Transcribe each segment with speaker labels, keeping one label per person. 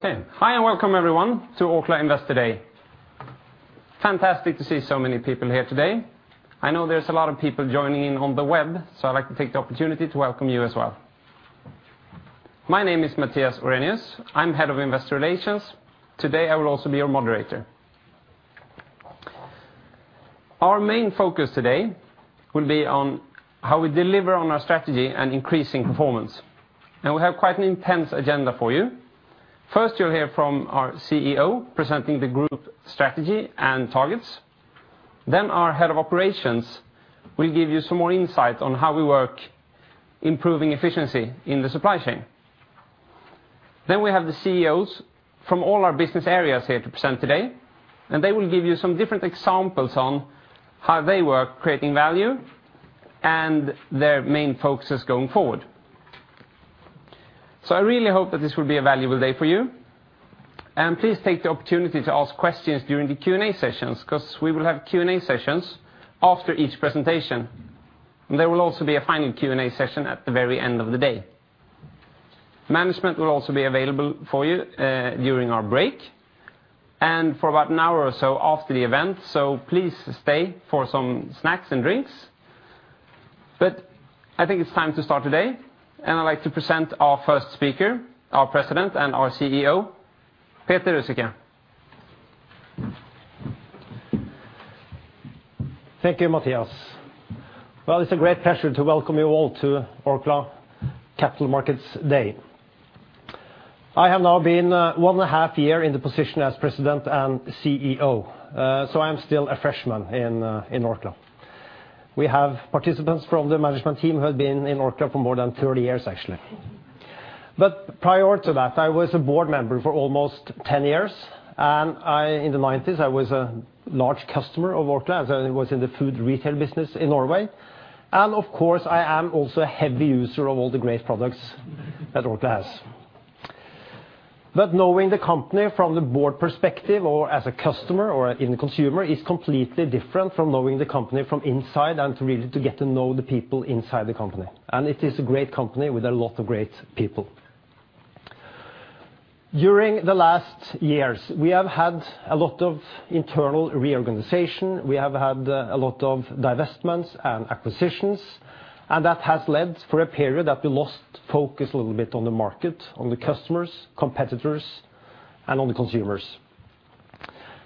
Speaker 1: Okay. Hi, welcome everyone to Orkla Investor Day. Fantastic to see so many people here today. I know there's a lot of people joining in on the web, so I'd like to take the opportunity to welcome you as well. My name is Mattias Orrenius. I'm head of investor relations. Today, I will also be your moderator. Our main focus today will be on how we deliver on our strategy and increasing performance. Now we have quite an intense agenda for you. First, you'll hear from our CEO presenting the group strategy and targets. Our head of operations will give you some more insight on how we work improving efficiency in the supply chain. We have the CEOs from all our business areas here to present today. They will give you some different examples on how they work creating value and their main focuses going forward. I really hope that this will be a valuable day for you. Please take the opportunity to ask questions during the Q&A sessions, because we will have Q&A sessions after each presentation. There will also be a final Q&A session at the very end of the day. Management will also be available for you during our break. For about an hour or so after the event, please stay for some snacks and drinks. I think it's time to start today. I'd like to present our first speaker, our president and our CEO, Peter Ruzicka.
Speaker 2: Thank you, Mattias. Well, it's a great pleasure to welcome you all to Orkla Capital Markets Day. I have now been one and a half year in the position as president and CEO. I am still a freshman in Orkla. We have participants from the management team who have been in Orkla for more than 30 years, actually. Prior to that, I was a board member for almost 10 years. In the '90s, I was a large customer of Orkla as I was in the food retail business in Norway. Of course, I am also a heavy user of all the great products that Orkla has. Knowing the company from the board perspective or as a customer or in the consumer is completely different from knowing the company from inside and to really get to know the people inside the company. It is a great company with a lot of great people. During the last years, we have had a lot of internal reorganization. We have had a lot of divestments and acquisitions. That has led for a period that we lost focus a little bit on the market, on the customers, competitors, and on the consumers.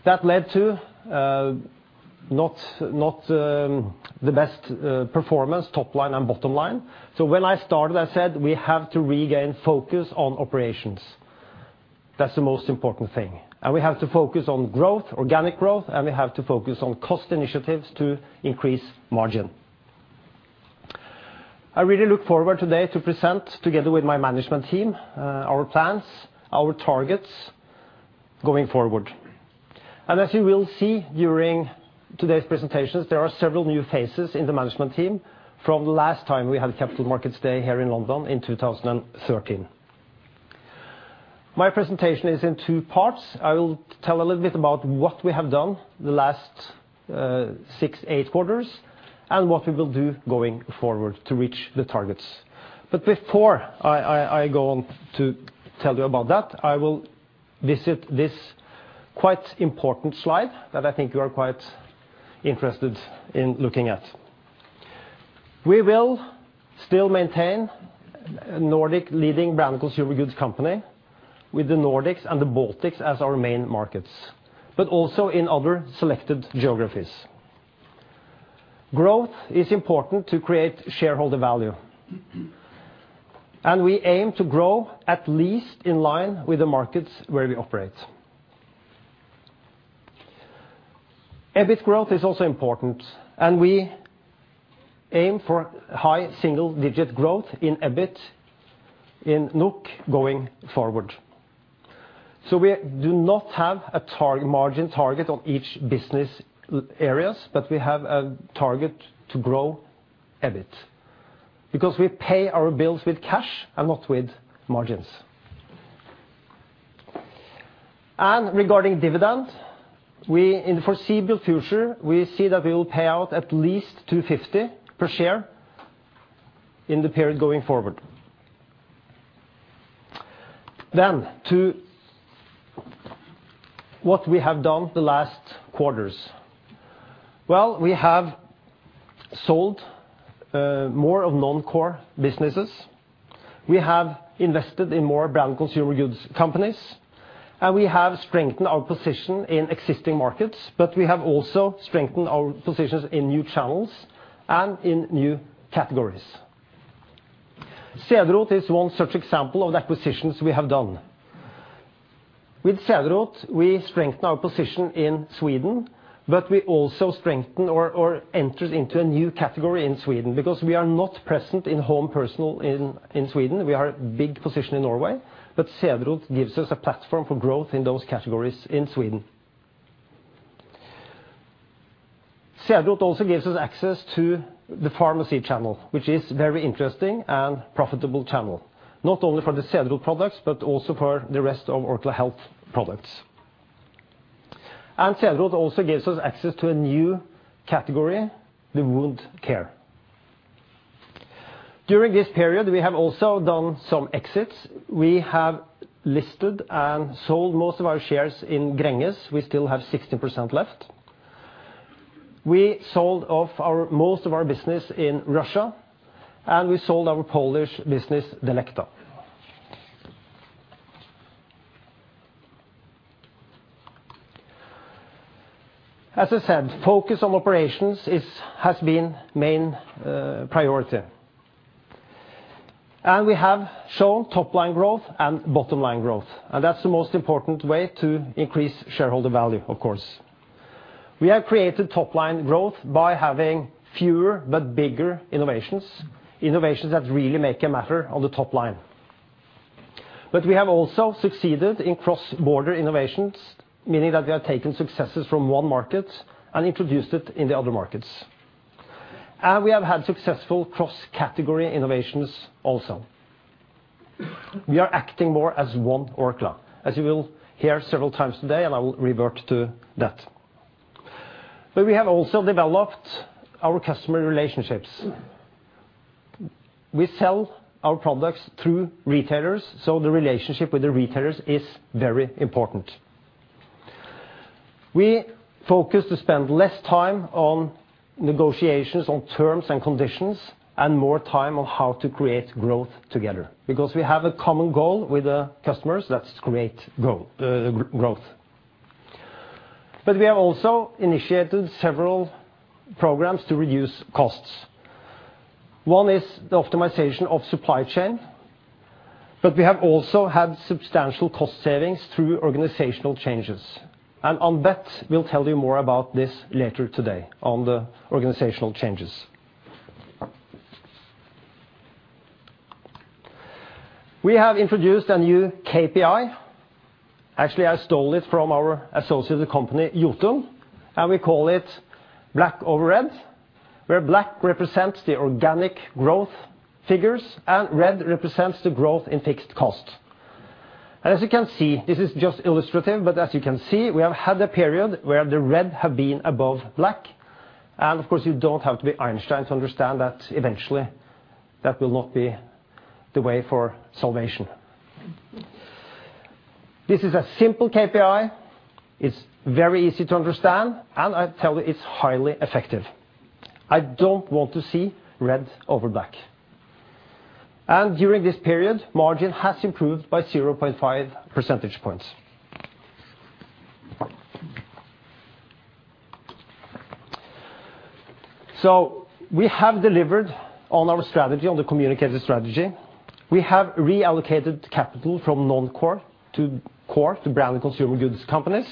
Speaker 2: That led to not the best performance, top line and bottom line. When I started, I said we have to regain focus on operations. That's the most important thing. We have to focus on growth, organic growth. We have to focus on cost initiatives to increase margin. I really look forward today to present, together with my management team, our plans, our targets going forward. As you will see during today's presentations, there are several new faces in the management team from the last time we had Capital Markets Day here in London in 2013. My presentation is in two parts. I will tell a little bit about what we have done the last six, eight quarters, and what we will do going forward to reach the targets. Before I go on to tell you about that, I will visit this quite important slide that I think you are quite interested in looking at. We will still maintain Nordic leading brand consumer goods company with the Nordics and the Baltics as our main markets, but also in other selected geographies. Growth is important to create shareholder value. We aim to grow at least in line with the markets where we operate. EBIT growth is also important, and we aim for high single-digit growth in EBIT in NOK going forward. We do not have a margin target on each business areas, but we have a target to grow EBIT because we pay our bills with cash and not with margins. Regarding dividend, in the foreseeable future, we see that we will pay out at least 250 per share in the period going forward. To what we have done the last quarters. Well, we have sold more of non-core businesses. We have invested in more brand consumer goods companies, and we have strengthened our position in existing markets, but we have also strengthened our positions in new channels and in new categories. Cederroth is one such example of the acquisitions we have done. With Cederroth, we strengthen our position in Sweden, but we also strengthen or enters into a new category in Sweden because we are not present in home personal in Sweden. We are a big position in Norway, but Cederroth gives us a platform for growth in those categories in Sweden. Cederroth also gives us access to the pharmacy channel, which is very interesting and profitable channel, not only for the Cederroth products, but also for the rest of Orkla Health products. Cederroth also gives us access to a new category, the wound care. During this period, we have also done some exits. We have listed and sold most of our shares in Gränges. We still have 16% left. We sold off most of our business in Russia, and we sold our Polish business, Delecta. As I said, focus on operations has been main priority. We have shown top-line growth and bottom-line growth, and that is the most important way to increase shareholder value, of course. We have created top-line growth by having fewer but bigger innovations that really make a matter on the top line. We have also succeeded in cross-border innovations, meaning that we have taken successes from one market and introduced it in the other markets. We have had successful cross-category innovations also. We are acting more as One Orkla, as you will hear several times today, and I will revert to that. We have also developed our customer relationships. We sell our products through retailers, so the relationship with the retailers is very important. We focus to spend less time on negotiations on terms and conditions, and more time on how to create growth together. We have a common goal with the customers, that is to create growth. We have also initiated several programs to reduce costs. One is the optimization of supply chain, but we have also had substantial cost savings through organizational changes. On that, we will tell you more about this later today on the organizational changes. We have introduced a new KPI. Actually, I stole it from our associated company, Jotun, and we call it black over red, where black represents the organic growth figures and red represents the growth in fixed costs. As you can see, this is just illustrative, but as you can see, we have had a period where the red have been above black, and of course, you don't have to be Einstein to understand that eventually that will not be the way for salvation. This is a simple KPI. It is very easy to understand, and I tell you, it is highly effective. I don't want to see red over black. During this period, margin has improved by 0.5 percentage points. We have delivered on our strategy, on the communicated strategy. We have reallocated capital from non-core to core to brand and consumer goods companies.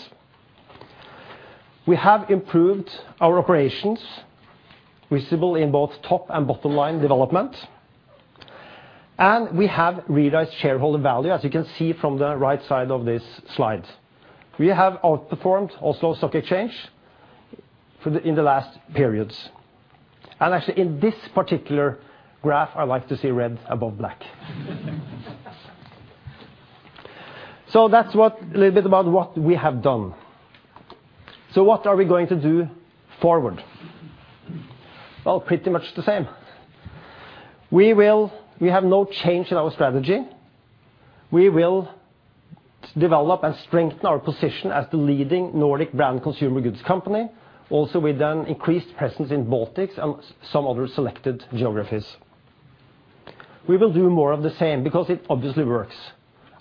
Speaker 2: We have improved our operations, visible in both top and bottom-line development. We have realized shareholder value, as you can see from the right side of this slide. We have outperformed also stock exchange in the last periods. Actually, in this particular graph, I like to see red above black. That is a little bit about what we have done. What are we going to do forward? Well, pretty much the same. We have no change in our strategy. We will develop and strengthen our position as the leading Nordic brand consumer goods company. We increased presence in Baltics and some other selected geographies. We will do more of the same because it obviously works.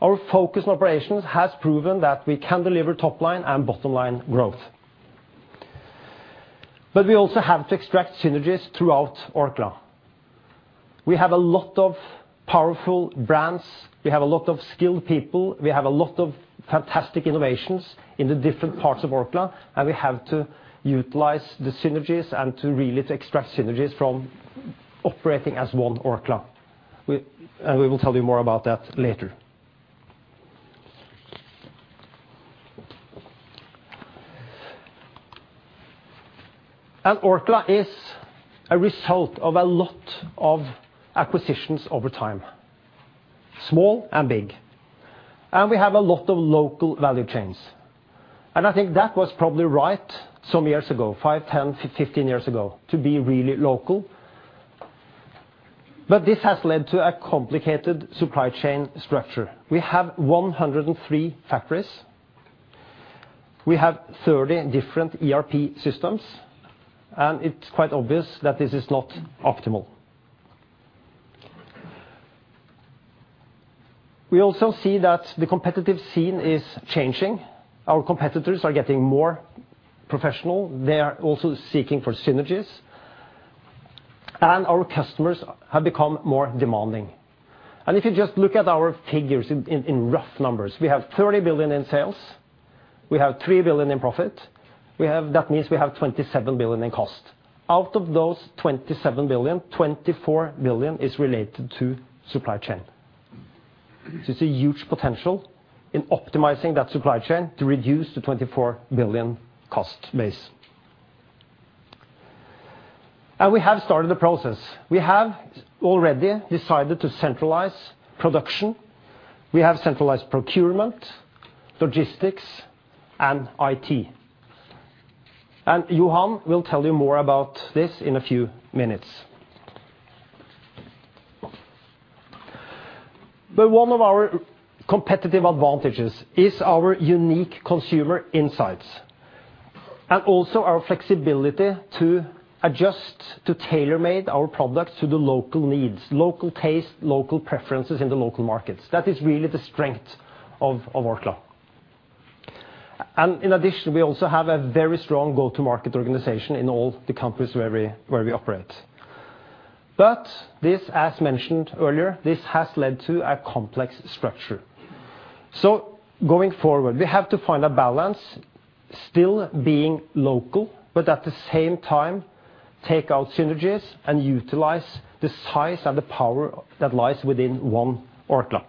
Speaker 2: Our focus on operations has proven that we can deliver top line and bottom-line growth. We also have to extract synergies throughout Orkla. We have a lot of powerful brands. We have a lot of skilled people. We have a lot of fantastic innovations in the different parts of Orkla, and we have to utilize the synergies and extract synergies from operating as One Orkla. We will tell you more about that later. Orkla is a result of a lot of acquisitions over time, small and big. We have a lot of local value chains. I think that was probably right some years ago, five, 10, 15 years ago, to be really local. This has led to a complicated supply chain structure. We have 103 factories. We have 30 different ERP systems, and it is quite obvious that this is not optimal. We also see that the competitive scene is changing. Our competitors are getting more professional. They are also seeking for synergies. Our customers have become more demanding. If you just look at our figures in rough numbers, we have 30 billion in sales. We have 3 billion in profit. That means we have 27 billion in cost. Out of those 27 billion, 24 billion is related to supply chain. It is a huge potential in optimizing that supply chain to reduce the 24 billion cost base. We have started the process. We have already decided to centralize production. We have centralized procurement, logistics, and IT. Johan will tell you more about this in a few minutes. One of our competitive advantages is our unique consumer insights, and also our flexibility to adjust, to tailor-make our products to the local needs, local taste, local preferences in the local markets. That is really the strength of Orkla. In addition, we also have a very strong go-to-market organization in all the countries where we operate. This, as mentioned earlier, this has led to a complex structure. Going forward, we have to find a balance still being local, but at the same time take out synergies and utilize the size and the power that lies within One Orkla.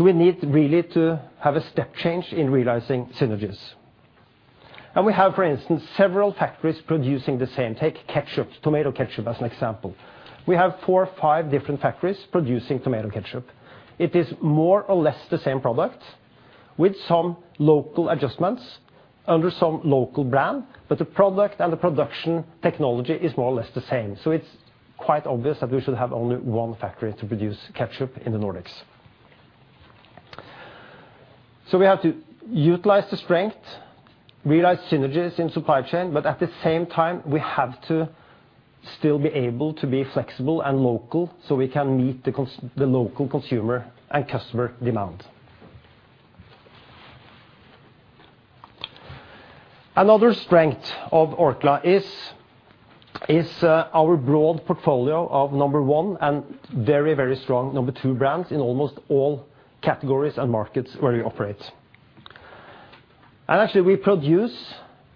Speaker 2: We need really to have a step change in realizing synergies. We have, for instance, several factories producing the same. Take ketchup, tomato ketchup, as an example. We have four or five different factories producing tomato ketchup. It is more or less the same product with some local adjustments under some local brand, but the product and the production technology is more or less the same. It is quite obvious that we should have only one factory to produce ketchup in the Nordics. We have to utilize the strength, realize synergies in supply chain, but at the same time, we have to still be able to be flexible and local so we can meet the local consumer and customer demand. Another strength of Orkla is our broad portfolio of number one and very strong number two brands in almost all categories and markets where we operate. Actually, we produce,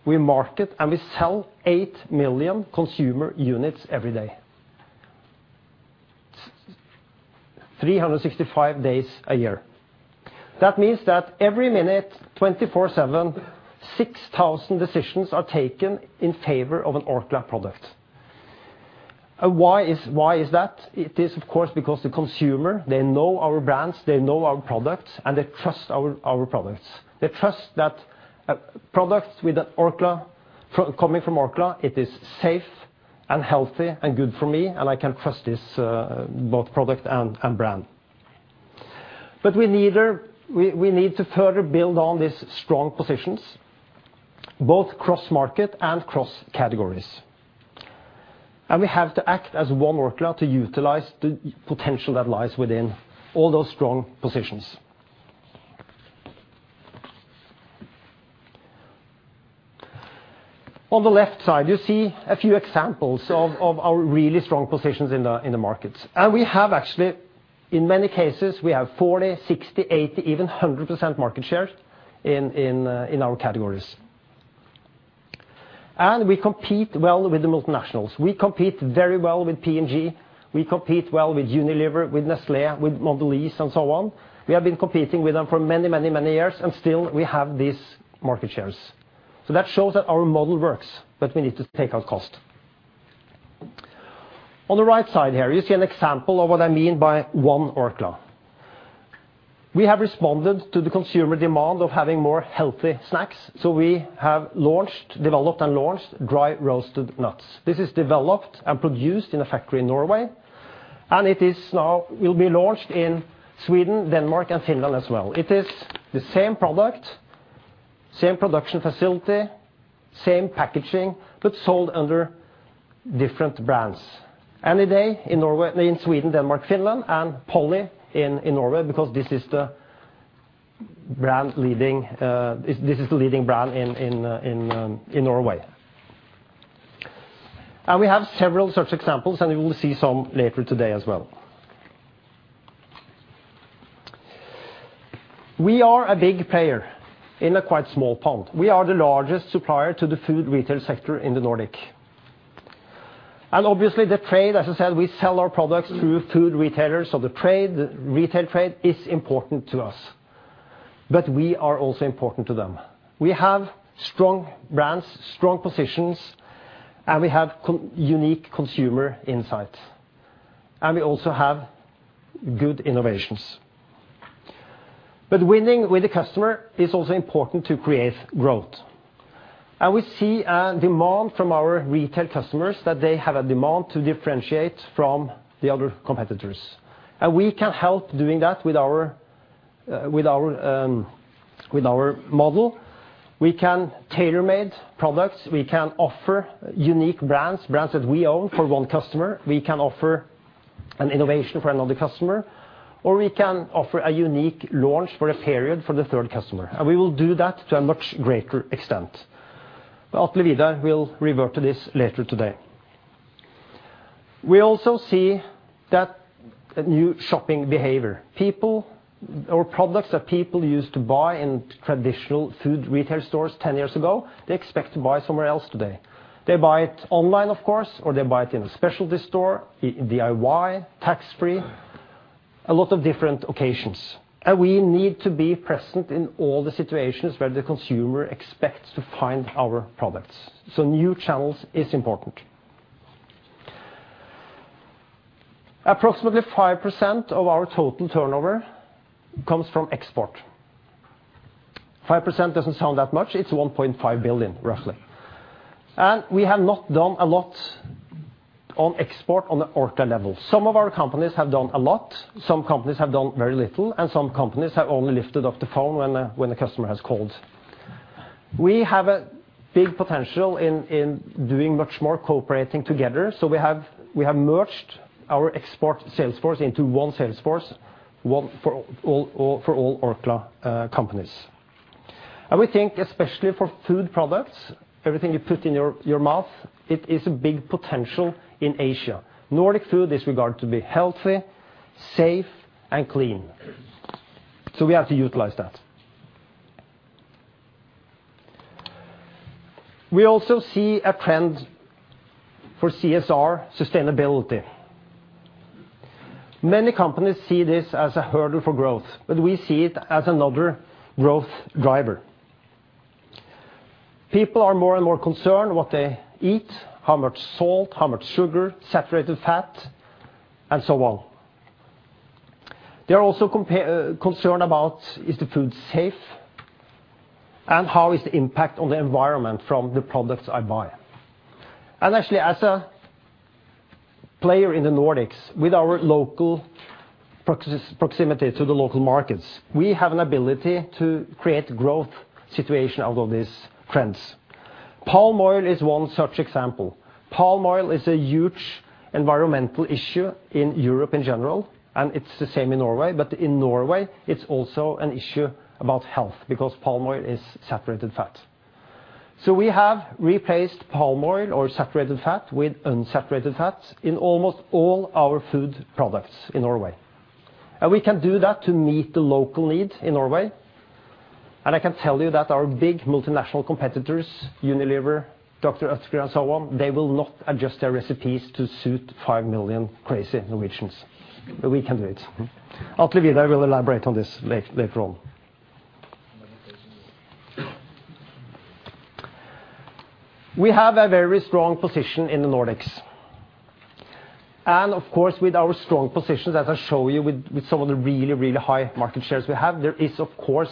Speaker 2: we market, and we sell 8 million consumer units every day, 365 days a year. That means that every minute, 24/7, 6,000 decisions are taken in favor of an Orkla product. Why is that? It is, of course, because the consumer, they know our brands, they know our products, and they trust our products. They trust that products coming from Orkla, it is safe and healthy and good for me, and I can trust this both product and brand. We need to further build on these strong positions, both cross-market and cross-categories. We have to act as One Orkla to utilize the potential that lies within all those strong positions. On the left side, you see a few examples of our really strong positions in the markets. Actually, in many cases, we have 40%, 60%, 80%, even 100% market share in our categories. We compete well with the multinationals. We compete very well with P&G. We compete well with Unilever, with Nestlé, with Mondelez, and so on. We have been competing with them for many years, and still, we have these market shares. That shows that our model works, but we need to take out cost. On the right side here, you see an example of what I mean by One Orkla. We have responded to the consumer demand of having more healthy snacks, so we have developed and launched dry roasted nuts. This is developed and produced in a factory in Norway, and it will be launched in Sweden, Denmark, and Finland as well. It is the same product, same production facility, same packaging, but sold under different brands. Anyday in Sweden, Denmark, Finland, and Polly in Norway, because this is the leading brand in Norway. We have several such examples, and we will see some later today as well. We are a big player in a quite small pond. We are the largest supplier to the food retail sector in the Nordics. Obviously, the trade, as I said, we sell our products through food retailers, so the retail trade is important to us. We are also important to them. We have strong brands, strong positions, and we have unique consumer insights. We also have good innovations. Winning with the customer is also important to create growth. We see a demand from our retail customers that they have a demand to differentiate from the other competitors. We can help doing that with our model. We can tailor-make products. We can offer unique brands that we own for one customer. We can offer an innovation for another customer, or we can offer a unique launch for a period for the third customer. We will do that to a much greater extent. Atle Vidar will revert to this later today. We also see that a new shopping behavior. Products that people used to buy in traditional food retail stores 10 years ago, they expect to buy somewhere else today. They buy it online, of course, or they buy it in a specialty store, DIY, tax-free, a lot of different occasions. We need to be present in all the situations where the consumer expects to find our products. New channels is important Approximately 5% of our total turnover comes from export. 5% doesn't sound that much, it's 1.5 billion, roughly. We have not done a lot on export on the Orkla level. Some of our companies have done a lot, some companies have done very little, and some companies have only lifted up the phone when the customer has called. We have a big potential in doing much more cooperating together, we have merged our export sales force into one sales force for all Orkla companies. We think, especially for food products, everything you put in your mouth, it is a big potential in Asia. Nordics food is regarded to be healthy, safe, and clean. We have to utilize that. We also see a trend for CSR sustainability. Many companies see this as a hurdle for growth, but we see it as another growth driver. People are more and more concerned what they eat, how much salt, how much sugar, saturated fat, and so on. They are also concerned about is the food safe, and how is the impact on the environment from the products I buy. Actually, as a player in the Nordics, with our local proximity to the local markets, we have an ability to create growth situation out of these trends. Palm oil is one such example. Palm oil is a huge environmental issue in Europe in general, and it's the same in Norway, but in Norway it's also an issue about health, because palm oil is saturated fat. We have replaced palm oil or saturated fat with unsaturated fats in almost all our food products in Norway. We can do that to meet the local need in Norway, and I can tell you that our big multinational competitors, Unilever, Dr. Oetker, and so on, they will not adjust their recipes to suit 5 million crazy Norwegians. We can do it. Atle Vidar will elaborate on this later on. We have a very strong position in the Nordics. Of course, with our strong position, as I show you with some of the really, really high market shares we have, there is, of course,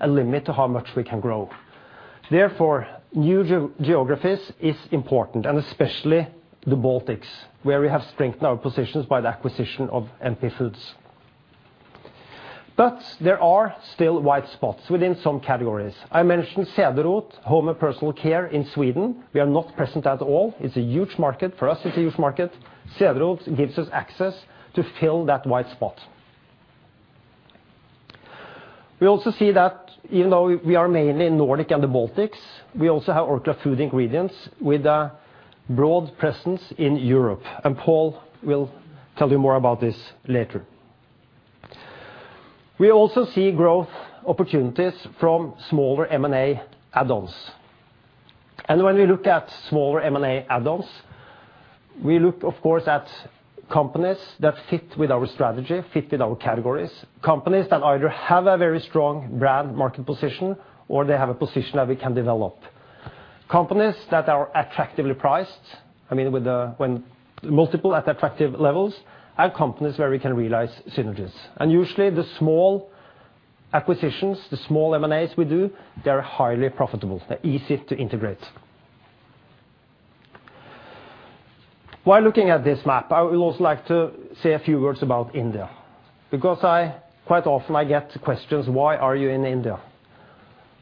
Speaker 2: a limit to how much we can grow. Therefore, new geographies is important, and especially the Baltics, where we have strengthened our positions by the acquisition of NP Foods. There are still white spots within some categories. I mentioned Cederroth Home & Personal Care in Sweden. We are not present at all. It's a huge market. For us, it's a huge market. Cederroth gives us access to fill that white spot. We also see that even though we are mainly in Nordics and the Baltics, we also have Orkla Food Ingredients, with a broad presence in Europe, and Pål will tell you more about this later. We also see growth opportunities from smaller M&A add-ons. When we look at smaller M&A add-ons, we look, of course, at companies that fit with our strategy, fit with our categories. Companies that either have a very strong brand market position or they have a position that we can develop. Companies that are attractively priced, when multiple at attractive levels, and companies where we can realize synergies. Usually, the small acquisitions, the small M&As we do, they are highly profitable. They're easy to integrate. While looking at this map, I would also like to say a few words about India, because quite often I get questions, "Why are you in India?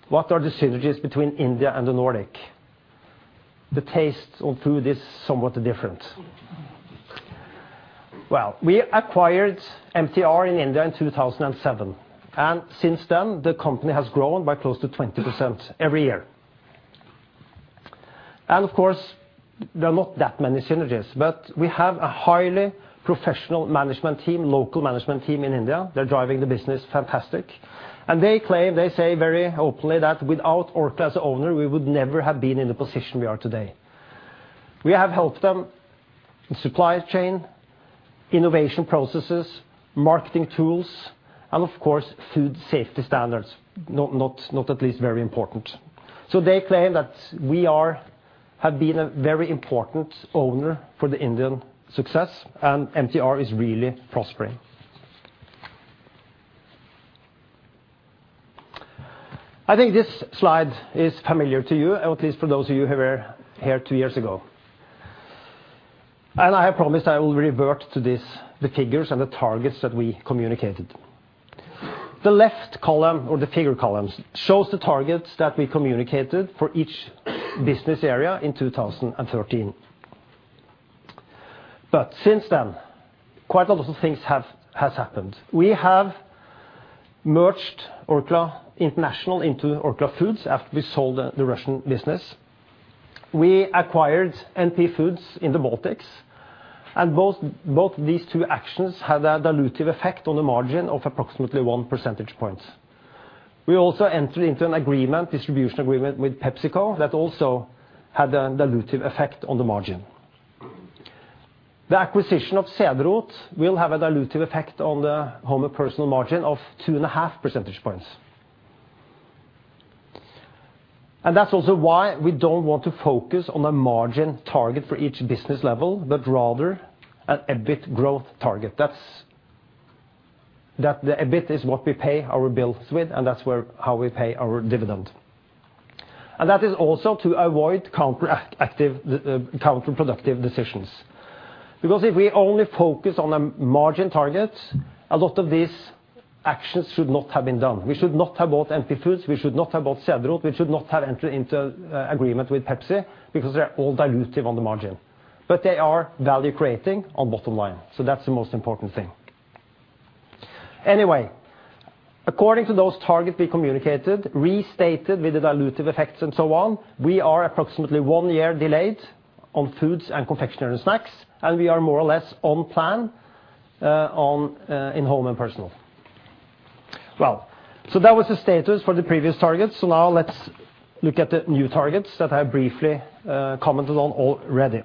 Speaker 2: What are the synergies between India and the Nordics? The taste of food is somewhat different." We acquired MTR in India in 2007, and since then, the company has grown by close to 20% every year. Of course, there are not that many synergies, but we have a highly professional management team, local management team in India. They're driving the business fantastic. They claim, they say very openly that, "Without Orkla as owner, we would never have been in the position we are today." We have helped them, supply chain, innovation processes, marketing tools, and of course, food safety standards, not at least very important. They claim that we have been a very important owner for the Indian success, and MTR is really prospering. I think this slide is familiar to you, at least for those of you who were here two years ago. I have promised I will revert to this, the figures and the targets that we communicated. The left column, or the figure columns, shows the targets that we communicated for each business area in 2013. Since then, quite a lot of things have happened. We have merged Orkla International into Orkla Foods after we sold the Russian business. We acquired NP Foods in the Baltics, and both these two actions had a dilutive effect on the margin of approximately one percentage point. We also entered into an agreement, distribution agreement with PepsiCo that also had a dilutive effect on the margin. The acquisition of Cederroth will have a dilutive effect on the Home & Personal margin of two and a half percentage points. That's also why we don't want to focus on a margin target for each business level, but rather an EBIT growth target. The EBIT is what we pay our bills with, that's how we pay our dividend. That is also to avoid counterproductive decisions. If we only focus on the margin targets, a lot of these actions should not have been done. We should not have bought NP Foods, we should not have bought Cederroth, we should not have entered into agreement with Pepsi, they're all dilutive on the margin. They are value creating on bottom line, that's the most important thing. According to those targets we communicated, restated with the dilutive effects and so on, we are approximately one year delayed on Foods and Confectionery & Snacks, we are more or less on plan in Home & Personal. That was the status for the previous targets. Let's look at the new targets that I briefly commented on already.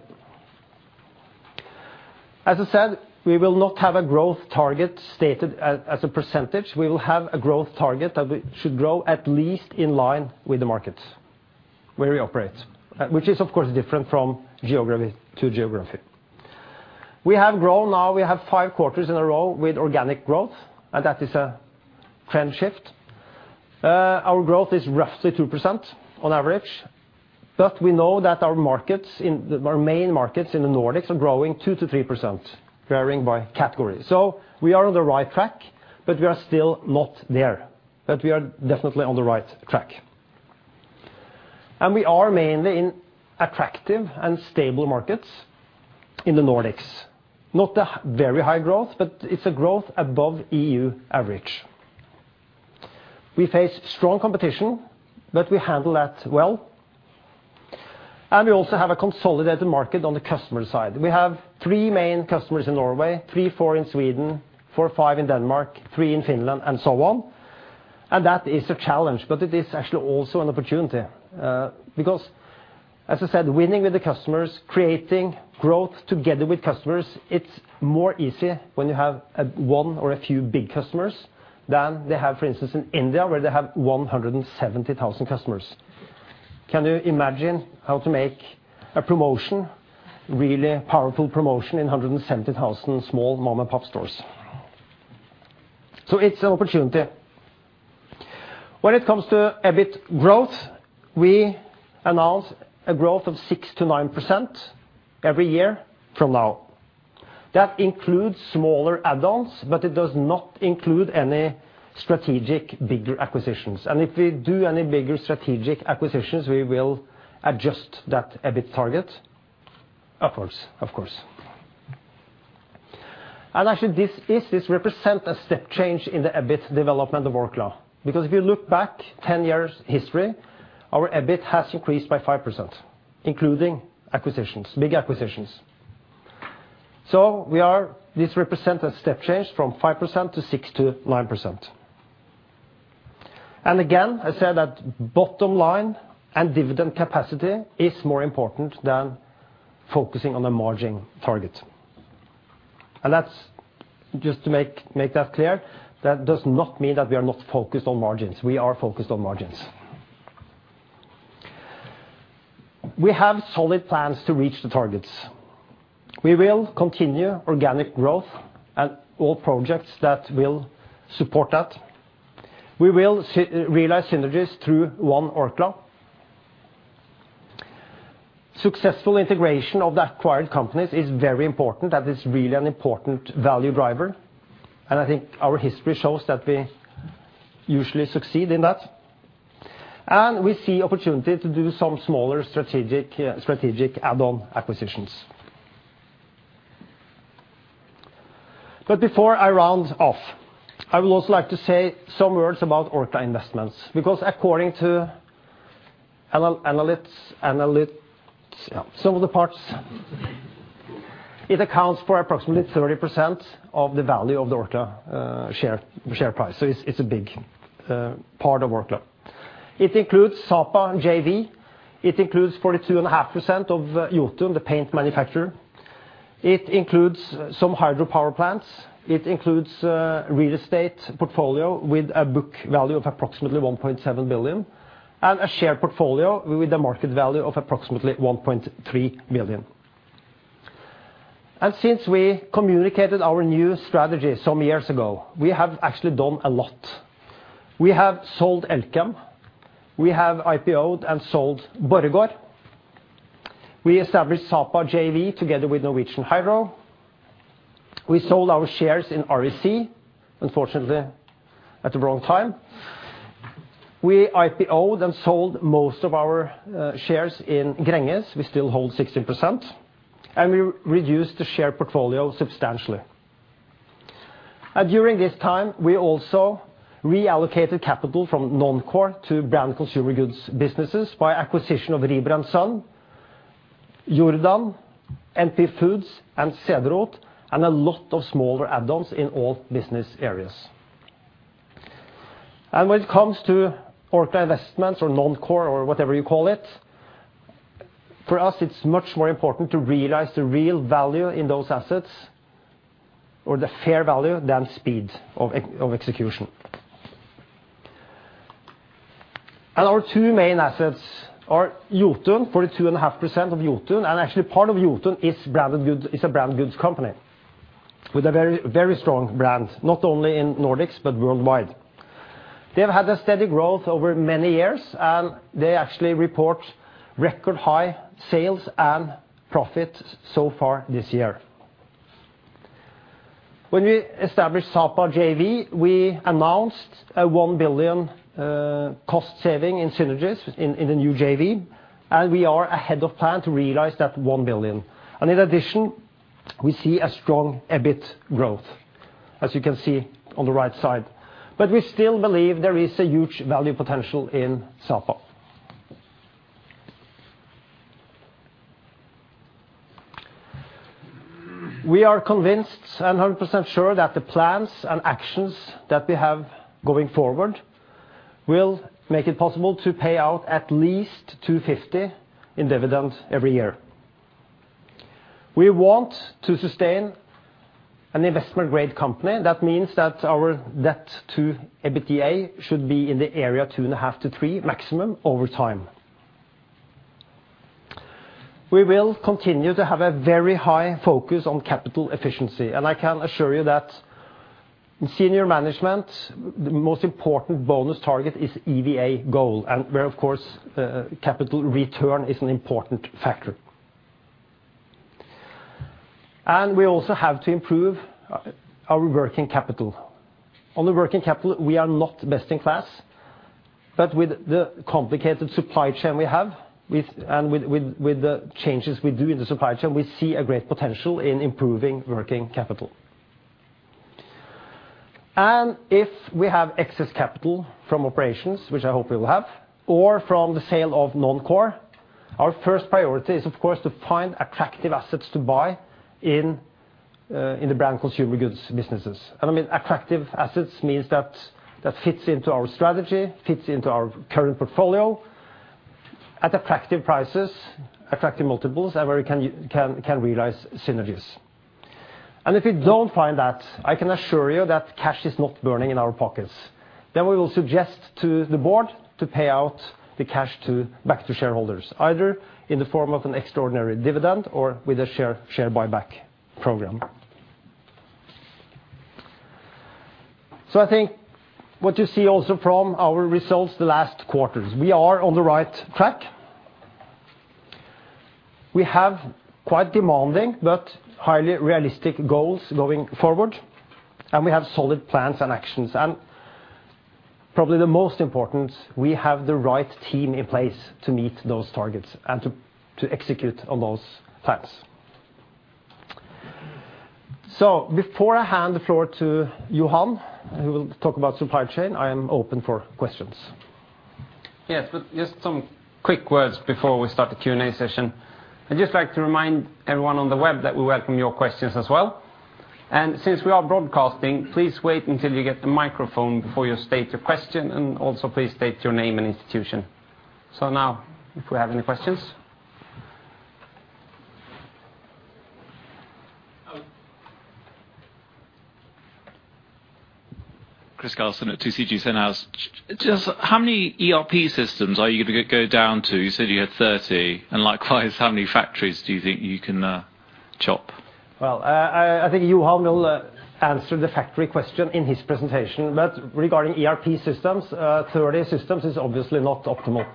Speaker 2: As I said, we will not have a growth target stated as a percentage. We will have a growth target that we should grow at least in line with the markets where we operate, which is of course different from geography to geography. We have grown now. We have 5 quarters in a row with organic growth, that is a trend shift. Our growth is roughly 2% on average. We know that our main markets in the Nordics are growing 2%-3%, varying by category. We are on the right track, we are still not there. We are definitely on the right track. We are mainly in attractive and stable markets in the Nordics. Not very high growth, it's a growth above EU average. We face strong competition, we handle that well. We also have a consolidated market on the customer side. We have 3 main customers in Norway, 3, 4 in Sweden, 4, 5 in Denmark, 3 in Finland and so on, that is a challenge. It is actually also an opportunity, as I said, winning with the customers, creating growth together with customers, it's more easy when you have 1 or a few big customers than they have, for instance, in India, where they have 170,000 customers. Can you imagine how to make a promotion, really powerful promotion in 170,000 small mom-and-pop stores? It's an opportunity. When it comes to EBIT growth, we announce a growth of 6%-9% every year from now. That includes smaller add-ons, it does not include any strategic, bigger acquisitions. If we do any bigger strategic acquisitions, we will adjust that EBIT target, of course. Actually, this represents a step change in the EBIT development of Orkla. If you look back 10 years history, our EBIT has increased by 5%, including acquisitions, big acquisitions. This represents a step change from 5% to 6%-9%. I said that bottom line and dividend capacity is more important than focusing on the margin target. Just to make that clear, that does not mean that we are not focused on margins. We are focused on margins. We have solid plans to reach the targets. We will continue organic growth and all projects that will support that. We will realize synergies through One Orkla. Successful integration of the acquired companies is very important, that is really an important value driver, I think our history shows that we usually succeed in that. We see opportunity to do some smaller strategic add-on acquisitions. Before I round off, I would also like to say some words about Orkla Investments, because according to some of the parts, it accounts for approximately 30% of the value of the Orkla share price. It is a big part of Orkla. It includes Sapa JV. It includes 42.5% of Jotun, the paint manufacturer. It includes some hydropower plants. It includes real estate portfolio with a book value of approximately 1.7 billion, and a share portfolio with a market value of approximately 1.3 billion. Since we communicated our new strategy some years ago, we have actually done a lot. We have sold Elkem, we have IPO'd and sold Borregaard. We established Sapa JV together with Norsk Hydro. We sold our shares in REC, unfortunately at the wrong time. We IPO'd and sold most of our shares in Gränges. We still hold 16%. We reduced the share portfolio substantially. During this time, we also reallocated capital from non-core to brand consumer goods businesses by acquisition of Rieber & Søn, Jordan, NP Foods, and Cederroth, and a lot of smaller add-ons in all business areas. When it comes to Orkla Investments or non-core or whatever you call it, for us, it is much more important to realize the real value in those assets, or the fair value, than speed of execution. Our two main assets are Jotun, 42.5% of Jotun, and actually part of Jotun is a branded goods company with a very strong brand, not only in the Nordics but worldwide. They have had a steady growth over many years, and they actually report record high sales and profit so far this year. When we established Sapa JV, we announced a 1 billion cost saving in synergies in the new JV, and we are ahead of plan to realize that 1 billion. In addition, we see a strong EBIT growth, as you can see on the right side. We still believe there is a huge value potential in Sapa. We are convinced and 100% sure that the plans and actions that we have going forward will make it possible to pay out at least 250 in dividends every year. We want to sustain an investment-grade company. That means that our debt to EBITDA should be in the area 2.5 to 3 maximum over time. We will continue to have a very high focus on capital efficiency, I can assure you that in senior management, the most important bonus target is EVA goal, where, of course, capital return is an important factor. We also have to improve our working capital. On the working capital, we are not best in class, but with the complicated supply chain we have and with the changes we do in the supply chain, we see a great potential in improving working capital. If we have excess capital from operations, which I hope we will have, or from the sale of non-core, our first priority is, of course, to find attractive assets to buy in the brand consumer goods businesses. Attractive assets means that fits into our strategy, fits into our current portfolio, at attractive prices, attractive multiples, and where you can realize synergies. If we don't find that, I can assure you that cash is not burning in our pockets. We will suggest to the board to pay out the cash back to shareholders, either in the form of an extraordinary dividend or with a share buyback program. I think what you see also from our results the last quarters, we are on the right track. We have quite demanding but highly realistic goals going forward, and we have solid plans and actions. Probably the most important, we have the right team in place to meet those targets and to execute on those plans. Before I hand the floor to Johan, who will talk about supply chain, I am open for questions.
Speaker 1: Just some quick words before we start the Q&A session. I'd just like to remind everyone on the web that we welcome your questions as well. Since we are broadcasting, please wait until you get the microphone before you state your question, and also please state your name and institution. Now, if we have any questions?
Speaker 3: Chris Carson at TCG Senhouse. Just how many ERP systems are you going to go down to? You said you had 30. Likewise, how many factories do you think you can chop?
Speaker 2: I think Johan will answer the factory question in his presentation. Regarding ERP systems, 30 systems is obviously not optimal.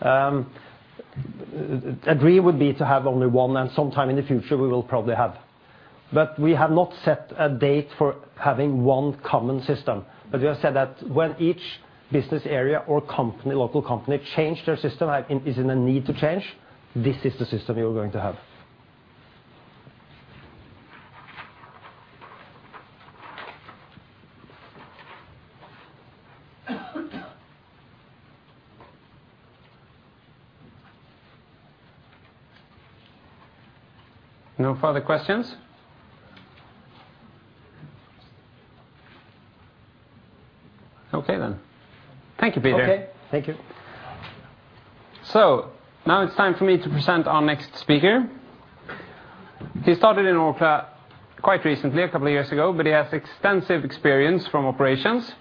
Speaker 2: The dream would be to have only one, and sometime in the future we will probably have. We have not set a date for having one common system. We have said that when each business area or local company change their system and is in a need to change, this is the system you're going to have.
Speaker 1: No further questions? Okay. Thank you, Peter.
Speaker 2: Okay. Thank you.
Speaker 1: Now it's time for me to present our next speaker. He started in Orkla quite recently, a couple of years ago, but he has extensive experience from operations.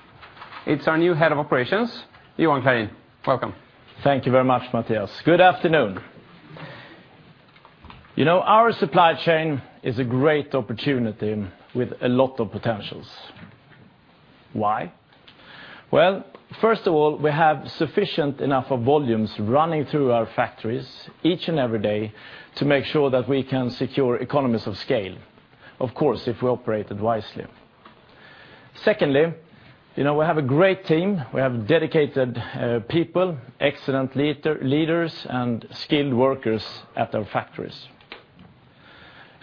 Speaker 1: It's our new head of operations, Johan Clarin. Welcome.
Speaker 4: Thank you very much, Mattias. Good afternoon. Our supply chain is a great opportunity with a lot of potentials. Why? Well, first of all, we have sufficient enough volumes running through our factories each and every day to make sure that we can secure economies of scale, of course, if we operate wisely. Secondly, we have a great team. We have dedicated people, excellent leaders, and skilled workers at our factories.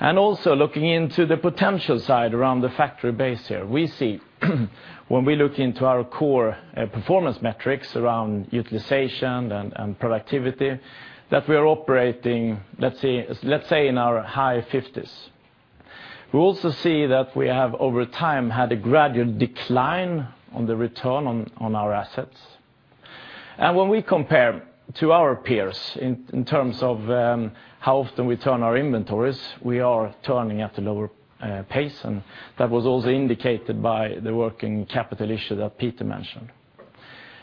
Speaker 4: Also looking into the potential side around the factory base here, we see when we look into our core performance metrics around utilization and productivity, that we are operating, let's say, in our high 50s. We also see that we have, over time, had a gradual decline on the return on our assets. When we compare to our peers in terms of how often we turn our inventories, we are turning at a lower pace, and that was also indicated by the working capital issue that Peter mentioned.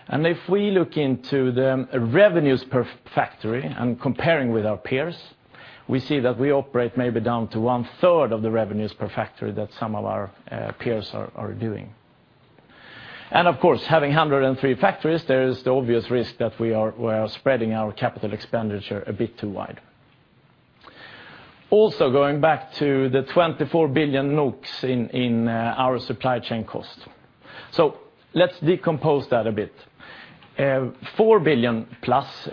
Speaker 4: If we look into the revenues per factory and comparing with our peers, we see that we operate maybe down to one-third of the revenues per factory that some of our peers are doing. Of course, having 103 factories, there is the obvious risk that we are spreading our capital expenditure a bit too wide. Also, going back to the 24 billion in our supply chain cost. Let's decompose that a bit. 4 billion-plus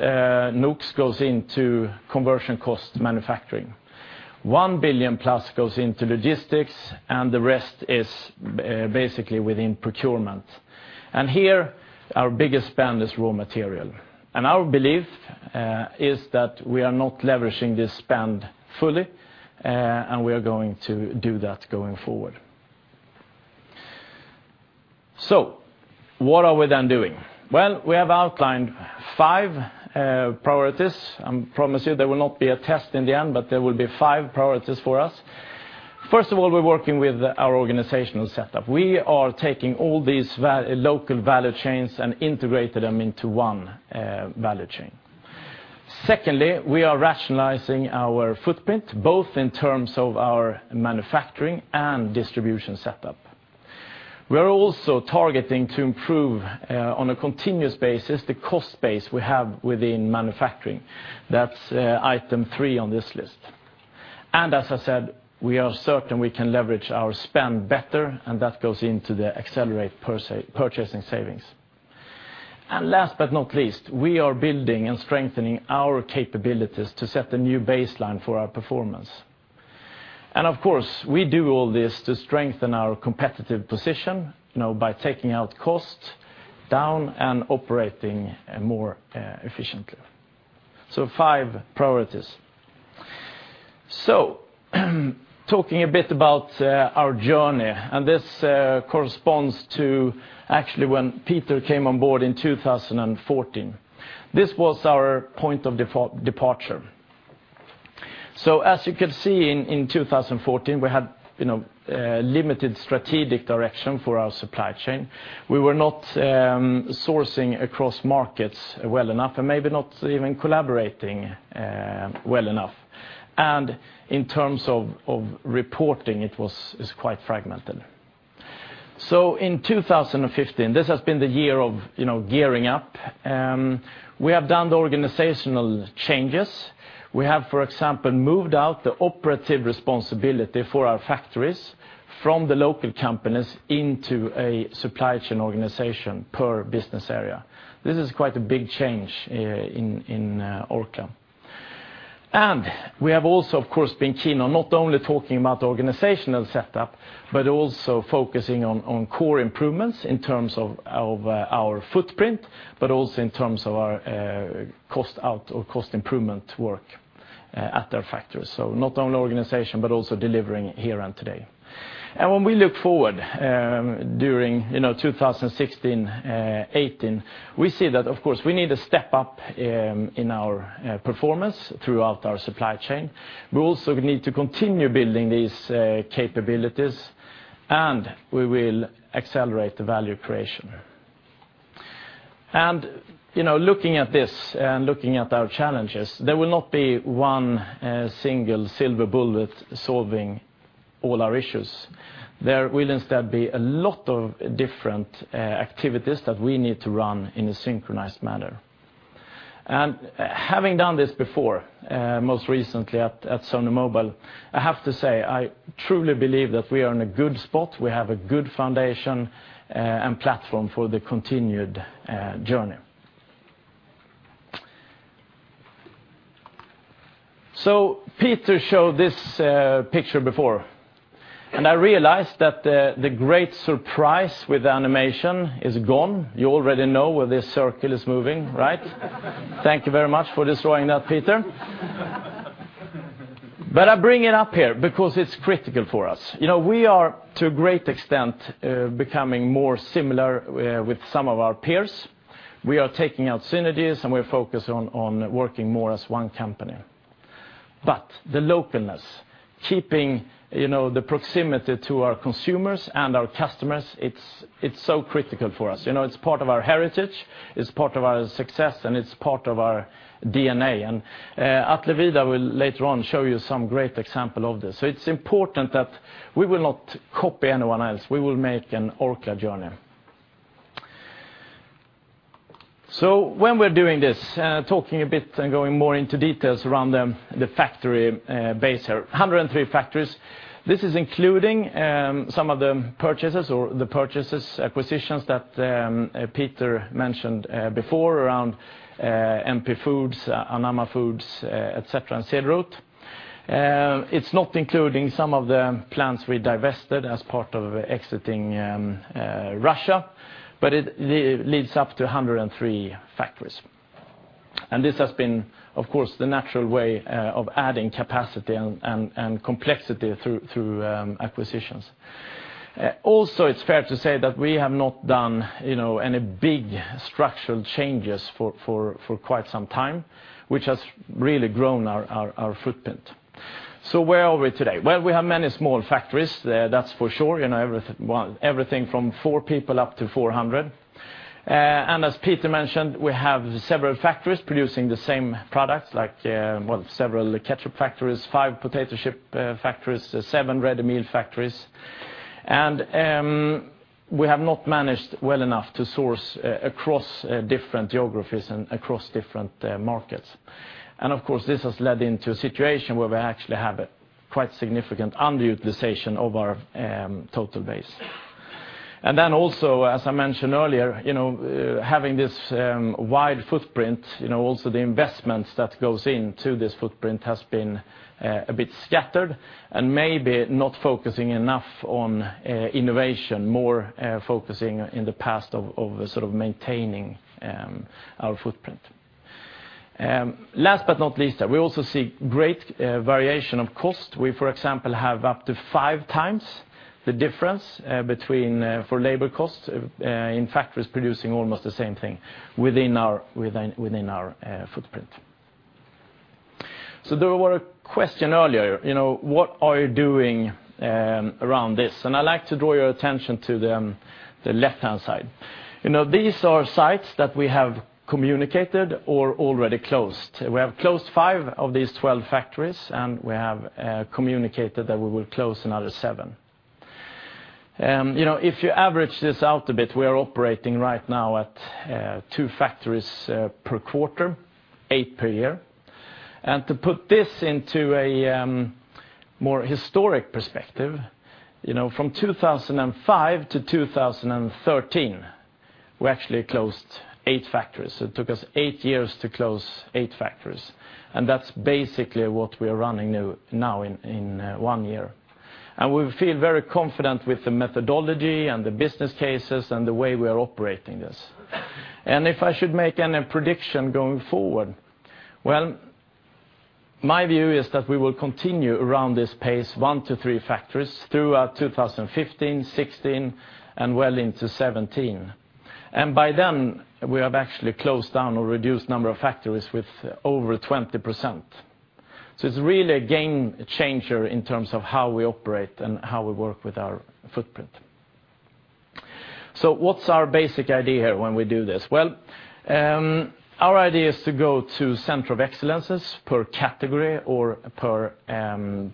Speaker 4: goes into conversion cost manufacturing. 1 billion-plus goes into logistics, and the rest is basically within procurement. Here, our biggest spend is raw material. Our belief is that we are not leveraging this spend fully, and we are going to do that going forward. What are we then doing? Well, we have outlined five priorities. I promise you there will not be a test in the end, but there will be five priorities for us. First of all, we're working with our organizational setup. We are taking all these local value chains and integrating them into one value chain. Secondly, we are rationalizing our footprint, both in terms of our manufacturing and distribution setup. We are also targeting to improve, on a continuous basis, the cost base we have within manufacturing. That's item three on this list. As I said, we are certain we can leverage our spend better, and that goes into the accelerate purchasing savings. Last but not least, we are building and strengthening our capabilities to set a new baseline for our performance. Of course, we do all this to strengthen our competitive position by taking our costs down and operating more efficiently. Five priorities. Talking a bit about our journey, and this corresponds to actually when Peter came on board in 2014. This was our point of departure. As you can see, in 2014, we had limited strategic direction for our supply chain. We were not sourcing across markets well enough and maybe not even collaborating well enough. In terms of reporting, it was quite fragmented. In 2015, this has been the year of gearing up. We have done the organizational changes. We have, for example, moved out the operative responsibility for our factories from the local companies into a supply chain organization per business area. This is quite a big change in Orkla. We have also, of course, been keen on not only talking about the organizational setup, but also focusing on core improvements in terms of our footprint, but also in terms of our cost out or cost improvement work at our factories. Not only organization, but also delivering here and today. When we look forward during 2016-2018, we see that, of course, we need to step up in our performance throughout our supply chain. We also need to continue building these capabilities, and we will accelerate the value creation. Looking at this and looking at our challenges, there will not be one single silver bullet solving all our issues. There will instead be a lot of different activities that we need to run in a synchronized manner. Having done this before, most recently at Sony Mobile, I have to say, I truly believe that we are in a good spot. We have a good foundation and platform for the continued journey. Peter showed this picture before, and I realize that the great surprise with animation is gone. You already know where this circle is moving, right? Thank you very much for destroying that, Peter. I bring it up here because it's critical for us. We are, to a great extent, becoming more similar with some of our peers. We are taking out synergies, and we're focused on working more as one company. The localness, keeping the proximity to our consumers and our customers, it's so critical for us. It's part of our heritage, it's part of our success, and it's part of our DNA. Atle Vidar will later on show you some great example of this. It's important that we will not copy anyone else. We will make an Orkla journey. When we're doing this, talking a bit and going more into details around the factory base. 103 factories. This is including some of the purchases or the purchases, acquisitions that Peter mentioned before around NP Foods, Anamma Foods, et cetera, and. It's not including some of the plants we divested as part of exiting Russia, but it leads up to 103 factories. This has been, of course, the natural way of adding capacity and complexity through acquisitions. It's fair to say that we have not done any big structural changes for quite some time, which has really grown our footprint. Where are we today? We have many small factories, that's for sure. Everything from four people up to 400. As Peter mentioned, we have several factories producing the same products like several ketchup factories, five potato chip factories, seven ready-meal factories. We have not managed well enough to source across different geographies and across different markets. Of course, this has led into a situation where we actually have a quite significant underutilization of our total base. Then also, as I mentioned earlier, having this wide footprint, also the investments that goes into this footprint has been a bit scattered and maybe not focusing enough on innovation, more focusing in the past of sort of maintaining our footprint. Last but not least, we also see great variation of cost. We, for example, have up to five times the difference between for labor costs in factories producing almost the same thing within our footprint. There were question earlier, what are you doing around this? I'd like to draw your attention to the left-hand side. These are sites that we have communicated or already closed. We have closed 12 of these factories, and we have communicated that we will close another seven. If you average this out a bit, we are operating right now at two factories per quarter, eight per year. To put this into a more historic perspective, from 2005 to 2013, we actually closed eight factories. It took us eight years to close eight factories. That's basically what we are running now in one year. We feel very confident with the methodology and the business cases and the way we are operating this. If I should make any prediction going forward, My view is that we will continue around this pace, one to three factories, throughout 2015, 2016, and well into 2017. By then, we have actually closed down or reduced number of factories with over 20%. It's really a game changer in terms of how we operate and how we work with our footprint. What's our basic idea when we do this? Our idea is to go to center of excellences per category or per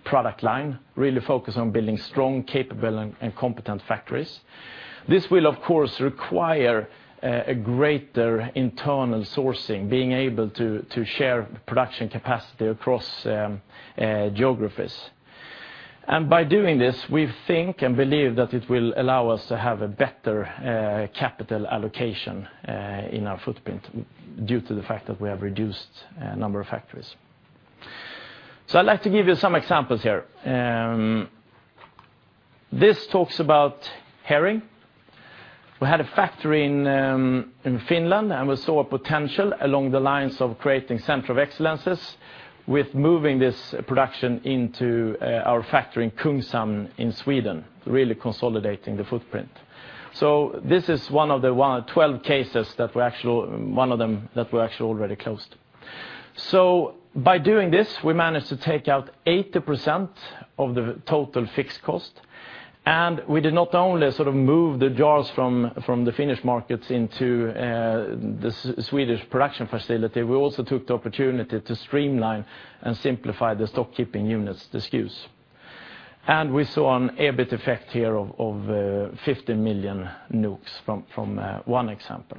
Speaker 4: product line, really focus on building strong, capable, and competent factories. This will, of course, require a greater internal sourcing, being able to share production capacity across geographies. By doing this, we think and believe that it will allow us to have a better capital allocation in our footprint due to the fact that we have reduced number of factories. I'd like to give you some examples here. This talks about herring. We had a factory in Finland, and we saw a potential along the lines of creating center of excellences with moving this production into our factory in Kungshamn in Sweden, really consolidating the footprint. This is one of the 12 cases that we actually already closed. By doing this, we managed to take out 80% of the total fixed cost, and we did not only sort of move the jars from the Finnish markets into the Swedish production facility, we also took the opportunity to streamline and simplify the stock keeping units, the SKUs. We saw an EBIT effect here of 15 million from one example.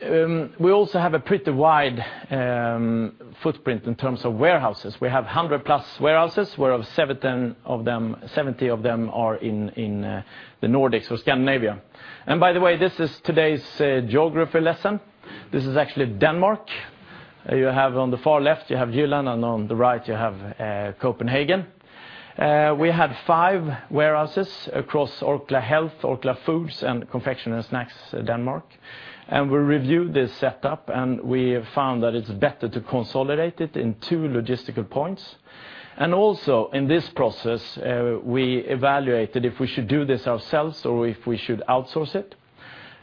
Speaker 4: We also have a pretty wide footprint in terms of warehouses. We have 100+ warehouses, where 70 of them are in the Nordics or Scandinavia. By the way, this is today's geography lesson. This is actually Denmark. You have on the far left, you have Jylland, and on the right you have Copenhagen. We have five warehouses across Orkla Health, Orkla Foods, and Orkla Confectionery & Snacks Denmark. We reviewed this setup, and we found that it's better to consolidate it in two logistical points. Also in this process, we evaluated if we should do this ourselves or if we should outsource it.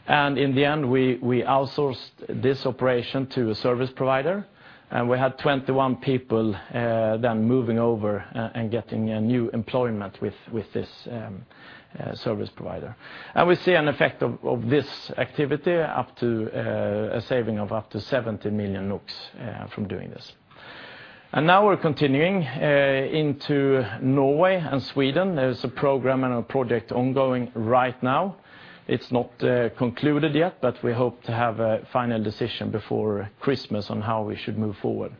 Speaker 4: In the end, we outsourced this operation to a service provider, and we had 21 people then moving over and getting a new employment with this service provider. We see an effect of this activity up to a saving of up to 70 million from doing this. Now we're continuing into Norway and Sweden. There is a program and a project ongoing right now. It's not concluded yet, but we hope to have a final decision before Christmas on how we should move forward.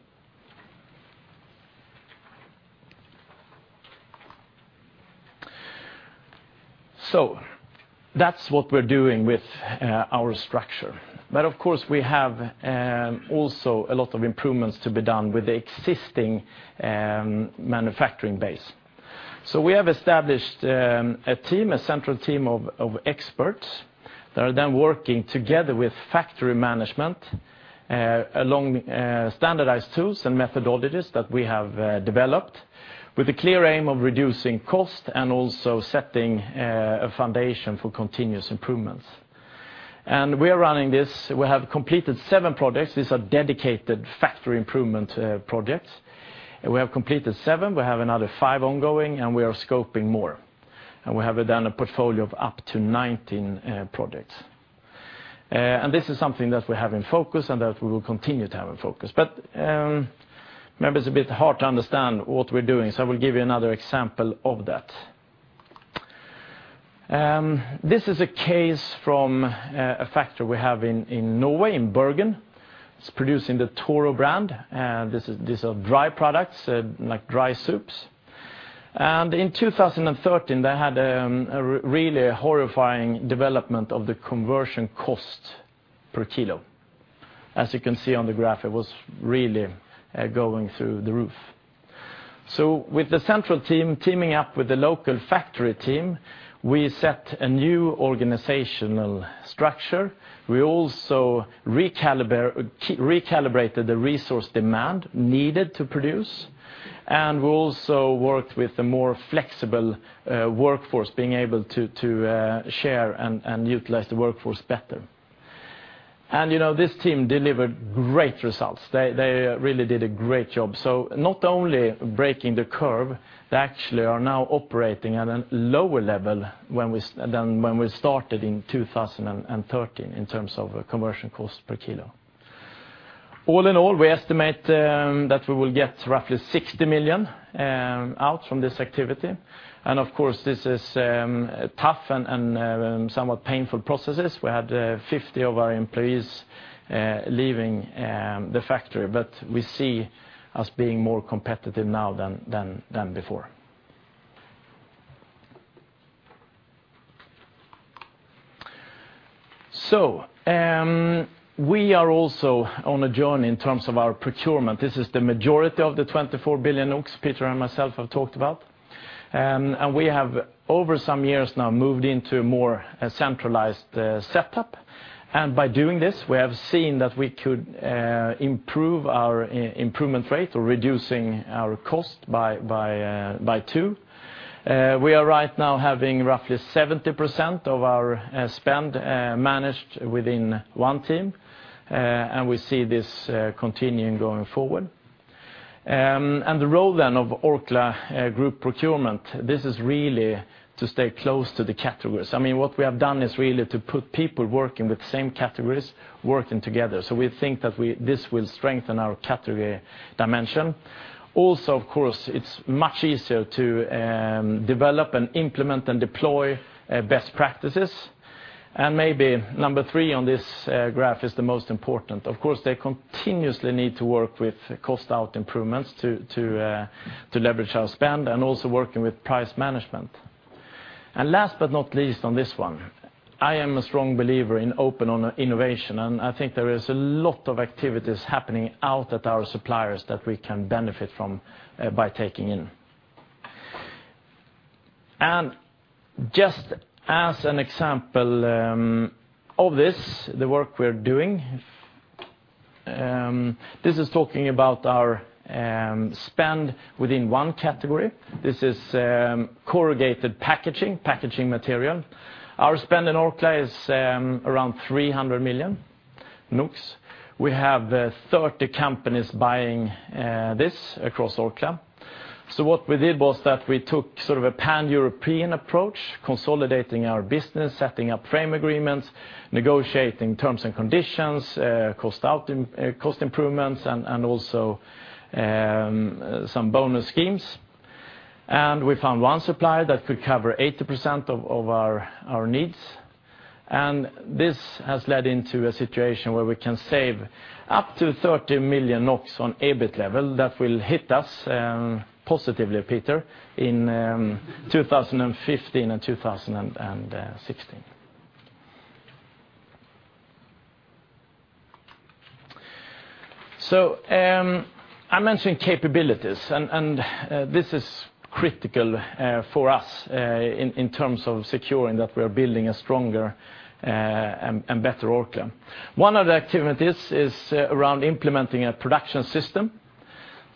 Speaker 4: That's what we're doing with our structure. Of course, we have also a lot of improvements to be done with the existing manufacturing base. We have established a central team of experts that are then working together with factory management along standardized tools and methodologies that we have developed with the clear aim of reducing cost and also setting a foundation for continuous improvements. We are running this. We have completed seven projects. These are dedicated factory improvement projects. We have completed seven, we have another five ongoing, and we are scoping more. We have then a portfolio of up to 19 projects. This is something that we have in focus and that we will continue to have in focus. Maybe it's a bit hard to understand what we're doing, I will give you another example of that. This is a case from a factory we have in Norway, in Bergen. It's producing the Toro brand. These are dry products, like dry soups. In 2013, they had a really horrifying development of the conversion cost per kilo. As you can see on the graph, it was really going through the roof. With the central team teaming up with the local factory team, we set a new organizational structure. We also recalibrated the resource demand needed to produce. We also worked with the more flexible workforce, being able to share and utilize the workforce better. This team delivered great results. They really did a great job. Not only breaking the curve, they actually are now operating at a lower level than when we started in 2013 in terms of conversion cost per kilo. All in all, we estimate that we will get roughly 60 million out from this activity. Of course, this is tough and somewhat painful processes. We had 50 of our employees leaving the factory, we see us being more competitive now than before. We are also on a journey in terms of our procurement. This is the majority of the 24 billion Peter and myself have talked about. We have over some years now moved into a more centralized setup. By doing this, we have seen that we could improve our improvement rate or reducing our cost by 2. We are right now having roughly 70% of our spend managed within one team, we see this continuing going forward. The role then of Orkla Group Procurement, this is really to stay close to the categories. What we have done is really to put people working with same categories, working together. We think that this will strengthen our category dimension. Also, of course, it's much easier to develop and implement and deploy best practices. Maybe number three on this graph is the most important. Of course, they continuously need to work with cost out improvements to leverage our spend and also working with price management. Last but not least on this one, I am a strong believer in open innovation, I think there is a lot of activities happening out at our suppliers that we can benefit from by taking in. Just as an example of this, the work we're doing, this is talking about our spend within 1 category. This is corrugated packaging material. Our spend in Orkla is around 300 million. We have 30 companies buying this across Orkla. What we did was that we took sort of a pan-European approach, consolidating our business, setting up frame agreements, negotiating terms and conditions, cost improvements, also some bonus schemes. We found one supplier that could cover 80% of our needs. This has led into a situation where we can save up to 30 million NOK on EBIT level that will hit us positively, Peter, in 2015 and 2016. I mentioned capabilities, this is critical for us in terms of securing that we are building a stronger and better Orkla. One of the activities is around implementing a production system.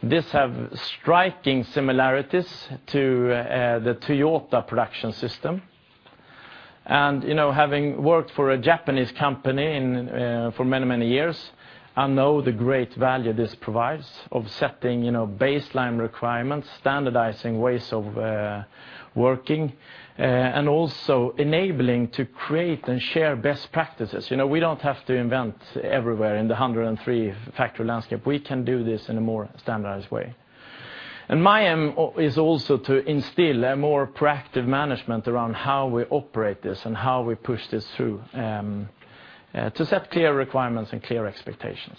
Speaker 4: This has striking similarities to the Toyota Production System. Having worked for a Japanese company for many, many years, I know the great value this provides of setting baseline requirements, standardizing ways of working, and also enabling to create and share best practices. We don't have to invent everywhere in the 103 factory landscape. We can do this in a more standardized way. My aim is also to instill a more proactive management around how we operate this and how we push this through to set clear requirements and clear expectations.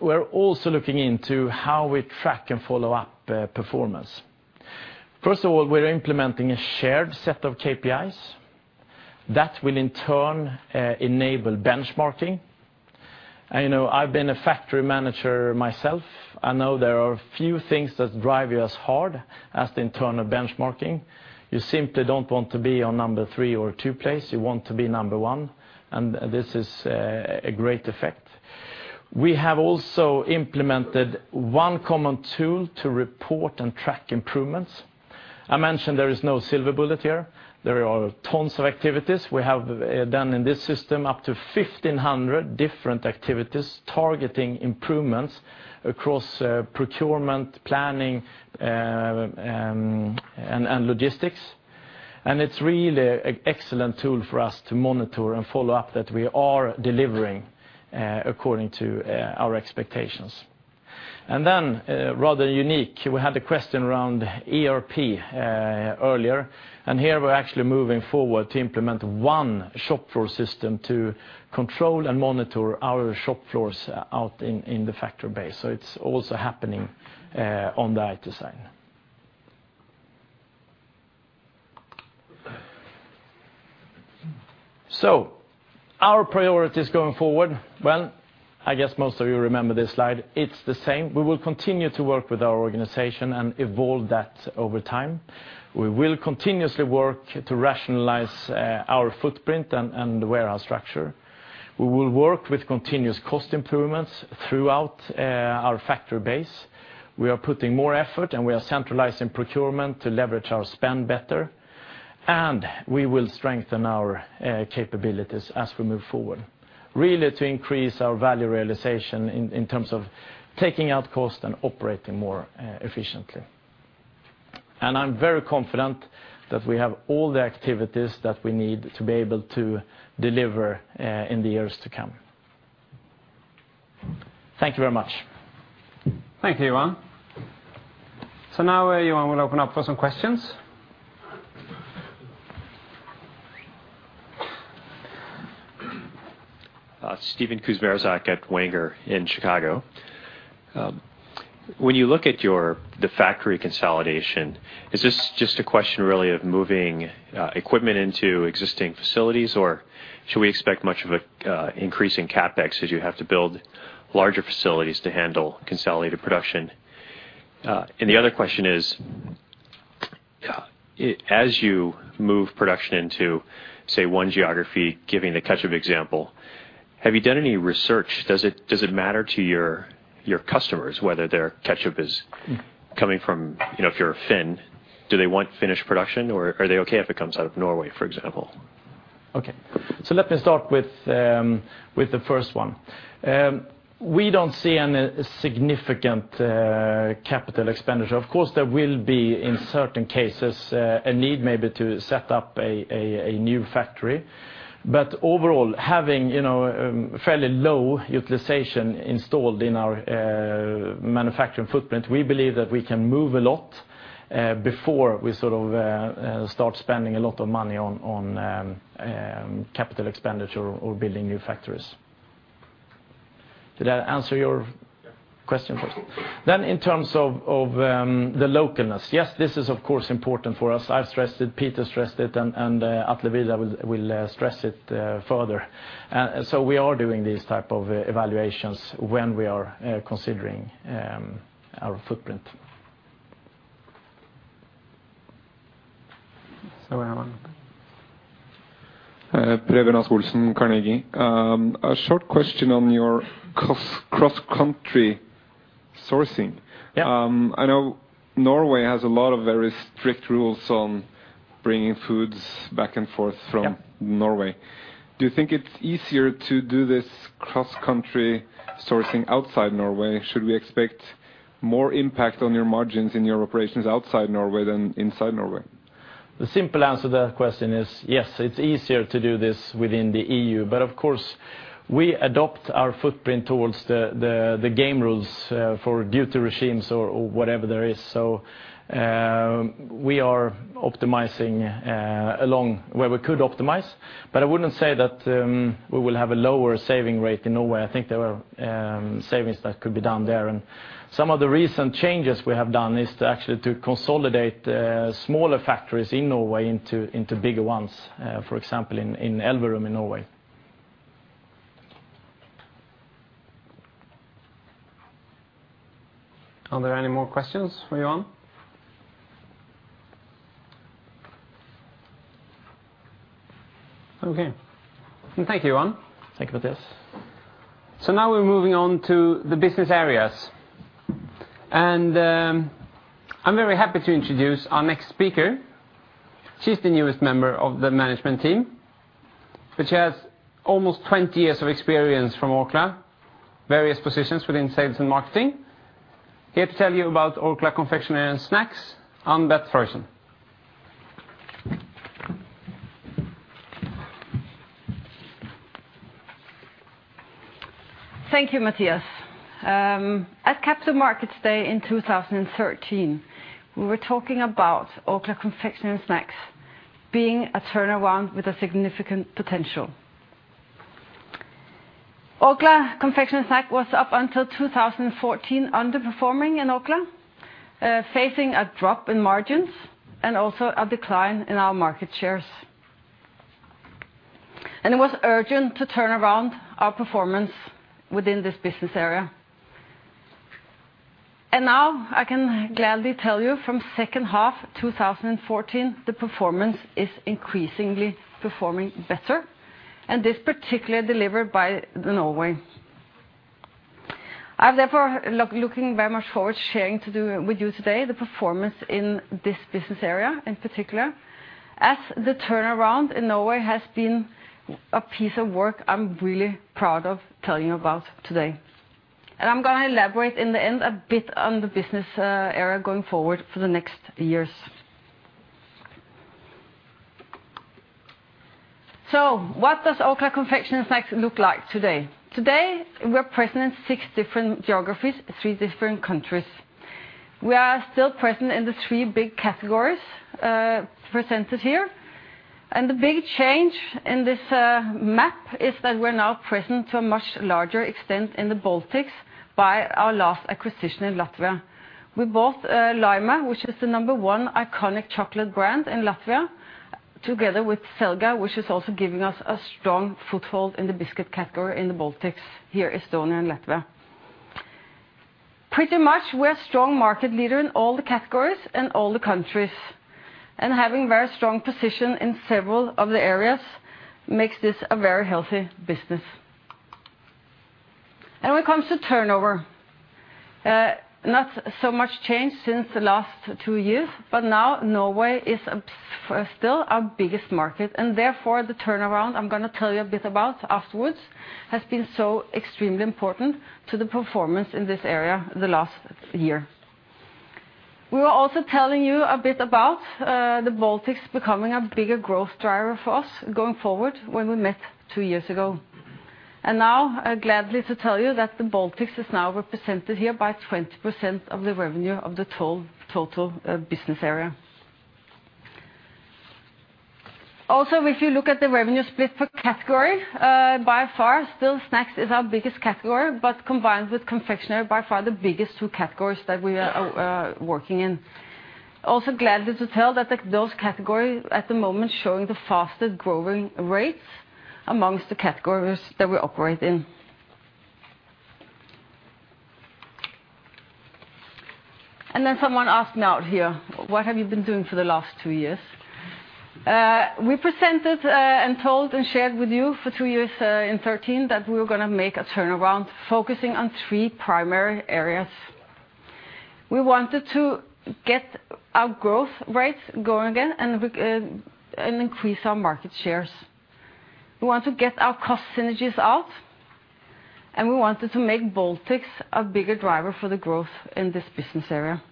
Speaker 4: We're also looking into how we track and follow up performance. First of all, we're implementing a shared set of KPIs that will in turn enable benchmarking. I've been a factory manager myself. I know there are few things that drive you as hard as internal benchmarking. You simply don't want to be on number 3 or 2 place. You want to be number 1. This has a great effect. We have also implemented one common tool to report and track improvements. I mentioned there is no silver bullet here. There are tons of activities we have done in this system, up to 1,500 different activities targeting improvements across procurement, planning, and logistics. It's really an excellent tool for us to monitor and follow up that we are delivering according to our expectations. Then, rather unique, we had a question around ERP earlier, and here we're actually moving forward to implement one shop floor system to control and monitor our shop floors out in the factory base. It's also happening on the IT side. Our priorities going forward, well, I guess most of you remember this slide. It's the same. We will continue to work with our organization and evolve that over time. We will continuously work to rationalize our footprint and warehouse structure. We will work with continuous cost improvements throughout our factory base. We are putting more effort. We are centralizing procurement to leverage our spend better. We will strengthen our capabilities as we move forward, really to increase our value realization in terms of taking out cost and operating more efficiently. I'm very confident that we have all the activities that we need to be able to deliver in the years to come. Thank you very much.
Speaker 1: Thank you, Johan. Now, Johan, we'll open up for some questions.
Speaker 5: Stephen Kusmierczak at Wanger in Chicago. When you look at the factory consolidation, is this just a question really of moving equipment into existing facilities, or should we expect much of an increase in CapEx as you have to build larger facilities to handle consolidated production? The other question is as you move production into, say, one geography, giving the ketchup example, have you done any research? Does it matter to your customers whether their ketchup is coming from? If you're a Finn, do they want Finnish production, or are they okay if it comes out of Norway, for example?
Speaker 4: Let me start with the first one. We don't see any significant capital expenditure. Of course, there will be, in certain cases, a need maybe to set up a new factory. Overall, having fairly low utilization installed in our manufacturing footprint, we believe that we can move a lot before we start spending a lot of money on capital expenditure or building new factories. Did I answer your question first?
Speaker 5: Yeah.
Speaker 4: In terms of the localness, yes, this is of course important for us. I've stressed it, Peter stressed it, and Atle Vidar will stress it further. We are doing these type of evaluations when we are considering our footprint.
Speaker 1: We have one.
Speaker 6: Preben Haagensen, Carnegie. A short question on your cross-country sourcing.
Speaker 4: Yeah.
Speaker 6: I know Norway has a lot of very strict rules on bringing foods back and forth.
Speaker 4: Yeah
Speaker 6: Norway. Do you think it's easier to do this cross-country sourcing outside Norway? Should we expect more impact on your margins in your operations outside Norway than inside Norway?
Speaker 4: The simple answer to that question is yes, it's easier to do this within the EU. Of course, we adopt our footprint towards the game rules for duty regimes or whatever there is. We are optimizing along where we could optimize, but I wouldn't say that we will have a lower saving rate in Norway. I think there were savings that could be done there, and some of the recent changes we have done is to actually to consolidate smaller factories in Norway into bigger ones, for example, in Elverum in Norway.
Speaker 1: Are there any more questions for Johan? Okay. Thank you, Johan.
Speaker 4: Thank you, Mattias.
Speaker 1: Now we're moving on to the business areas. I'm very happy to introduce our next speaker. She's the newest member of the management team, but she has almost 20 years of experience from Orkla, various positions within sales and marketing. Here to tell you about Orkla Confectionery & Snacks, Ann-Beth Freuchen.
Speaker 7: Thank you, Mattias. At Capital Markets Day in 2013, we were talking about Orkla Confectionery & Snacks being a turnaround with a significant potential. Orkla Confectionery & Snacks was up until 2014 underperforming in Orkla, facing a drop in margins and also a decline in our market shares. It was urgent to turn around our performance within this business area. Now I can gladly tell you from second half 2014, the performance is increasingly performing better, and this particularly delivered by Norway. I'm therefore looking very much forward to sharing with you today the performance in this business area in particular, as the turnaround in Norway has been a piece of work I'm really proud of telling you about today. I'm going to elaborate in the end a bit on the business area going forward for the next years. So what does Orkla Confectionery & Snacks look like today? Today, we are present in six different geographies, three different countries. We are still present in the three big categories presented here. The big change in this map is that we are now present to a much larger extent in the Baltics by our last acquisition in Latvia. We bought Laima, which is the number 1 iconic chocolate brand in Latvia, together with Selga, which is also giving us a strong foothold in the biscuit category in the Baltics, here Estonia and Latvia. Pretty much we are a strong market leader in all the categories and all the countries, and having very strong position in several of the areas makes this a very healthy business. When it comes to turnover, not so much change since the last two years, but now Norway is still our biggest market. Therefore, the turnaround I am going to tell you a bit about afterwards has been so extremely important to the performance in this area the last year. We were also telling you a bit about the Baltics becoming a bigger growth driver for us going forward when we met two years ago. Now gladly to tell you that the Baltics is now represented here by 20% of the revenue of the total business area. Also, if you look at the revenue split per category, by far still snacks is our biggest category, but combined with confectionery, by far the biggest two categories that we are working in. Also gladly to tell that those categories at the moment showing the fastest-growing rates amongst the categories that we operate in. Then someone asked me out here, "What have you been doing for the last two years?" We presented and told and shared with you for two years in 2013 that we were going to make a turnaround focusing on three primary areas. We wanted to get our growth rates going again and increase our market shares. We want to get our cost synergies out, and we wanted to make Baltics a bigger driver for the growth in this business area.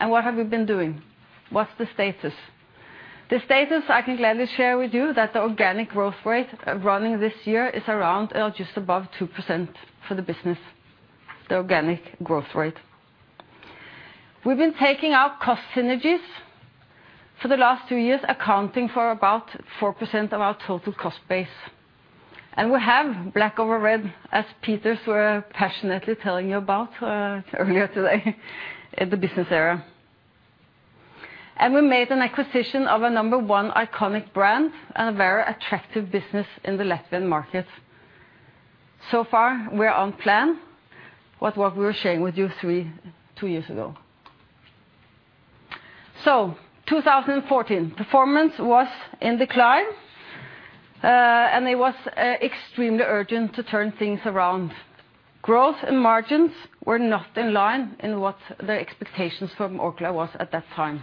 Speaker 7: What have we been doing? What's the status? The status I can gladly share with you that the organic growth rate running this year is around or just above 2% for the business, the organic growth rate. We have been taking our cost synergies for the last two years, accounting for about 4% of our total cost base. We have black over red, as Peter were passionately telling you about earlier today in the business area. We made an acquisition of a number 1 iconic brand and a very attractive business in the Latvian market. So far, we are on plan with what we were sharing with you two years ago. So 2014, performance was in decline, and it was extremely urgent to turn things around. Growth and margins were not in line in what the expectations from Orkla was at that time.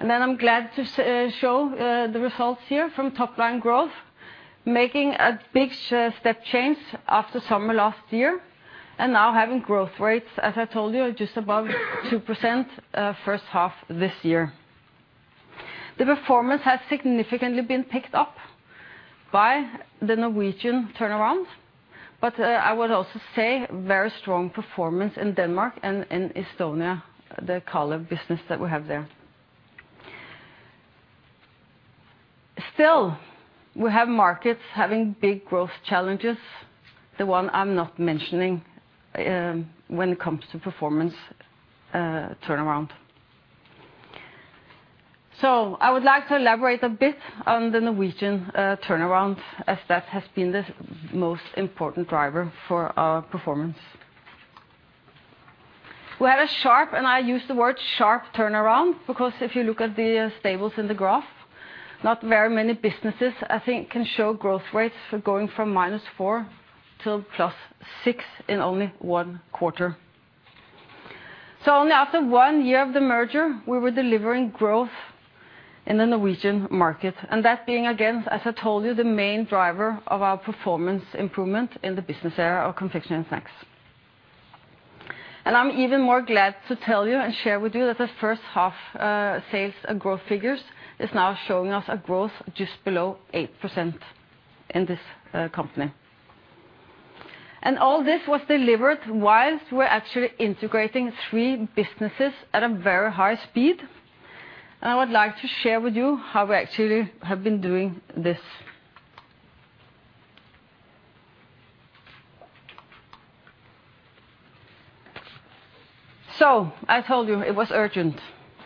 Speaker 7: Then I am glad to show the results here from top line growth, making a big step change after summer last year, and now having growth rates, as I told you, just above 2% first half this year. The performance has significantly been picked up by the Norwegian turnaround. I would also say very strong performance in Denmark and in Estonia, the Kalev business that we have there. Still, we have markets having big growth challenges, the one I am not mentioning when it comes to performance turnaround. I would like to elaborate a bit on the Norwegian turnaround, as that has been the most important driver for our performance. We had a sharp, and I use the word sharp turnaround, because if you look at the stables in the graph, not very many businesses I think can show growth rates going from minus four to plus six in only one quarter. Only after one year of the merger, we were delivering growth in the Norwegian market, and that being, again, as I told you, the main driver of our performance improvement in the business area of Orkla Confectionery & Snacks. I'm even more glad to tell you and share with you that the first half sales growth figures is now showing us a growth just below 8% in this company. All this was delivered whilst we're actually integrating three businesses at a very high speed. I would like to share with you how we actually have been doing this. I told you it was urgent.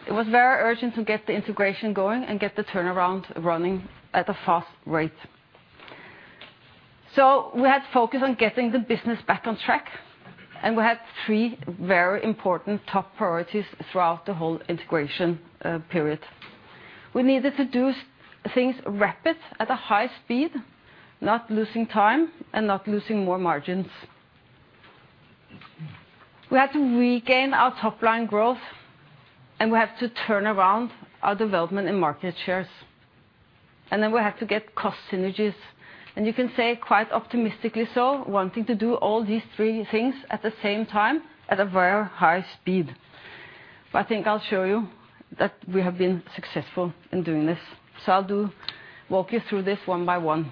Speaker 7: It was very urgent to get the integration going and get the turnaround running at a fast rate. We had to focus on getting the business back on track, and we had three very important top priorities throughout the whole integration period. We needed to do things rapid, at a high speed, not losing time and not losing more margins. We had to regain our top-line growth. We have to turn around our development in market shares. We have to get cost synergies. You can say quite optimistically so, wanting to do all these three things at the same time at a very high speed. I think I'll show you that we have been successful in doing this. I'll walk you through this one by one.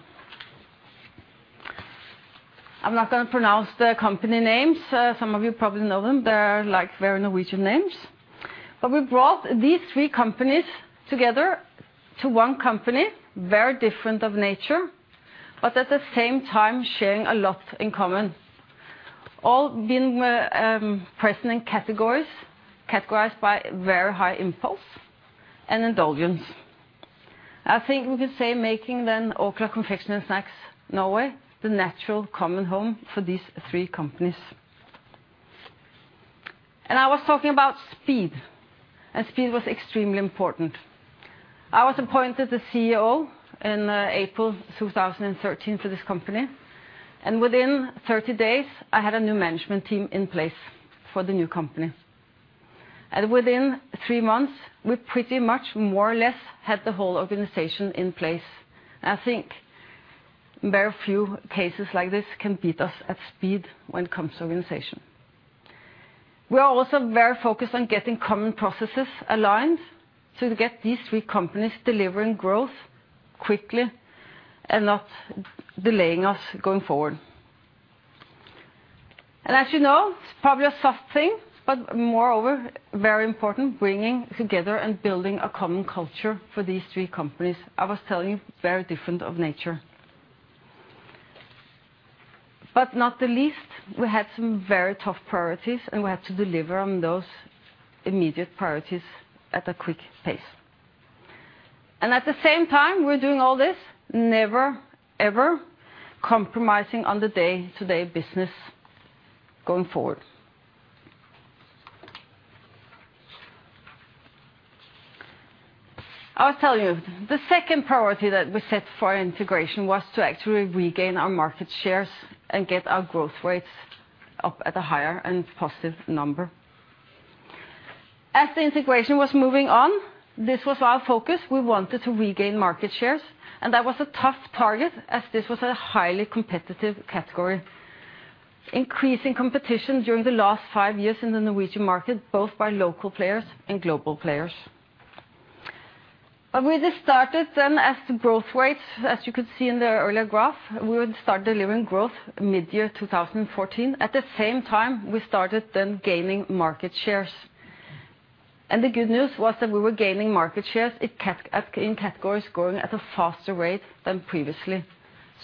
Speaker 7: I'm not going to pronounce the company names. Some of you probably know them. They're very Norwegian names. We brought these three companies together to one company, very different of nature, but at the same time sharing a lot in common. All being present in categories, categorized by very high impulse and indulgence. I think we could say making then Orkla Confectionery & Snacks Norway the natural common home for these three companies. I was talking about speed, and speed was extremely important. I was appointed the CEO in April 2013 for this company, and within 30 days, I had a new management team in place for the new company. Within three months, we pretty much more or less had the whole organization in place. I think very few cases like this can beat us at speed when it comes to organization. We are also very focused on getting common processes aligned to get these three companies delivering growth quickly and not delaying us going forward. As you know, it's probably a soft thing, but moreover, very important, bringing together and building a common culture for these three companies. I was telling you, very different of nature. Not the least, we had some very tough priorities, and we had to deliver on those immediate priorities at a quick pace. At the same time we're doing all this, never, ever compromising on the day-to-day business going forward. I was telling you, the second priority that we set for our integration was to actually regain our market shares and get our growth rates up at a higher and positive number. As the integration was moving on, this was our focus. We wanted to regain market shares, and that was a tough target as this was a highly competitive category. Increasing competition during the last 5 years in the Norwegian market, both by local players and global players. We just started then as the growth rate, as you could see in the earlier graph, we would start delivering growth mid-year 2014. At the same time, we started then gaining market shares. The good news was that we were gaining market shares in categories growing at a faster rate than previously.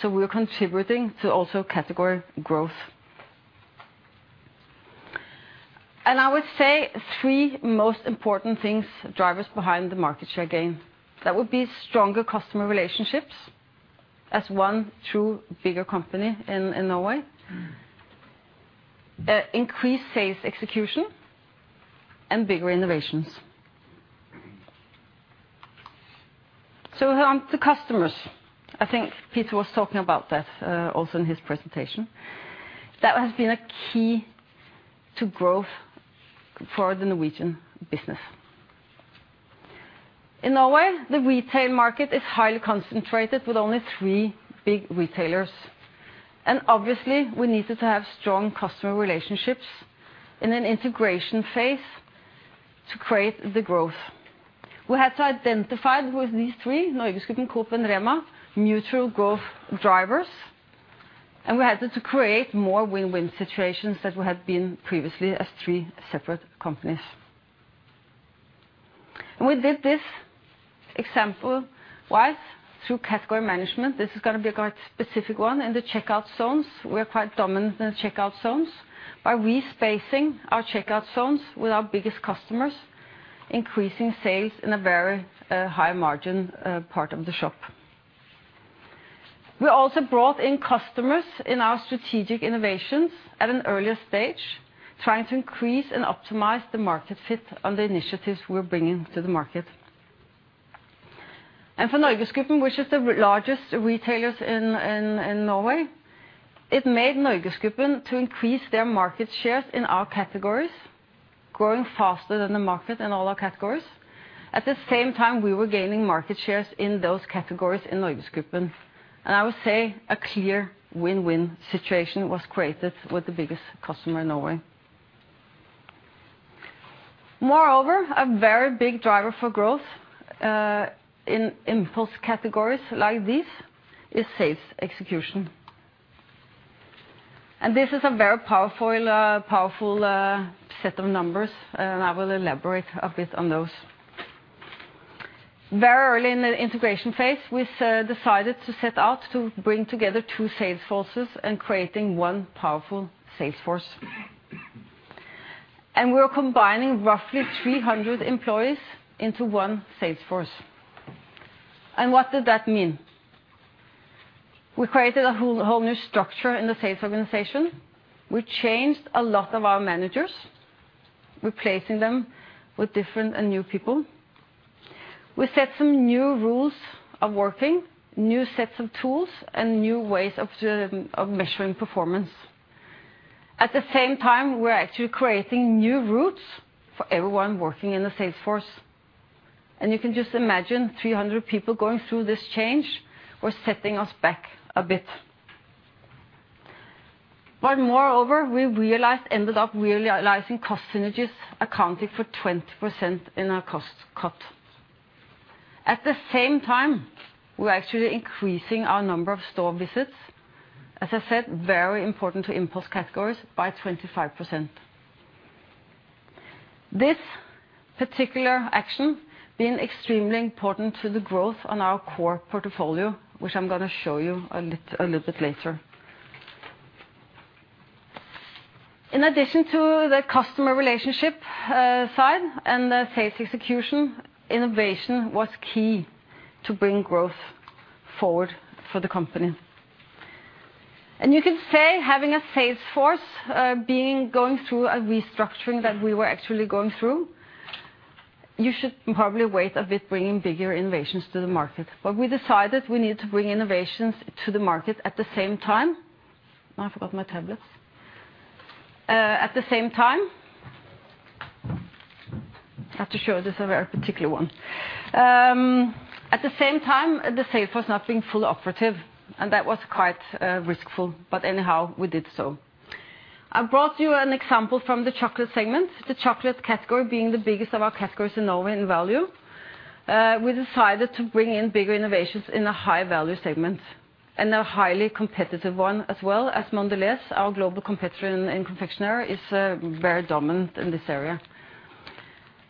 Speaker 7: We were contributing to also category growth. I would say three most important things, drivers behind the market share gain, that would be stronger customer relationships as one true bigger company in Norway, increased sales execution, and bigger innovations. On to customers. I think Peter was talking about that, also in his presentation. That has been a key to growth for the Norwegian business. In Norway, the retail market is highly concentrated with only three big retailers. Obviously, we needed to have strong customer relationships in an integration phase to create the growth. We had to identify who these three, NorgesGruppen, Coop, and REMA 1000, mutual growth drivers, and we had to create more win-win situations than we had been previously as three separate companies. We did this example through category management. This is going to be a quite specific one in the checkout zones. We're quite dominant in the checkout zones. By re-spacing our checkout zones with our biggest customers, increasing sales in a very high margin part of the shop. We also brought in customers in our strategic innovations at an earlier stage, trying to increase and optimize the market fit on the initiatives we're bringing to the market. For NorgesGruppen, which is the largest retailers in Norway, it made NorgesGruppen to increase their market shares in our categories, growing faster than the market in all our categories. At the same time, we were gaining market shares in those categories in NorgesGruppen. I would say a clear win-win situation was created with the biggest customer in Norway. Moreover, a very big driver for growth in impulse categories like these is sales execution. This is a very powerful set of numbers, and I will elaborate a bit on those. Very early in the integration phase, we decided to set out to bring together two sales forces and creating one powerful sales force. We're combining roughly 300 employees into one sales force. What did that mean? We created a whole new structure in the sales organization. We changed a lot of our managers, replacing them with different and new people. We set some new rules of working, new sets of tools, and new ways of measuring performance. You can just imagine 300 people going through this change was setting us back a bit. Moreover, we ended up realizing cost synergies accounted for 20% in our cost cut. At the same time, we're actually increasing our number of store visits, as I said, very important to impulse categories, by 25%. This particular action been extremely important to the growth on our core portfolio, which I'm going to show you a little bit later. In addition to the customer relationship side and the sales execution, innovation was key to bring growth forward for the company. You can say having a sales force going through a restructuring that we were actually going through, you should probably wait a bit bringing bigger innovations to the market. We decided we need to bring innovations to the market at the same time. I forgot my tablets. At the same time, I have to show this, a very particular one. At the same time, the sales force not being fully operative, and that was quite riskful. Anyhow, we did so. I brought you an example from the chocolate segment, the chocolate category being the biggest of our categories in Norway in value. We decided to bring in bigger innovations in the high-value segment, and a highly competitive one as well as Mondelez, our global competitor in confectionery, is very dominant in this area.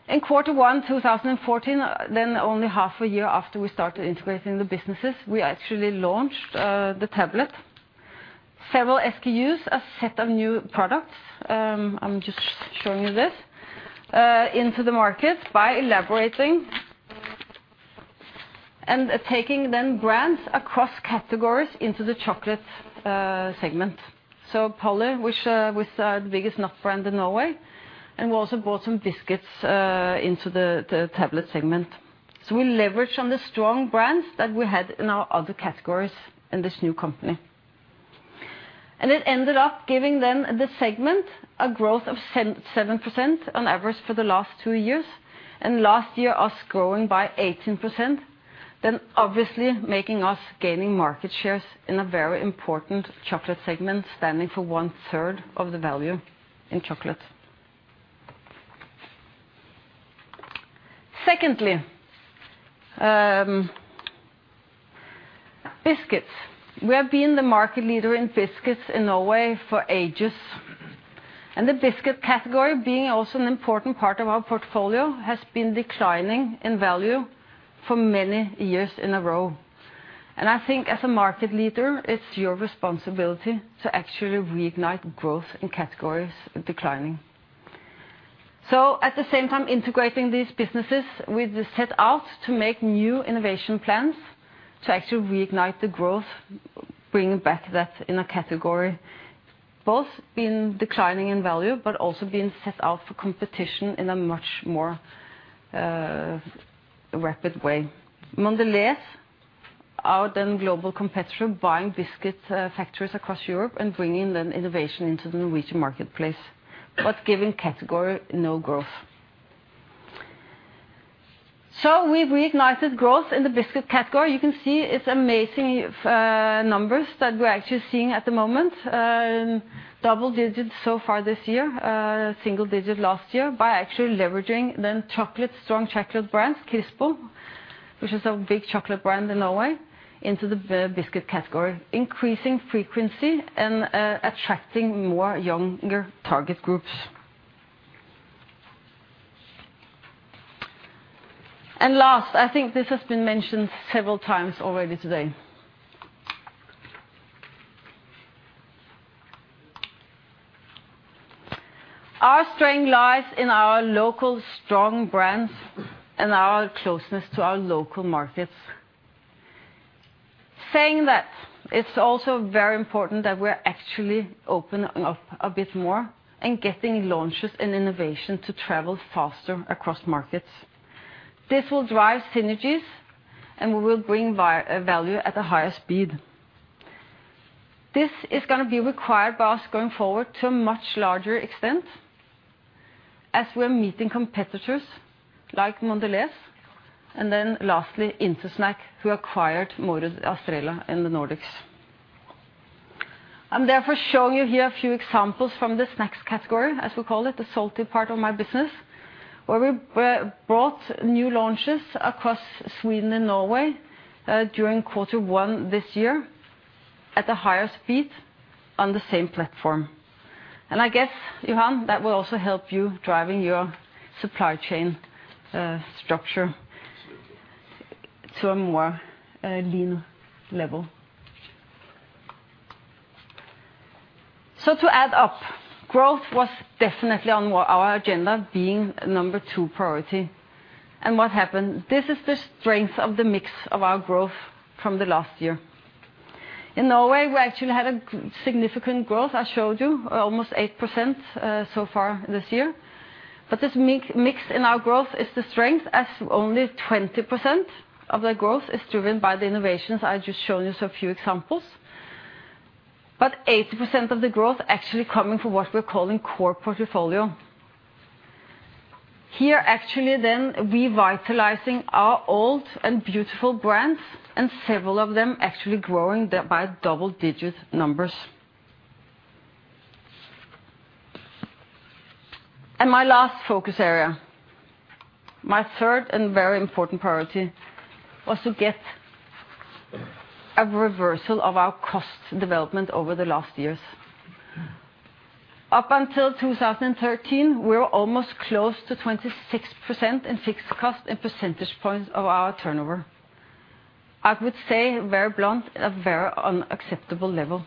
Speaker 7: In Q1 2014, only half a year after we started integrating the businesses, we actually launched the tablet. Several SKUs, a set of new products, I'm just showing you this, into the market by elaborating and taking brands across categories into the chocolate segment. Polly, which was the biggest brand in Norway, and we also brought some biscuits into the tablet segment. We leveraged on the strong brands that we had in our other categories in this new company. It ended up giving the segment, a growth of 7% on average for the last two years. Last year, us growing by 18%, obviously making us gaining market shares in a very important chocolate segment, standing for 1/3 of the value in chocolate. Secondly, biscuits. We have been the market leader in biscuits in Norway for ages, and the biscuit category being also an important part of our portfolio, has been declining in value for many years in a row. I think as a market leader, it's your responsibility to actually reignite growth in categories declining. At the same time integrating these businesses, we set out to make new innovation plans to actually reignite the growth, bring back that in a category, both been declining in value, but also been set out for competition in a much more rapid way. Mondelez, our then global competitor, buying biscuit factories across Europe and bringing innovation into the Norwegian marketplace, but giving category no growth. We've reignited growth in the biscuit category. You can see it's amazing numbers that we're actually seeing at the moment. Double digits so far this year, single digit last year, by actually leveraging strong chocolate brands, Kispo, which is a big chocolate brand in Norway, into the biscuit category, increasing frequency and attracting more younger target groups. Last, I think this has been mentioned several times already today. Our strength lies in our local strong brands and our closeness to our local markets. Saying that, it's also very important that we're actually open up a bit more and getting launches and innovation to travel faster across markets. This will drive synergies, and we will bring value at a higher speed. This is going to be required by us going forward to a much larger extent as we're meeting competitors like Mondelez, and then lastly, Intersnack, who acquired Estrella in the Nordics. I'm therefore showing you here a few examples from the snacks category, as we call it, the salty part of my business, where we brought new launches across Sweden and Norway during quarter one this year at the highest speed on the same platform. I guess, Johan, that will also help you driving your supply chain structure-
Speaker 4: Absolutely
Speaker 7: to a more lean level. To add up, growth was definitely on our agenda, being number 2 priority. What happened? This is the strength of the mix of our growth from the last year. In Norway, we actually had a significant growth, I showed you, almost 8% so far this year. This mix in our growth is the strength as only 20% of the growth is driven by the innovations. I just showed you a few examples. 80% of the growth actually coming from what we're calling core portfolio. Here, actually then, revitalizing our old and beautiful brands, and several of them actually growing by double-digit numbers. My last focus area, my third and very important priority, was to get a reversal of our cost development over the last years. Up until 2013, we were almost close to 26% in fixed cost and percentage points of our turnover. I would say very blunt, a very unacceptable level.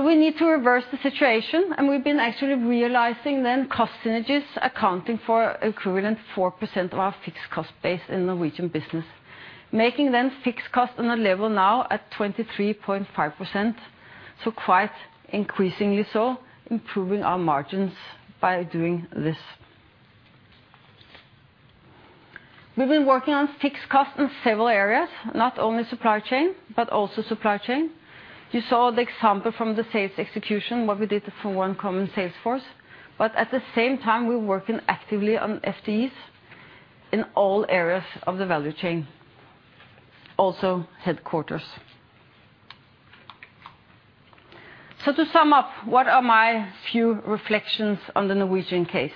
Speaker 7: We need to reverse the situation, and we've been actually realizing then cost synergies accounting for equivalent 4% of our fixed cost base in Norwegian business, making then fixed cost on a level now at 23.5%, so quite increasingly so, improving our margins by doing this. We've been working on fixed cost in several areas, not only supply chain, but also supply chain. You saw the example from the sales execution, what we did for one common sales force. At the same time, we're working actively on FTEs in all areas of the value chain, also headquarters. To sum up, what are my few reflections on the Norwegian case?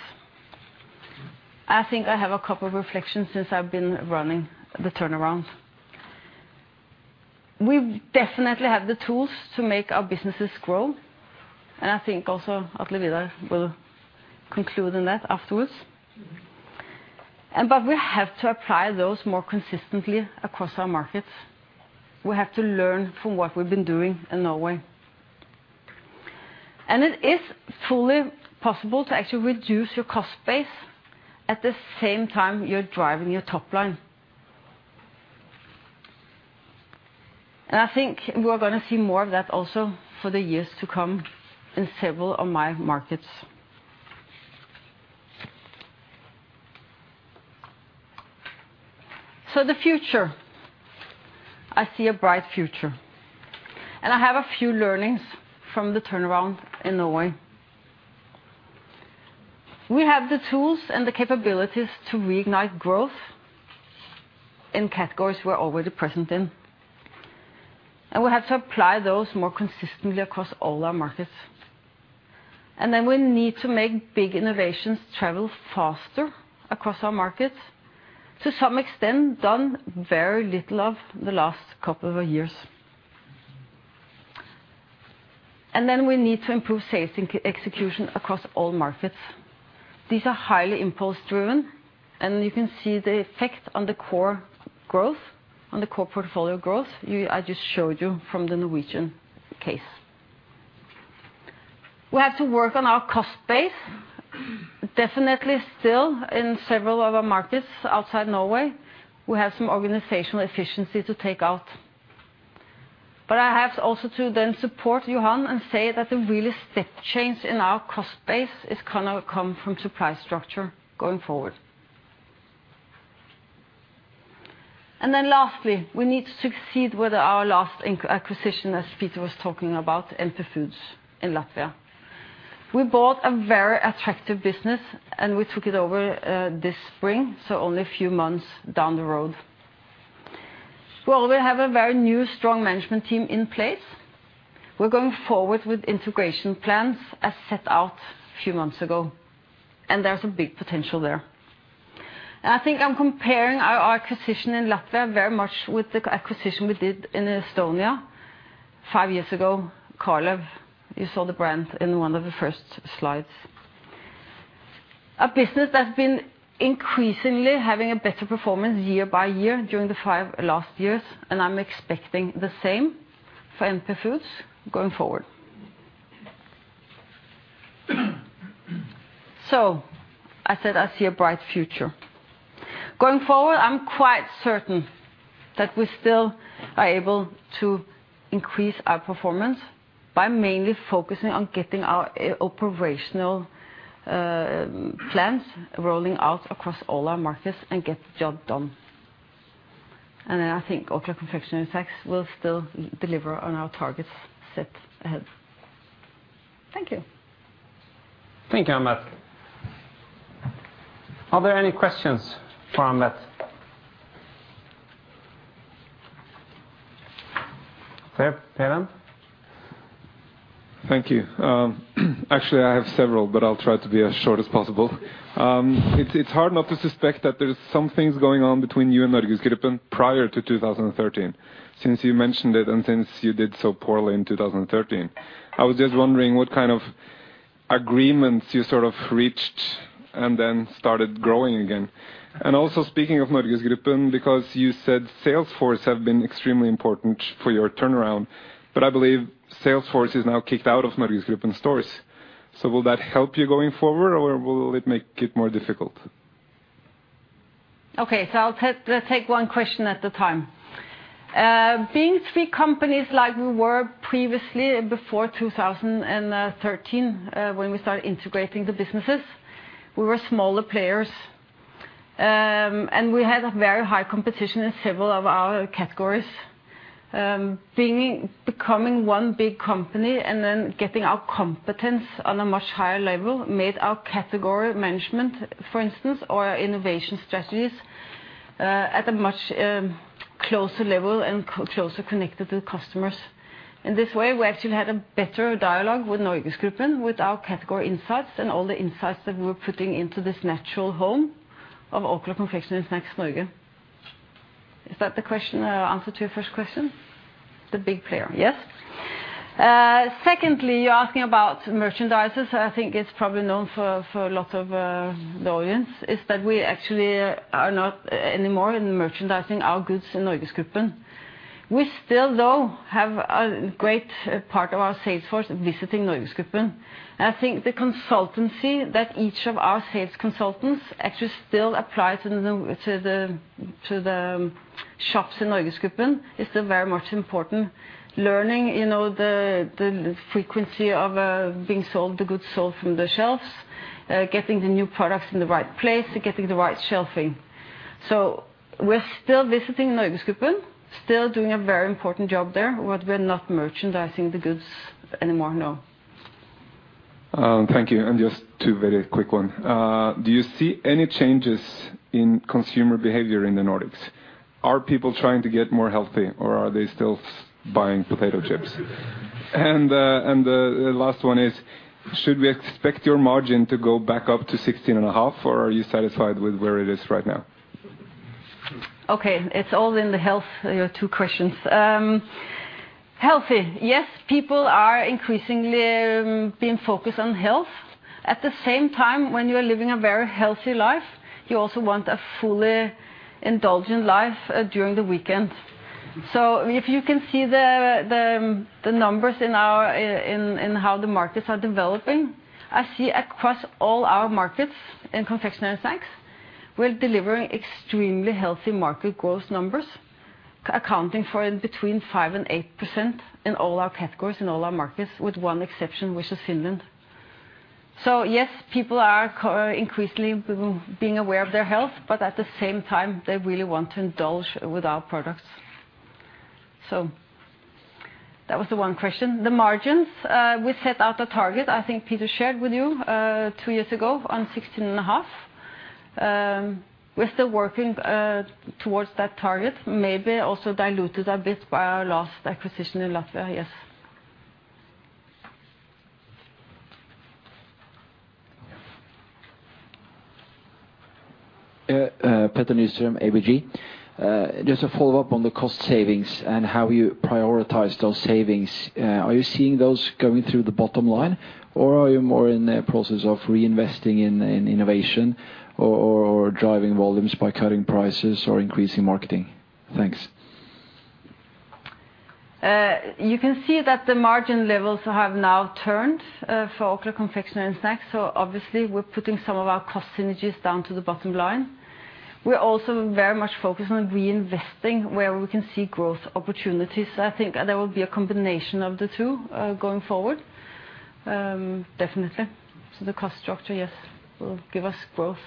Speaker 7: I think I have a couple of reflections since I've been running the turnaround. We definitely have the tools to make our businesses grow, I think also Atle Vidar will conclude on that afterwards. But we have to apply those more consistently across our markets. We have to learn from what we've been doing in Norway. It is fully possible to actually reduce your cost base at the same time you're driving your top line. I think we're going to see more of that also for the years to come in several of my markets. So the future, I see a bright future, I have a few learnings from the turnaround in Norway. We have the tools and the capabilities to reignite growth in categories we're already present in, and we have to apply those more consistently across all our markets. We need to make big innovations travel faster across our markets, to some extent done very little of the last couple of years. We need to improve sales execution across all markets. These are highly impulse driven, and you can see the effect on the core growth, on the core portfolio growth. I just showed you from the Norwegian case. We have to work on our cost base. Definitely still in several other markets outside Norway, we have some organizational efficiency to take out. But I have also to then support Johan and say that the real step change in our cost base is going to come from supply structure going forward. Lastly, we need to succeed with our last acquisition, as Peter was talking about, NP Foods in Latvia. We bought a very attractive business and we took it over this spring, so only a few months down the road. Well, we have a very new, strong management team in place. We're going forward with integration plans as set out a few months ago, and there's a big potential there. I think I'm comparing our acquisition in Latvia very much with the acquisition we did in Estonia five years ago, Kalev. You saw the brand in one of the first slides. Our business has been increasingly having a better performance year by year during the five last years, and I'm expecting the same for NP Foods going forward. So I said I see a bright future. Going forward, I'm quite certain that we still are able to increase our performance by mainly focusing on getting our operational plans rolling out across all our markets and get the job done. Orkla Confectionery & Snacks will still deliver on our targets set ahead. Thank you.
Speaker 1: Thank you, Ann-Beth. Are there any questions for Ann-Beth? Preben Rasch-Olsen?
Speaker 6: Thank you. Actually, I have several, but I'll try to be as short as possible. It's hard not to suspect that there's some things going on between you and NorgesGruppen prior to 2013, since you mentioned it and since you did so poorly in 2013. I was just wondering what kind of agreements you sort of reached and then started growing again. Also, speaking of NorgesGruppen, because you said sales force have been extremely important for your turnaround, but I believe sales force is now kicked out of NorgesGruppen stores. Will that help you going forward, or will it make it more difficult?
Speaker 7: Okay. I'll take one question at a time. Being three companies like we were previously before 2013, when we started integrating the businesses, we were smaller players, and we had a very high competition in several of our categories. Becoming one big company and then getting our competence on a much higher level, made our category management, for instance, or our innovation strategies at a much closer level and closer connected to the customers. In this way, we actually had a better dialogue with NorgesGruppen, with our category insights and all the insights that we were putting into this natural home of Orkla Confectionery & Snacks in Norge. Is that the answer to your first question? The big player. Yes. Secondly, you're asking about merchandisers. I think it's probably known for a lot of the audience is that we actually are not anymore in merchandising our goods in NorgesGruppen. We still, though, have a great part of our sales force visiting NorgesGruppen. I think the consultancy that each of our sales consultants actually still applies to the shops in NorgesGruppen is still very much important. Learning the frequency of being sold, the goods sold from the shelves, getting the new products in the right place, and getting the right shelfing. We're still visiting NorgesGruppen, still doing a very important job there, but we're not merchandising the goods anymore. No.
Speaker 6: Thank you. Just two very quick one. Do you see any changes in consumer behavior in the Nordics? Are people trying to get more healthy, or are they still buying potato chips? The last one is, should we expect your margin to go back up to 16.5%, or are you satisfied with where it is right now?
Speaker 7: Okay. It's all in the health, your two questions. Healthy, yes, people are increasingly being focused on health. At the same time, when you're living a very healthy life, you also want a fully indulgent life during the weekend. If you can see the numbers in how the markets are developing, I see across all our markets in confectionery snacks, we're delivering extremely healthy market growth numbers, accounting for between 5% and 8% in all our categories in all our markets, with one exception, which is Finland. Yes, people are increasingly being aware of their health, but at the same time, they really want to indulge with our products. That was the one question. The margins, we set out a target, I think Peter shared with you, two years ago on 16.5%. We're still working towards that target, maybe also diluted a bit by our last acquisition in Latvia. Yes.
Speaker 8: Petter Nystrøm, ABG. Just a follow-up on the cost savings and how you prioritize those savings. Are you seeing those going through the bottom line, or are you more in the process of reinvesting in innovation or driving volumes by cutting prices or increasing marketing? Thanks.
Speaker 7: You can see that the margin levels have now turned for Orkla Confectionery & Snacks. Obviously, we're putting some of our cost synergies down to the bottom line. We're also very much focused on reinvesting where we can see growth opportunities. I think there will be a combination of the two going forward. Definitely. The cost structure, yes, will give us growth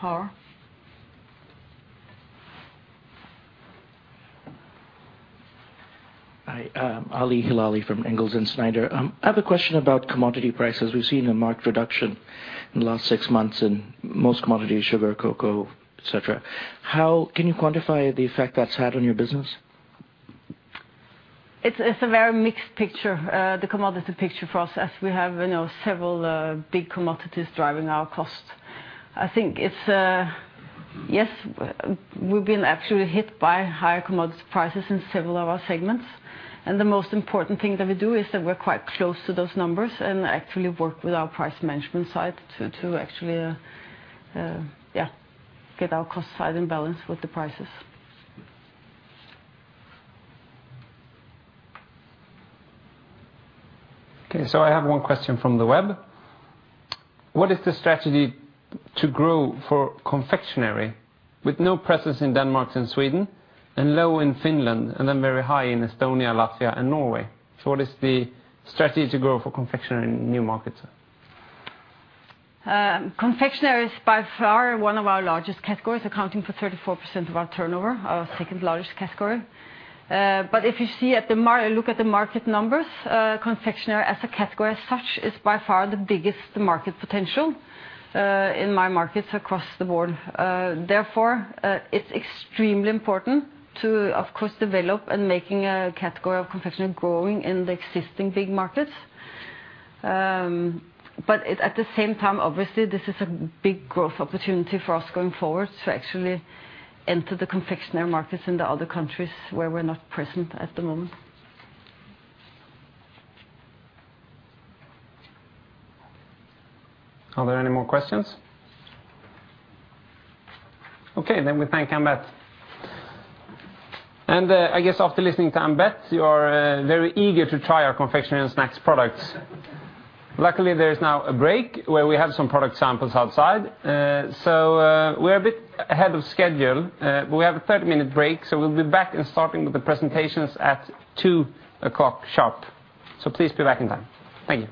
Speaker 7: power.
Speaker 9: Hi. Ali Hilali from Ingalls & Snyder. I have a question about commodity prices. We've seen a marked reduction in the last six months in most commodities, sugar, cocoa, et cetera. Can you quantify the effect that's had on your business?
Speaker 7: It's a very mixed picture, the commodity picture for us, as we have several big commodities driving our costs. I think, yes, we've been absolutely hit by higher commodity prices in several of our segments. The most important thing that we do is that we're quite close to those numbers and actually work with our price management side to actually, yeah, get our cost side in balance with the prices.
Speaker 1: Okay, I have one question from the web. What is the strategy to grow for confectionery? With no presence in Denmark and Sweden and low in Finland and then very high in Estonia, Latvia, and Norway. What is the strategy to grow for confectionery in new markets?
Speaker 7: Confectionery is by far one of our largest categories, accounting for 34% of our turnover, our second-largest category. If you look at the market numbers, confectionery as a category as such is by far the biggest market potential in my markets across the board. Therefore, it's extremely important to, of course, develop and make a category of confectionery growing in the existing big markets. At the same time, obviously, this is a big growth opportunity for us going forward to actually enter the confectionery markets in the other countries where we're not present at the moment.
Speaker 1: Are there any more questions? Okay, then we thank Ann-Beth. I guess after listening to Ann-Beth, you are very eager to try our confectionery and snacks products. Luckily, there is now a break where we have some product samples outside. We're a bit ahead of schedule. We have a 30-minute break, so we'll be back and starting with the presentations at 2:00 sharp. Please be back in time. Thank you.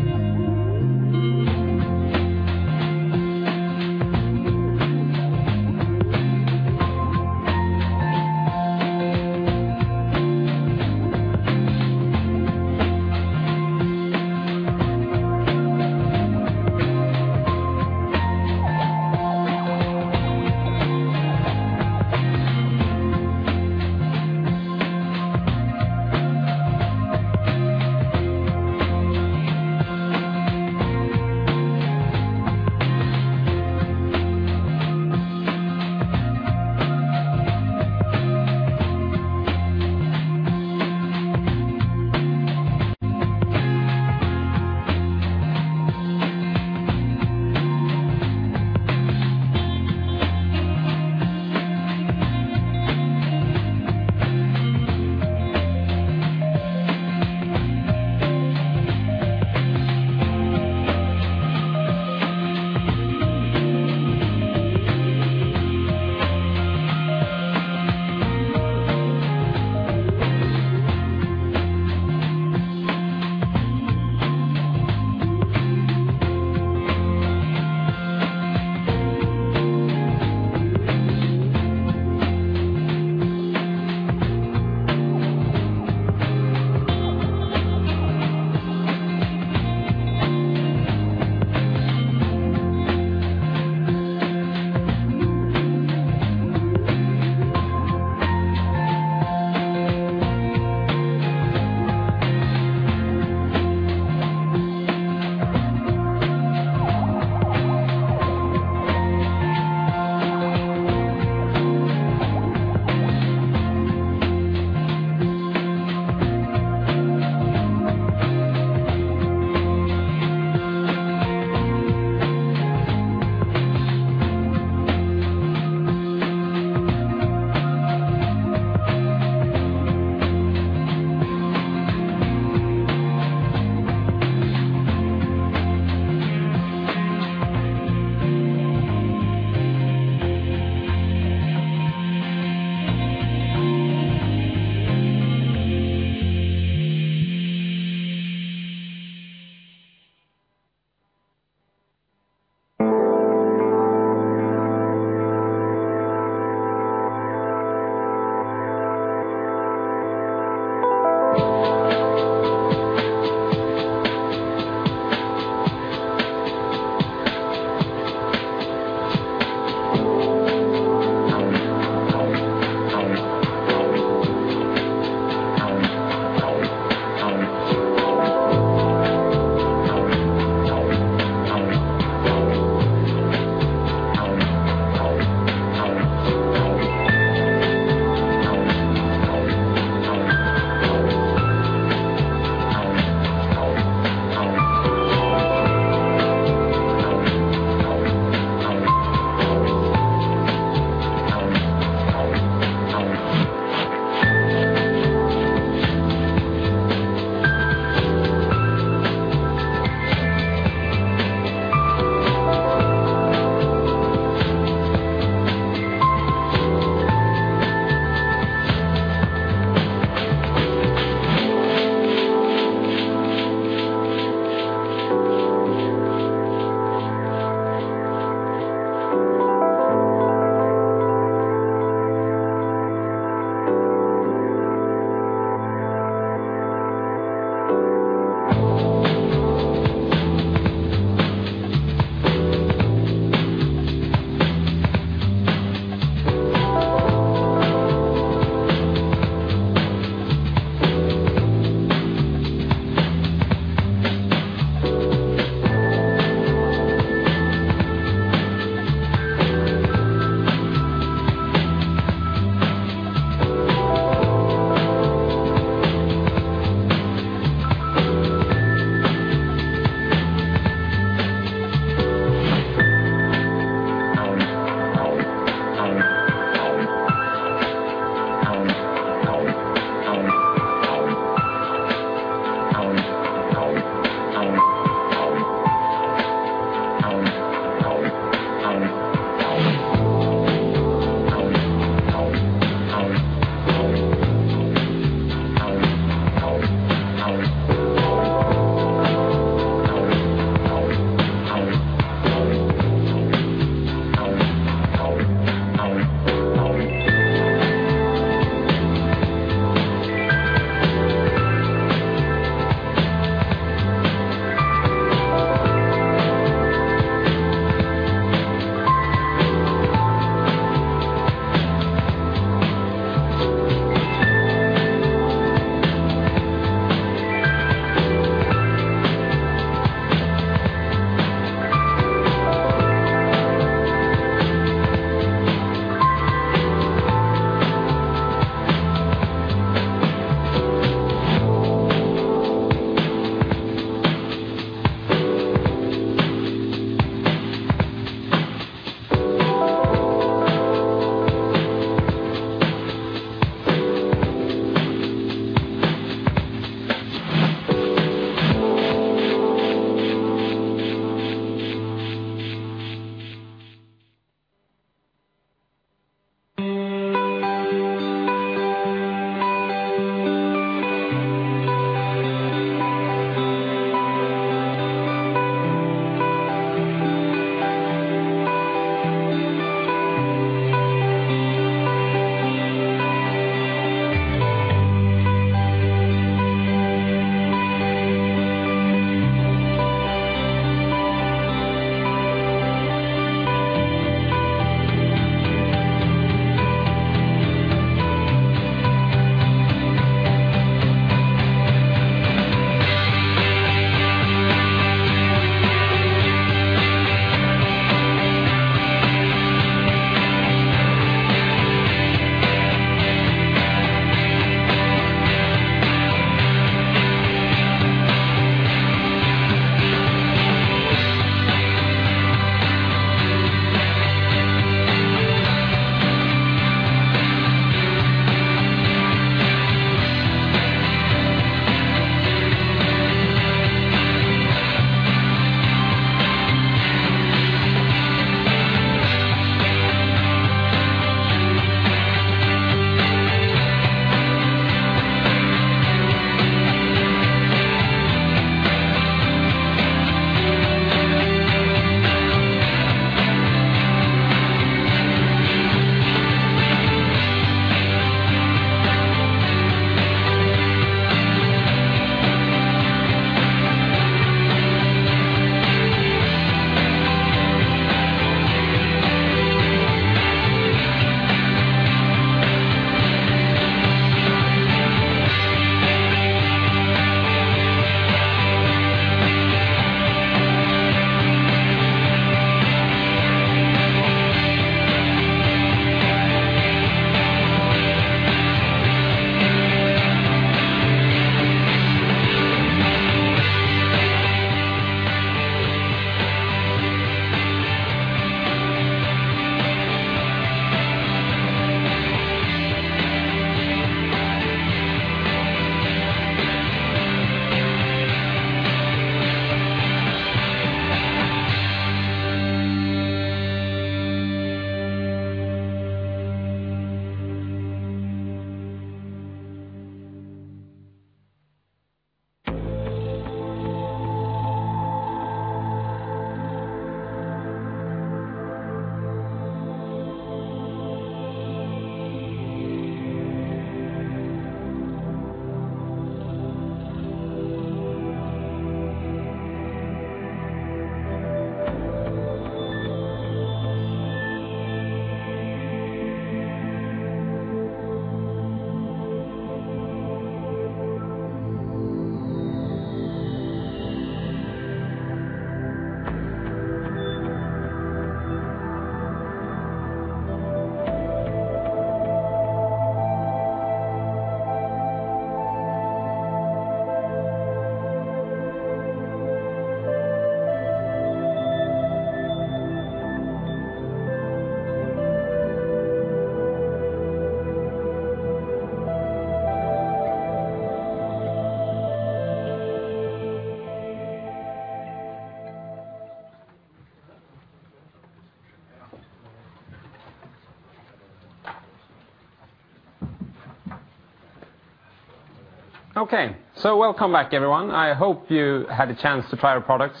Speaker 1: Okay. Welcome back, everyone. I hope you had a chance to try our products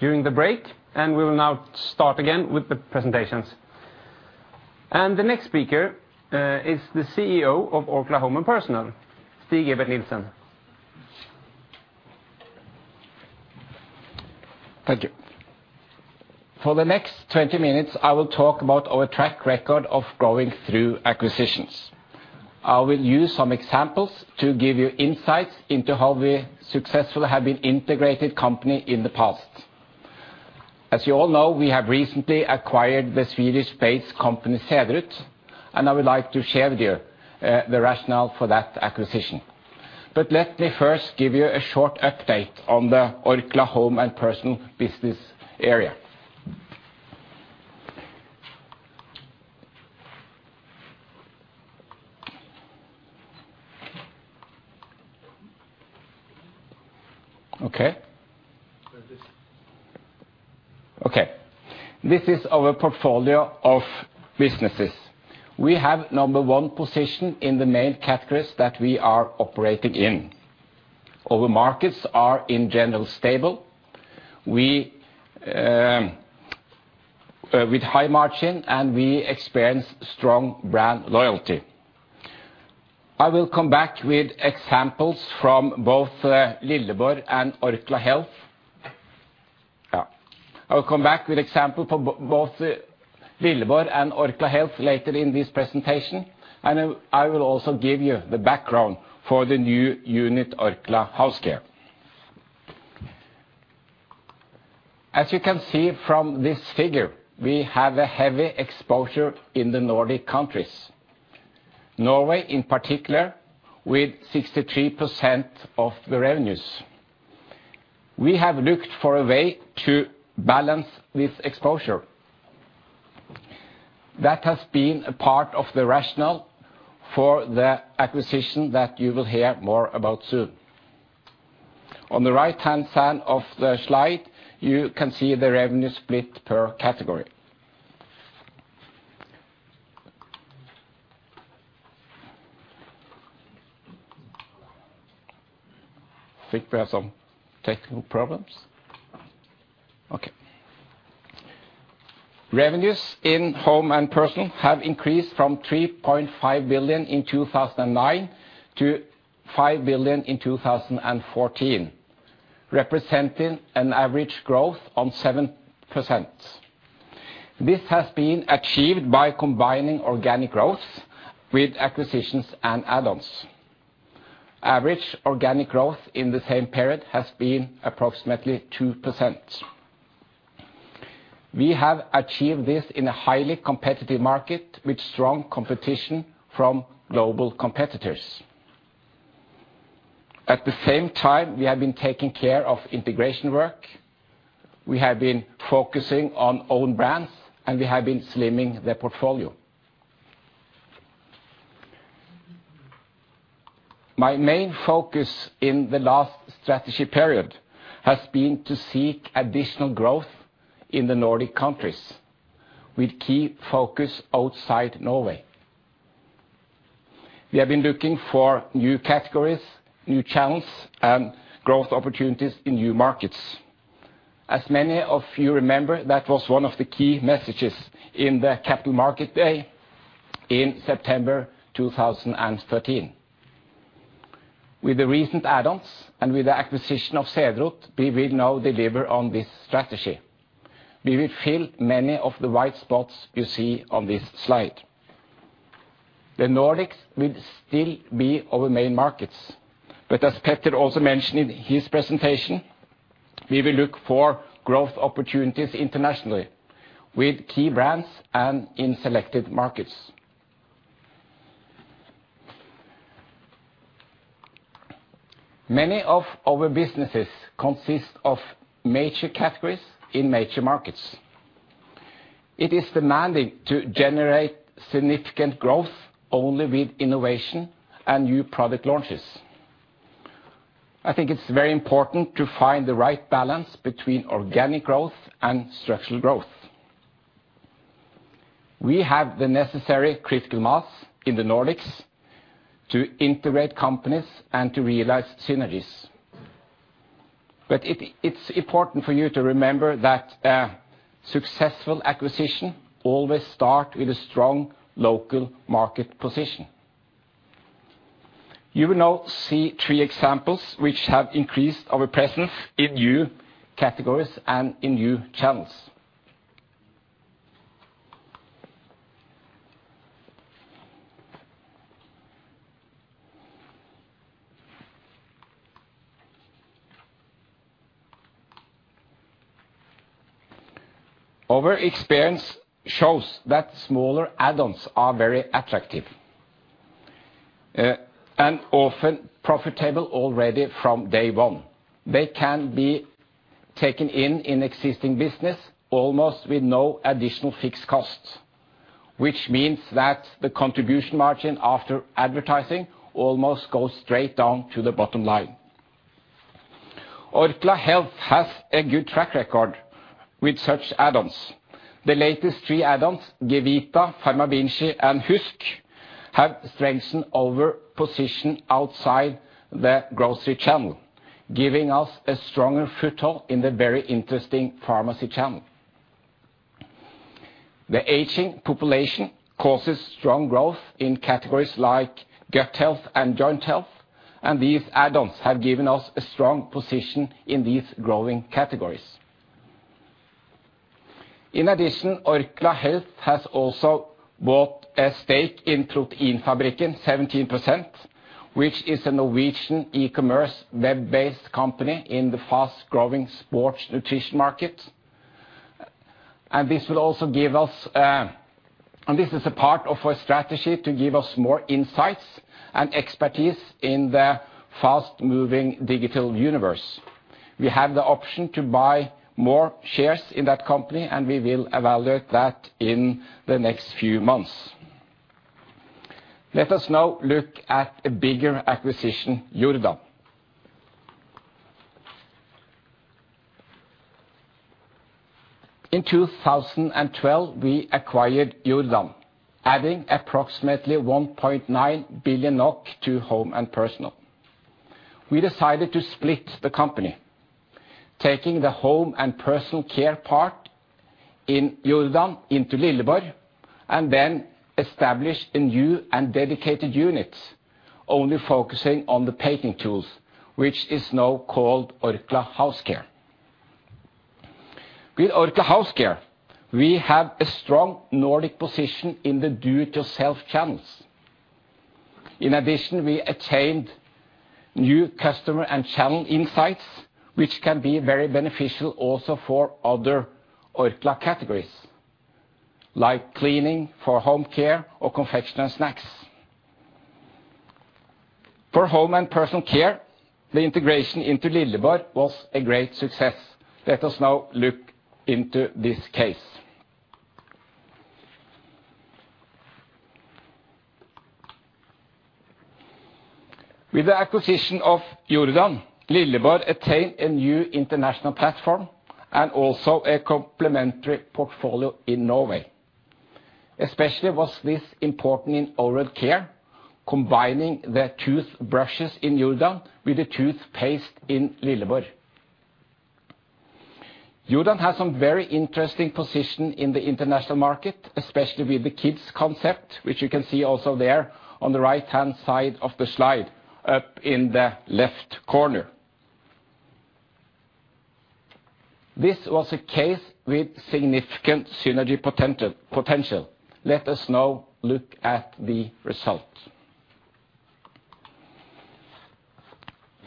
Speaker 1: during the break, and we will now start again with the presentations. The next speaker is the CEO of Orkla Home & Personal, Stig E. Nilssen.
Speaker 10: Thank you. For the next 20 minutes, I will talk about our track record of growing through acquisitions. I will use some examples to give you insights into how we successfully have been integrated company in the past. As you all know, we have recently acquired the Swedish-based company Cederroth, and I would like to share with you the rationale for that acquisition. Let me first give you a short update on the Orkla Home & Personal business area.
Speaker 1: Try this.
Speaker 10: Okay. This is our portfolio of businesses. We have number one position in the main categories that we are operating in. Our markets are, in general, stable, with high margin, and we experience strong brand loyalty. I will come back with examples from both Lilleborg and Orkla Health. I will come back with example for both Lilleborg and Orkla Health later in this presentation, and I will also give you the background for the new unit, Orkla House Care. As you can see from this figure, we have a heavy exposure in the Nordic countries, Norway in particular, with 63% of the revenues. We have looked for a way to balance this exposure. That has been a part of the rationale for the acquisition that you will hear more about soon. On the right-hand side of the slide, you can see the revenue split per category. I think we have some technical problems. Okay. Revenues in Orkla Home & Personal have increased from 3.5 billion in 2009 to 5 billion in 2014, representing an average growth on 7%. This has been achieved by combining organic growth with acquisitions and add-ons. Average organic growth in the same period has been approximately 2%. We have achieved this in a highly competitive market, with strong competition from global competitors. At the same time, we have been taking care of integration work, we have been focusing on own brands, and we have been slimming the portfolio. My main focus in the last strategy period has been to seek additional growth in the Nordic countries with key focus outside Norway. We have been looking for new categories, new channels, and growth opportunities in new markets. As many of you remember, that was one of the key messages in the Capital Market Day in September 2013. With the recent add-ons and with the acquisition of Cederroth, we will now deliver on this strategy. We will fill many of the white spots you see on this slide. The Nordics will still be our main markets, but as Petter also mentioned in his presentation, we will look for growth opportunities internationally with key brands and in selected markets. It is demanding to generate significant growth only with innovation and new product launches. I think it's very important to find the right balance between organic growth and structural growth. We have the necessary critical mass in the Nordics to integrate companies and to realize synergies. It's important for you to remember that a successful acquisition always start with a strong local market position. You will now see three examples which have increased our presence in new categories and in new channels. Our experience shows that smaller add-ons are very attractive and often profitable already from day one. They can be taken in existing business almost with no additional fixed costs, which means that the contribution margin after advertising almost goes straight down to the bottom line. Orkla Health has a good track record with such add-ons. The latest three add-ons, Gevita, Pharma-Vinci, and HUSK, have strengthened our position outside the grocery channel, giving us a stronger foothold in the very interesting pharmacy channel. The aging population causes strong growth in categories like gut health and joint health, and these add-ons have given us a strong position in these growing categories. In addition, Orkla Health has also bought a stake in Proteinfabrikken, 17%, which is a Norwegian e-commerce web-based company in the fast-growing sports nutrition market. This is a part of our strategy to give us more insights and expertise in the fast-moving digital universe. We have the option to buy more shares in that company, and we will evaluate that in the next few months. Let us now look at a bigger acquisition, Jordan. In 2012, we acquired Jordan, adding approximately 1.9 billion NOK to Home & Personal. We decided to split the company, taking the Home & Personal Care part in Jordan into Lilleborg, and then establish a new and dedicated unit only focusing on the painting tools, which is now called Orkla House Care. With Orkla House Care, we have a strong Nordic position in the do-it-yourself channels. In addition, we attained new customer and channel insights, which can be very beneficial also for other Orkla categories, like cleaning for home care or Confectionery & Snacks. For Home & Personal Care, the integration into Lilleborg was a great success. Let us now look into this case. With the acquisition of Jordan, Lilleborg attained a new international platform and also a complementary portfolio in Norway. Especially was this important in oral care, combining the toothbrushes in Jordan with the toothpaste in Lilleborg. Jordan has some very interesting position in the international market, especially with the kids concept, which you can see also there on the right-hand side of the slide up in the left corner. This was a case with significant synergy potential. Let us now look at the result.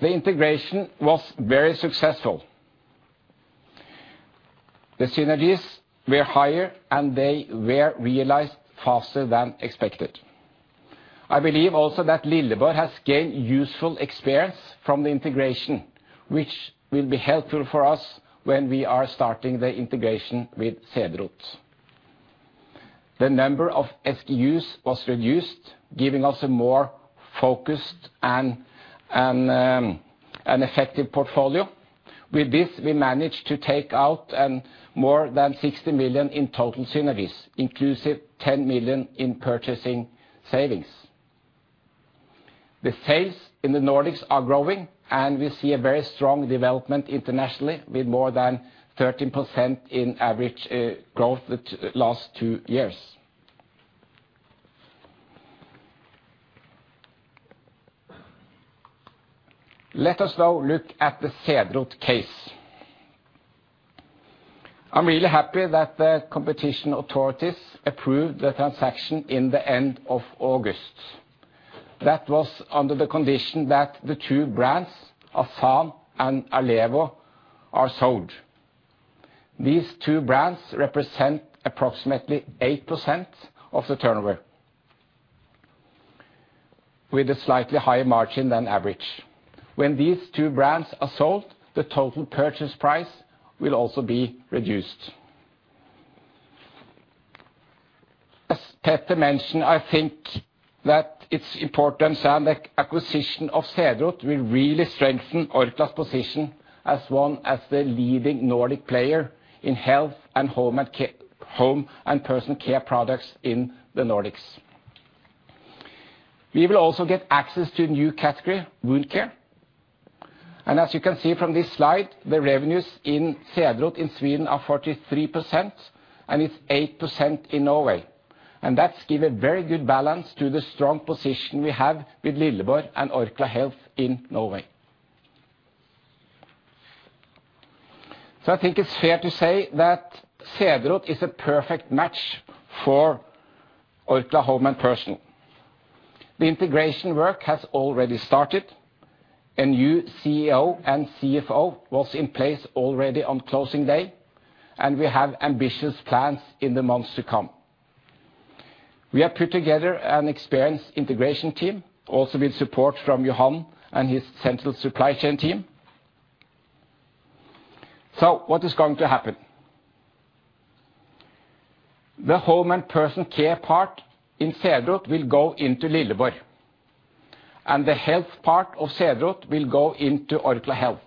Speaker 10: The integration was very successful. The synergies were higher, and they were realized faster than expected. I believe also that Lilleborg has gained useful experience from the integration, which will be helpful for us when we are starting the integration with Cederroth. The number of SKUs was reduced, giving us a more focused and effective portfolio. With this, we managed to take out more than 60 million in total synergies, inclusive 10 million in purchasing savings. The sales in the Nordics are growing, and we see a very strong development internationally with more than 13% in average growth the last two years. Let us now look at the Cederroth case. I am really happy that the competition authorities approved the transaction in the end of August. That was under the condition that the two brands, Asan and Allévo, are sold. These two brands represent approximately 8% of the turnover, with a slightly higher margin than average. When these two brands are sold, the total purchase price will also be reduced. As Petter mentioned, I think that it's important, the acquisition of Cederroth will really strengthen Orkla's position as one as the leading Nordic player in health and Home & Personal Care products in the Nordics. We will also get access to a new category, wound care. As you can see from this slide, the revenues in Cederroth in Sweden are 43%, and it's 8% in Norway. That give a very good balance to the strong position we have with Lilleborg and Orkla Health in Norway. I think it's fair to say that Cederroth is a perfect match for Orkla Home & Personal. The integration work has already started. A new CEO and CFO was in place already on closing day, and we have ambitious plans in the months to come. We have put together an experienced integration team, also with support from Johan and his central supply chain team. What is going to happen? The home and personal care part in Cederroth will go into Lilleborg, and the health part of Cederroth will go into Orkla Health.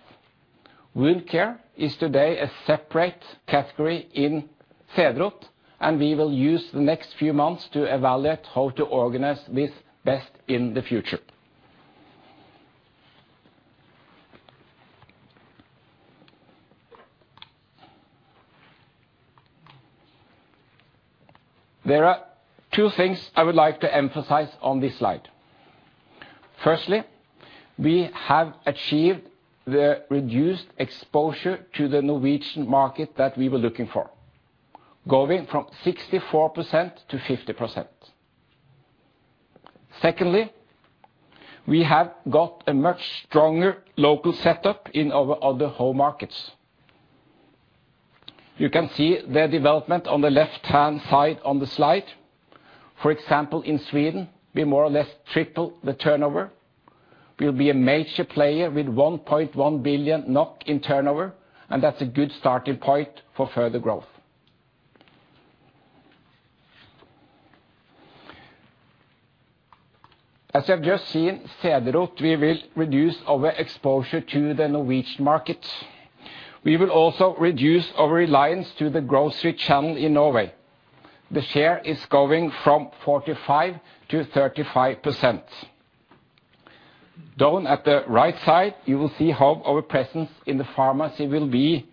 Speaker 10: Wound care is today a separate category in Cederroth, and we will use the next few months to evaluate how to organize this best in the future. There are two things I would like to emphasize on this slide. Firstly, we have achieved the reduced exposure to the Norwegian market that we were looking for, going from 64% to 50%. Secondly, we have got a much stronger local setup in our other home markets. You can see the development on the left-hand side on the slide. For example, in Sweden, we more or less triple the turnover. We will be a major player with 1.1 billion NOK in turnover, and that is a good starting point for further growth. As you have just seen, Cederroth, we will reduce our exposure to the Norwegian market. We will also reduce our reliance to the grocery channel in Norway. The share is going from 45% to 35%. Down at the right side, you will see how our presence in the pharmacy will be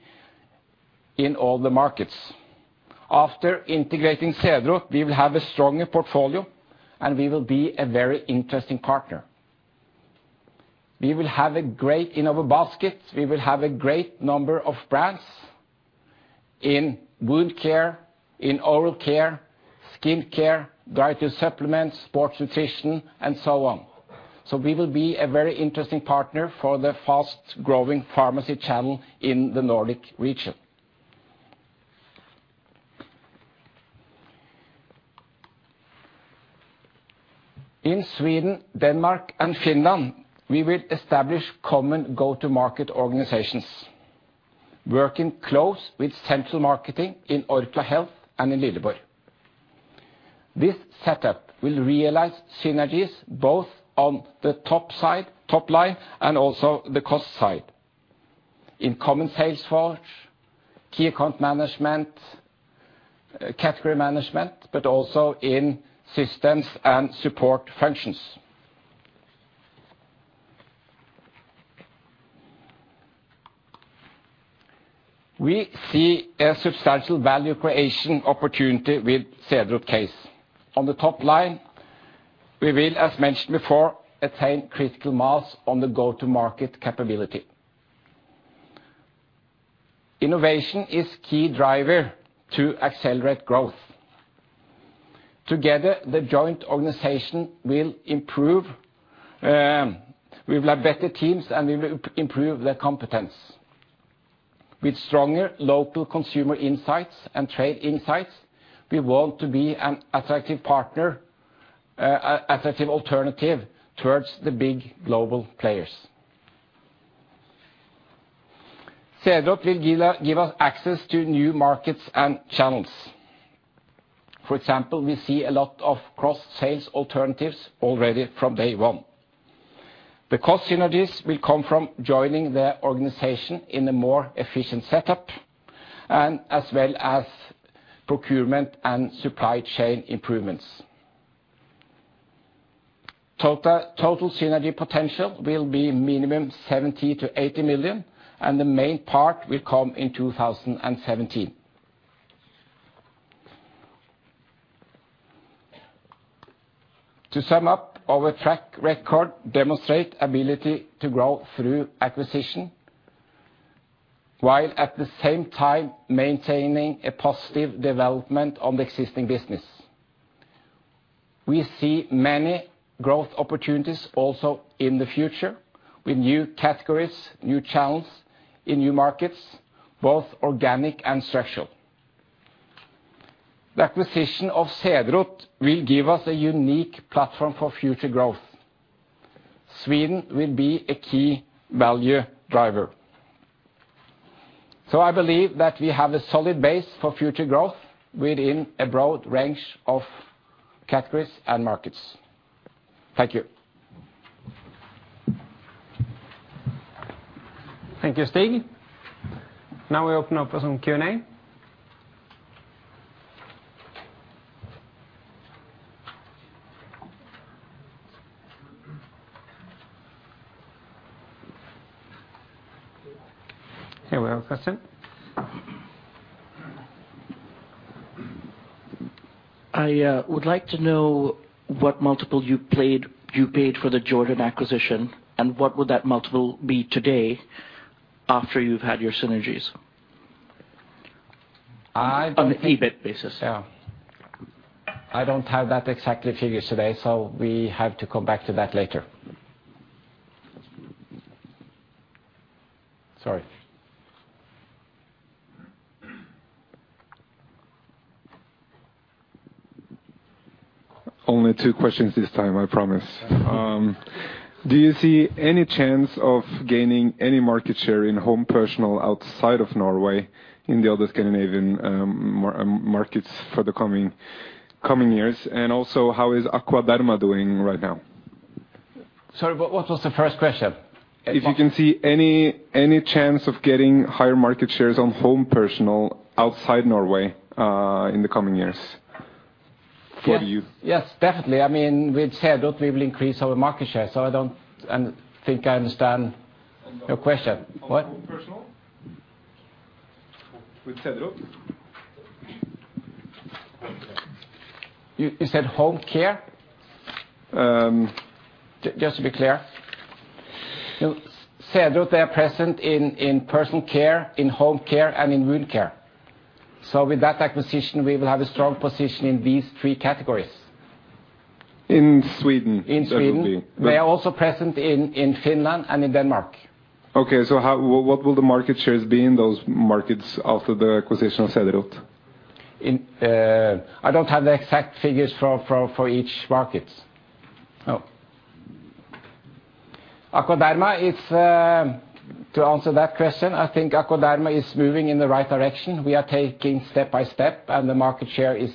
Speaker 10: in all the markets. After integrating Cederroth, we will have a stronger portfolio and we will be a very interesting partner. In our baskets, we will have a great number of brands in wound care, in oral care, skin care, dietary supplements, sports nutrition, and so on. We will be a very interesting partner for the fast-growing pharmacy channel in the Nordic region. In Sweden, Denmark, and Finland, we will establish common go-to-market organizations, working close with central marketing in Orkla Health and in Lilleborg. This setup will realize synergies both on the top line and also the cost side, in common sales force, key account management, category management, also in systems and support functions. We see a substantial value creation opportunity with Cederroth case. On the top line, we will, as mentioned before, attain critical mass on the go-to-market capability. Innovation is key driver to accelerate growth. Together, the joint organization will have better teams and we will improve their competence. With stronger local consumer insights and trade insights, we want to be an attractive alternative towards the big global players. Cederroth will give us access to new markets and channels. For example, we see a lot of cross-sales alternatives already from day one. The cost synergies will come from joining the organization in a more efficient setup, as well as procurement and supply chain improvements. Total synergy potential will be minimum 70 million to 80 million, and the main part will come in 2017. To sum up, our track record demonstrate ability to grow through acquisition, while at the same time maintaining a positive development on the existing business. We see many growth opportunities also in the future with new categories, new channels in new markets, both organic and structural. The acquisition of Cederroth will give us a unique platform for future growth. Sweden will be a key value driver. I believe that we have a solid base for future growth within a broad range of categories and markets. Thank you.
Speaker 1: Thank you, Stig. Now we open up for some Q&A. Here we have a question.
Speaker 9: I would like to know what multiple you paid for the Jordan acquisition, and what would that multiple be today after you've had your synergies?
Speaker 10: I-
Speaker 9: On the EBIT basis.
Speaker 10: Yeah. I don't have that exact figures today. We have to come back to that later. Sorry.
Speaker 6: Only two questions this time, I promise. Do you see any chance of gaining any market share in home personal outside of Norway in the other Scandinavian markets for the coming years? How is Aquaderm doing right now?
Speaker 10: Sorry, what was the first question?
Speaker 6: If you can see any chance of getting higher market shares on home personal outside Norway in the coming years for you?
Speaker 10: Yes, definitely. With Cederroth, we will increase our market share. I don't think I understand your question. What?
Speaker 1: On Home & Personal? With Cederroth?
Speaker 10: You said home care? Just to be clear. Cederroth, they are present in personal care, in home care, and in wound care. With that acquisition, we will have a strong position in these three categories.
Speaker 6: In Sweden.
Speaker 10: In Sweden. They are also present in Finland and in Denmark.
Speaker 6: What will the market shares be in those markets after the acquisition of Cederroth?
Speaker 10: I don't have the exact figures for each market.
Speaker 6: Oh.
Speaker 10: Aquaderm is, to answer that question, I think Aquaderm is moving in the right direction. We are taking step by step, and the market share is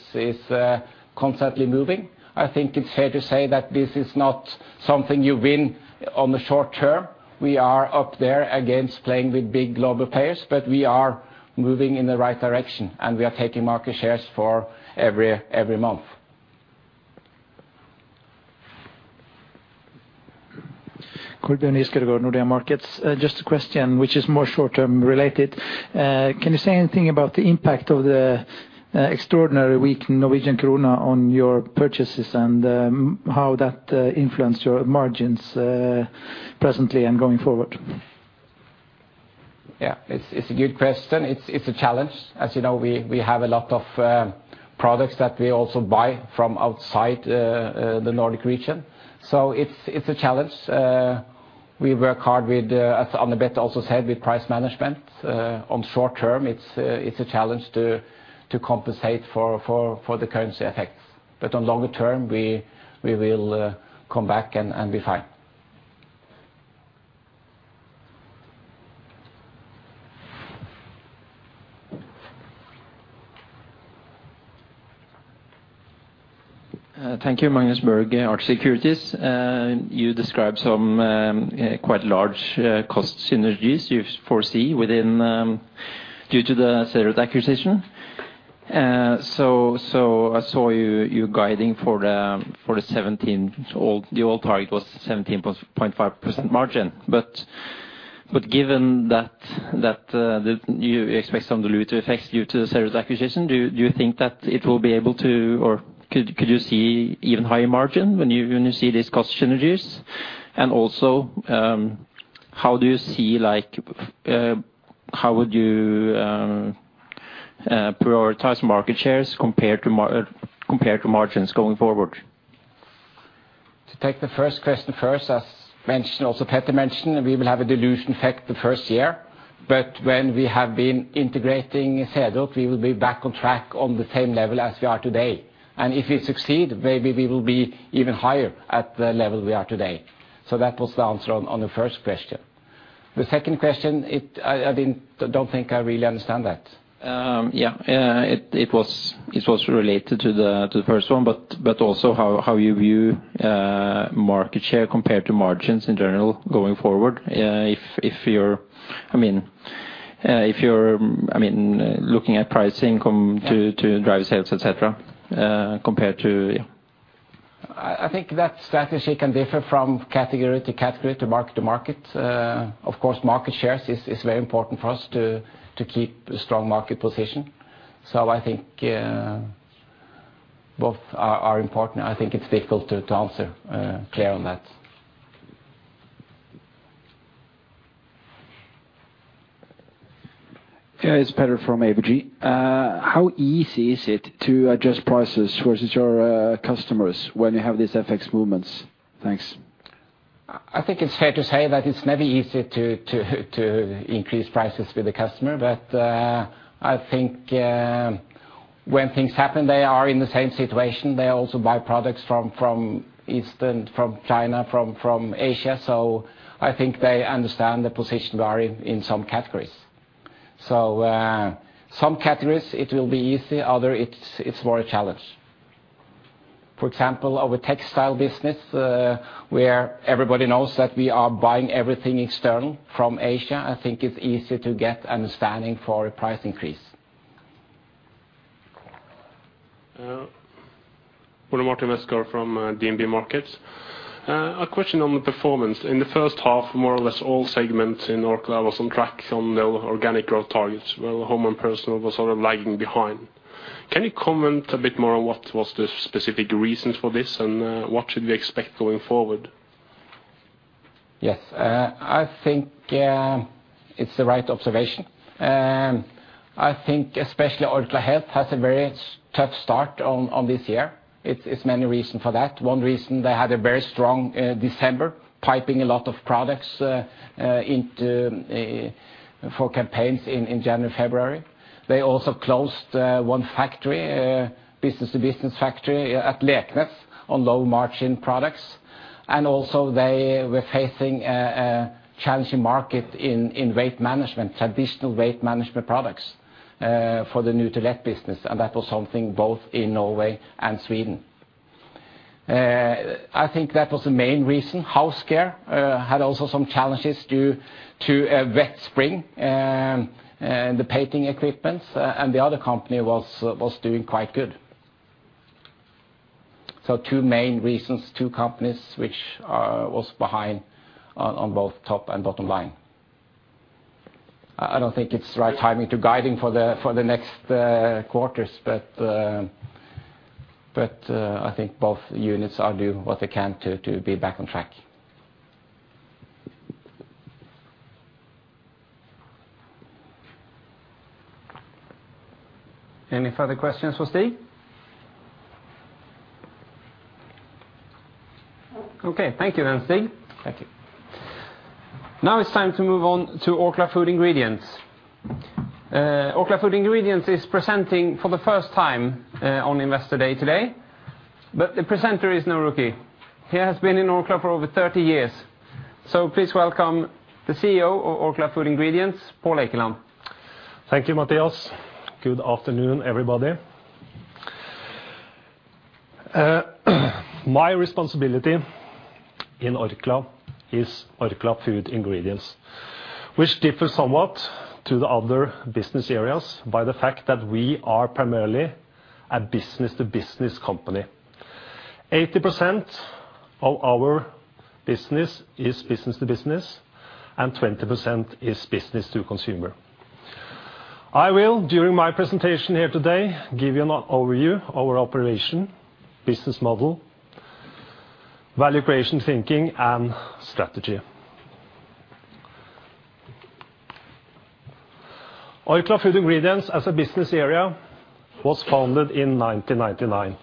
Speaker 10: constantly moving. I think it's fair to say that this is not something you win on the short term. We are up there against playing with big global players, but we are moving in the right direction, and we are taking market shares for every month.
Speaker 11: Kurt Jønskredager, Nordea Markets. Just a question, which is more short-term related. Can you say anything about the impact of the extraordinary weak Norwegian krone on your purchases and how that influenced your margins presently and going forward?
Speaker 10: Yeah, it's a good question. It's a challenge. As you know, we have a lot of products that we also buy from outside the Nordic region. It's a challenge. We work hard with, as Ann-Beth also said, with price management. On short term, it's a challenge to compensate for the currency effects. On longer term, we will come back and be fine.
Speaker 12: Thank you. Magnus Berg, ABG Securities. You described some quite large cost synergies you foresee due to the Cederroth acquisition. I saw you guiding for the 2017, the old target was 17.5% margin. Given that you expect some dilutive effects due to the Cederroth acquisition, do you think that it will be able to, or could you see even higher margin when you see these cost synergies? Also, how would you prioritize market shares compared to margins going forward?
Speaker 10: To take the first question first, as mentioned, also Petter mentioned, we will have a dilution effect the first year. When we have been integrating Cederroth, we will be back on track on the same level as we are today. If we succeed, maybe we will be even higher at the level we are today. That was the answer on the first question. The second question, I don't think I really understand that.
Speaker 12: Yeah. It was related to the first one, also how you view market share compared to margins in general going forward. If you're looking at pricing to drive sales, et cetera, compared to
Speaker 10: I think that strategy can differ from category to category, to market to market. Of course, market share is very important for us to keep a strong market position. I think both are important. I think it's difficult to answer clear on that.
Speaker 8: Yeah, it's Petter from ABG. How easy is it to adjust prices versus your customers when you have these FX movements? Thanks.
Speaker 10: I think it's fair to say that it's never easy to increase prices with the customer. I think when things happen, they are in the same situation. They also buy products from Eastern, from China, from Asia. I think they understand the position we are in some categories. Some categories it will be easy, other it's more a challenge. For example, our textile business, where everybody knows that we are buying everything external from Asia, I think it's easy to get understanding for a price increase.
Speaker 13: Ole Martin Westgaard from DNB Markets. A question on the performance. In the first half, more or less all segments in Orkla was on track on the organic growth targets, while Home & Personal was sort of lagging behind. Can you comment a bit more on what was the specific reasons for this, and what should we expect going forward?
Speaker 10: Yes. I think it's the right observation. I think especially Orkla Health has a very tough start on this year. It's many reasons for that. One reason, they had a very strong December, piping a lot of products for campaigns in January, February. Also they closed one factory, business to business factory at Leknes on low-margin products. Also they were facing a challenging market in weight management, traditional weight management products for the Nutrilett business. That was something both in Norway and Sweden. I think that was the main reason. House Care had also some challenges due to a wet spring, the painting equipment. The other company was doing quite good. Two main reasons, two companies which was behind on both top and bottom line. I don't think it's the right timing to guide for the next quarters. I think both units are doing what they can to be back on track.
Speaker 1: Any further questions for Stig? Okay, thank you then, Stig.
Speaker 10: Thank you.
Speaker 1: Now it's time to move on to Orkla Food Ingredients. Orkla Food Ingredients is presenting for the first time on Investor Day today, the presenter is no rookie. He has been in Orkla for over 30 years. Please welcome the CEO of Orkla Food Ingredients, Pål Eikeland.
Speaker 14: Thank you, Mattias. Good afternoon, everybody. My responsibility in Orkla is Orkla Food Ingredients, which differs somewhat to the other business areas by the fact that we are primarily a business-to-business company. 80% of our business is business-to-business, and 20% is business to consumer. I will, during my presentation here today, give you an overview of our operation, business model, value creation thinking, and strategy. Orkla Food Ingredients as a business area was founded in 1999,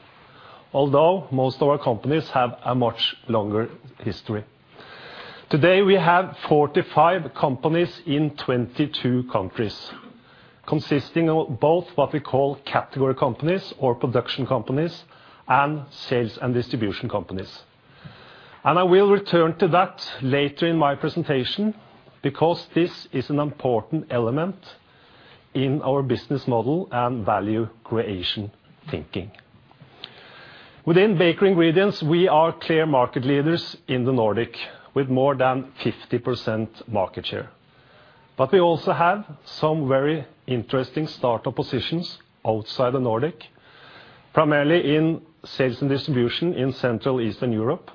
Speaker 14: although most of our companies have a much longer history. Today, we have 45 companies in 22 countries, consisting of both what we call category companies or production companies and sales and distribution companies. I will return to that later in my presentation because this is an important element in our business model and value creation thinking. Within bakery ingredients, we are clear market leaders in the Nordic with more than 50% market share. We also have some very interesting startup positions outside the Nordic, primarily in sales and distribution in Central Eastern Europe,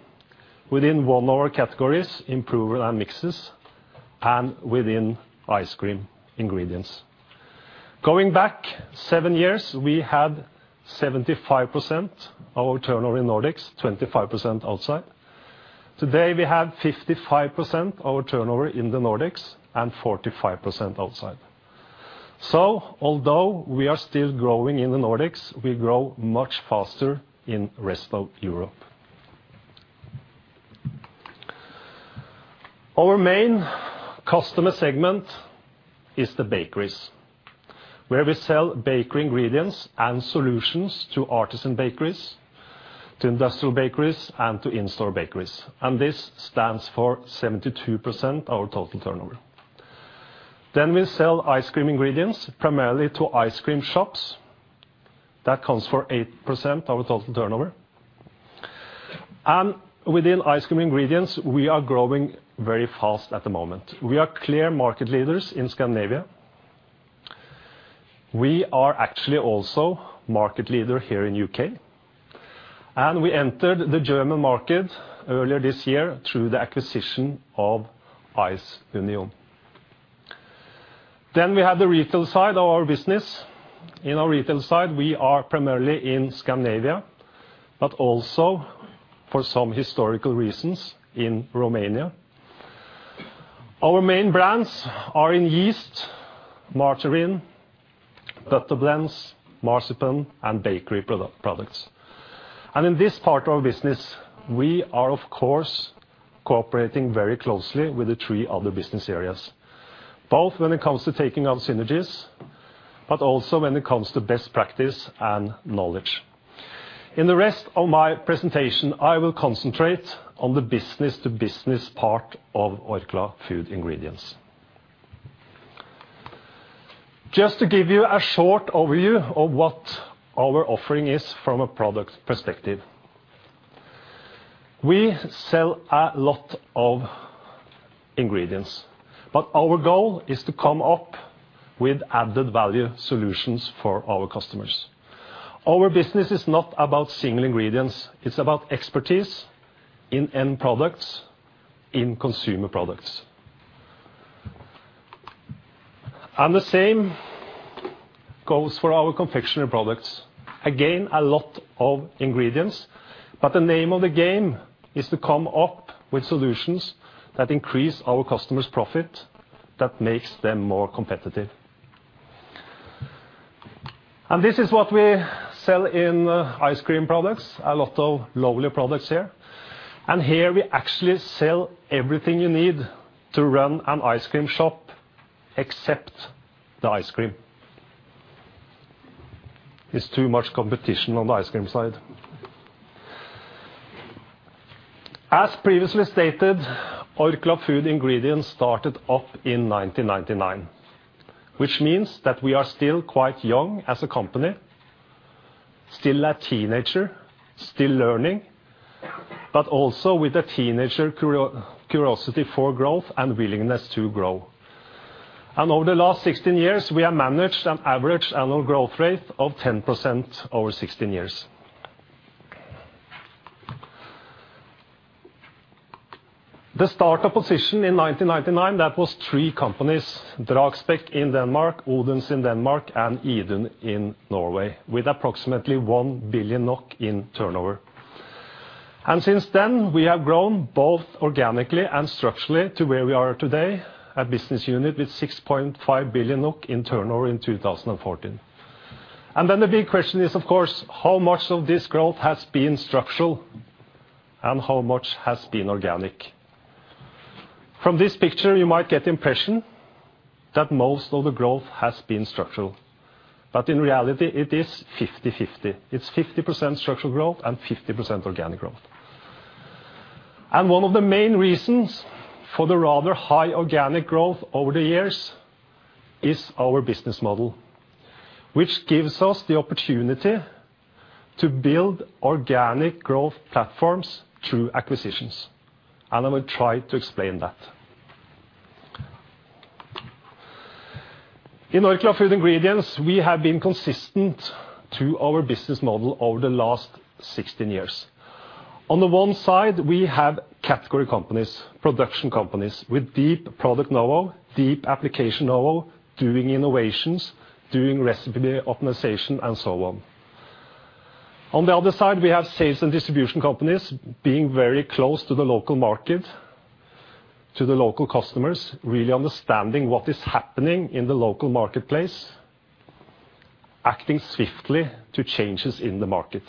Speaker 14: within one of our categories, improver and mixes, and within ice cream ingredients. Going back seven years, we had 75% of our turnover in Nordics, 25% outside. Today, we have 55% our turnover in the Nordics and 45% outside. Although we are still growing in the Nordics, we grow much faster in rest of Europe. Our main customer segment is the bakeries, where we sell bakery ingredients and solutions to artisan bakeries, to industrial bakeries, and to in-store bakeries, and this stands for 72% our total turnover. We sell ice cream ingredients primarily to ice cream shops. That accounts for 8% of our total turnover. Within ice cream ingredients, we are growing very fast at the moment. We are clear market leaders in Scandinavia. We are actually also market leader here in U.K., and we entered the German market earlier this year through the acquisition of Eisunion. We have the retail side of our business. In our retail side, we are primarily in Scandinavia, but also for some historical reasons, in Romania. Our main brands are in yeast, margarine, butter blends, marzipan, and bakery products. In this part of our business, we are, of course, cooperating very closely with the three other business areas, both when it comes to taking our synergies, but also when it comes to best practice and knowledge. In the rest of my presentation, I will concentrate on the business-to-business part of Orkla Food Ingredients. Just to give you a short overview of what our offering is from a product perspective. We sell a lot of ingredients, but our goal is to come up with added value solutions for our customers. Our business is not about single ingredients, it's about expertise in end products, in consumer products. The same goes for our confectionery products. Again, a lot of ingredients, but the name of the game is to come up with solutions that increase our customers' profit, that makes them more competitive. This is what we sell in ice cream products, a lot of lovely products here. Here we actually sell everything you need to run an ice cream shop except the ice cream. It's too much competition on the ice cream side. As previously stated, Orkla Food Ingredients started up in 1999, which means that we are still quite young as a company, still a teenager, still learning, but also with a teenager curiosity for growth and willingness to grow. Over the last 16 years, we have managed an average annual growth rate of 10% over 16 years. The startup position in 1999, that was three companies, Dragsbæk in Denmark, Odense in Denmark, and Eden in Norway, with approximately 1 billion NOK in turnover. Since then, we have grown both organically and structurally to where we are today, a business unit with 6.5 billion NOK in turnover in 2014. The big question is, of course, how much of this growth has been structural and how much has been organic? From this picture, you might get the impression that most of the growth has been structural, but in reality, it is 50/50. It's 50% structural growth and 50% organic growth. One of the main reasons for the rather high organic growth over the years is our business model, which gives us the opportunity to build organic growth platforms through acquisitions. I will try to explain that. In Orkla Food Ingredients, we have been consistent to our business model over the last 16 years. On the one side, we have category companies, production companies, with deep product knowhow, deep application knowhow, doing innovations, doing recipe optimization, and so on. On the other side, we have sales and distribution companies being very close to the local market, to the local customers, really understanding what is happening in the local marketplace, acting swiftly to changes in the market.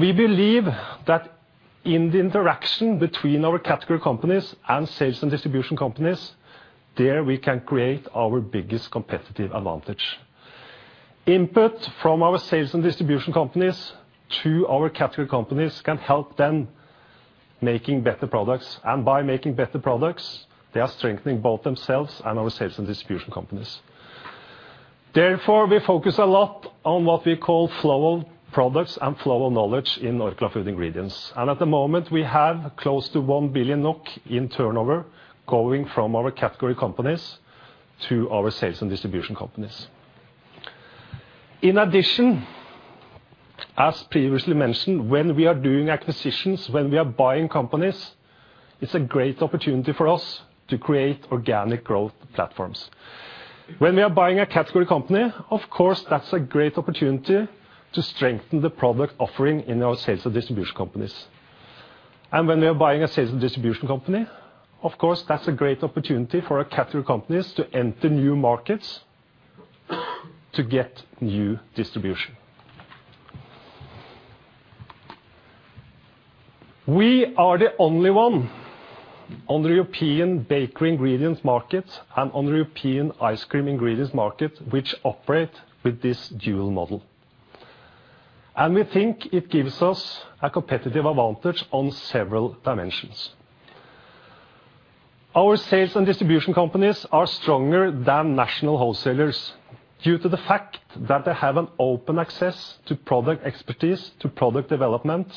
Speaker 14: We believe that in the interaction between our category companies and sales and distribution companies, there we can create our biggest competitive advantage. Input from our sales and distribution companies to our category companies can help them making better products, and by making better products, they are strengthening both themselves and our sales and distribution companies. Therefore, we focus a lot on what we call flow of products and flow of knowledge in Orkla Food Ingredients. At the moment, we have close to 1 billion NOK in turnover going from our category companies to our sales and distribution companies. In addition, as previously mentioned, when we are doing acquisitions, when we are buying companies, it is a great opportunity for us to create organic growth platforms. When we are buying a category company, of course, that is a great opportunity to strengthen the product offering in our sales and distribution companies. When we are buying a sales and distribution company, of course, that is a great opportunity for our category companies to enter new markets, to get new distribution. We are the only one on the European bakery ingredients market and on the European ice cream ingredients market which operate with this dual model, and we think it gives us a competitive advantage on several dimensions. Our sales and distribution companies are stronger than national wholesalers due to the fact that they have an open access to product expertise, to product development,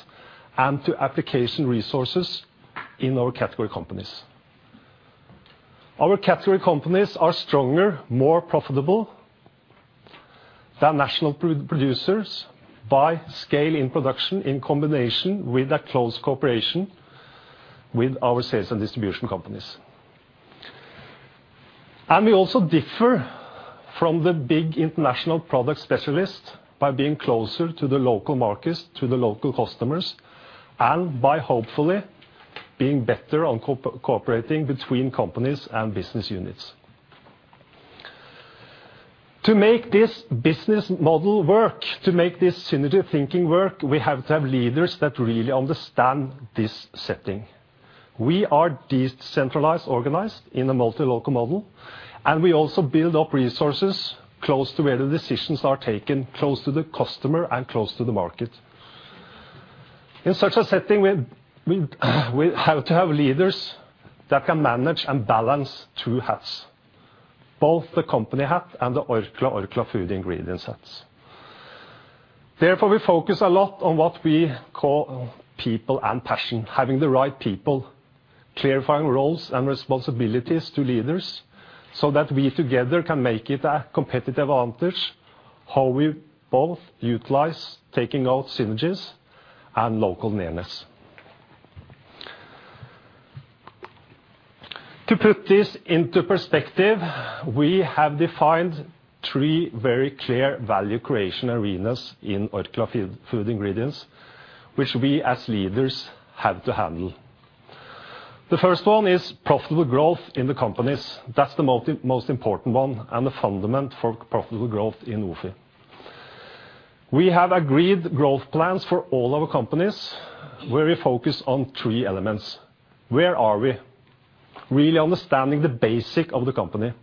Speaker 14: and to application resources in our category companies. Our category companies are stronger, more profitable than national producers by scale in production in combination with a close cooperation with our sales and distribution companies. We also differ from the big international product specialists by being closer to the local markets, to the local customers, and by hopefully being better on cooperating between companies and business units. To make this business model work, to make this synergy thinking work, we have to have leaders that really understand this setting. We are decentralized organized in a multi-local model, and we also build up resources close to where the decisions are taken, close to the customer and close to the market. In such a setting, we have to have leaders that can manage and balance two hats, both the company hat and the Orkla Food Ingredients hats. Therefore, we focus a lot on what we call people and passion, having the right people, clarifying roles and responsibilities to leaders, so that we together can make it a competitive advantage how we both utilize taking out synergies and local nearness. To put this into perspective, we have defined three very clear value creation arenas in Orkla Food Ingredients, which we as leaders have to handle. The first one is profitable growth in the companies. That is the most important one and the fundament for profitable growth in OFI. We have agreed growth plans for all our companies where we focus on three elements. Where are we? Really understanding the basic of the company.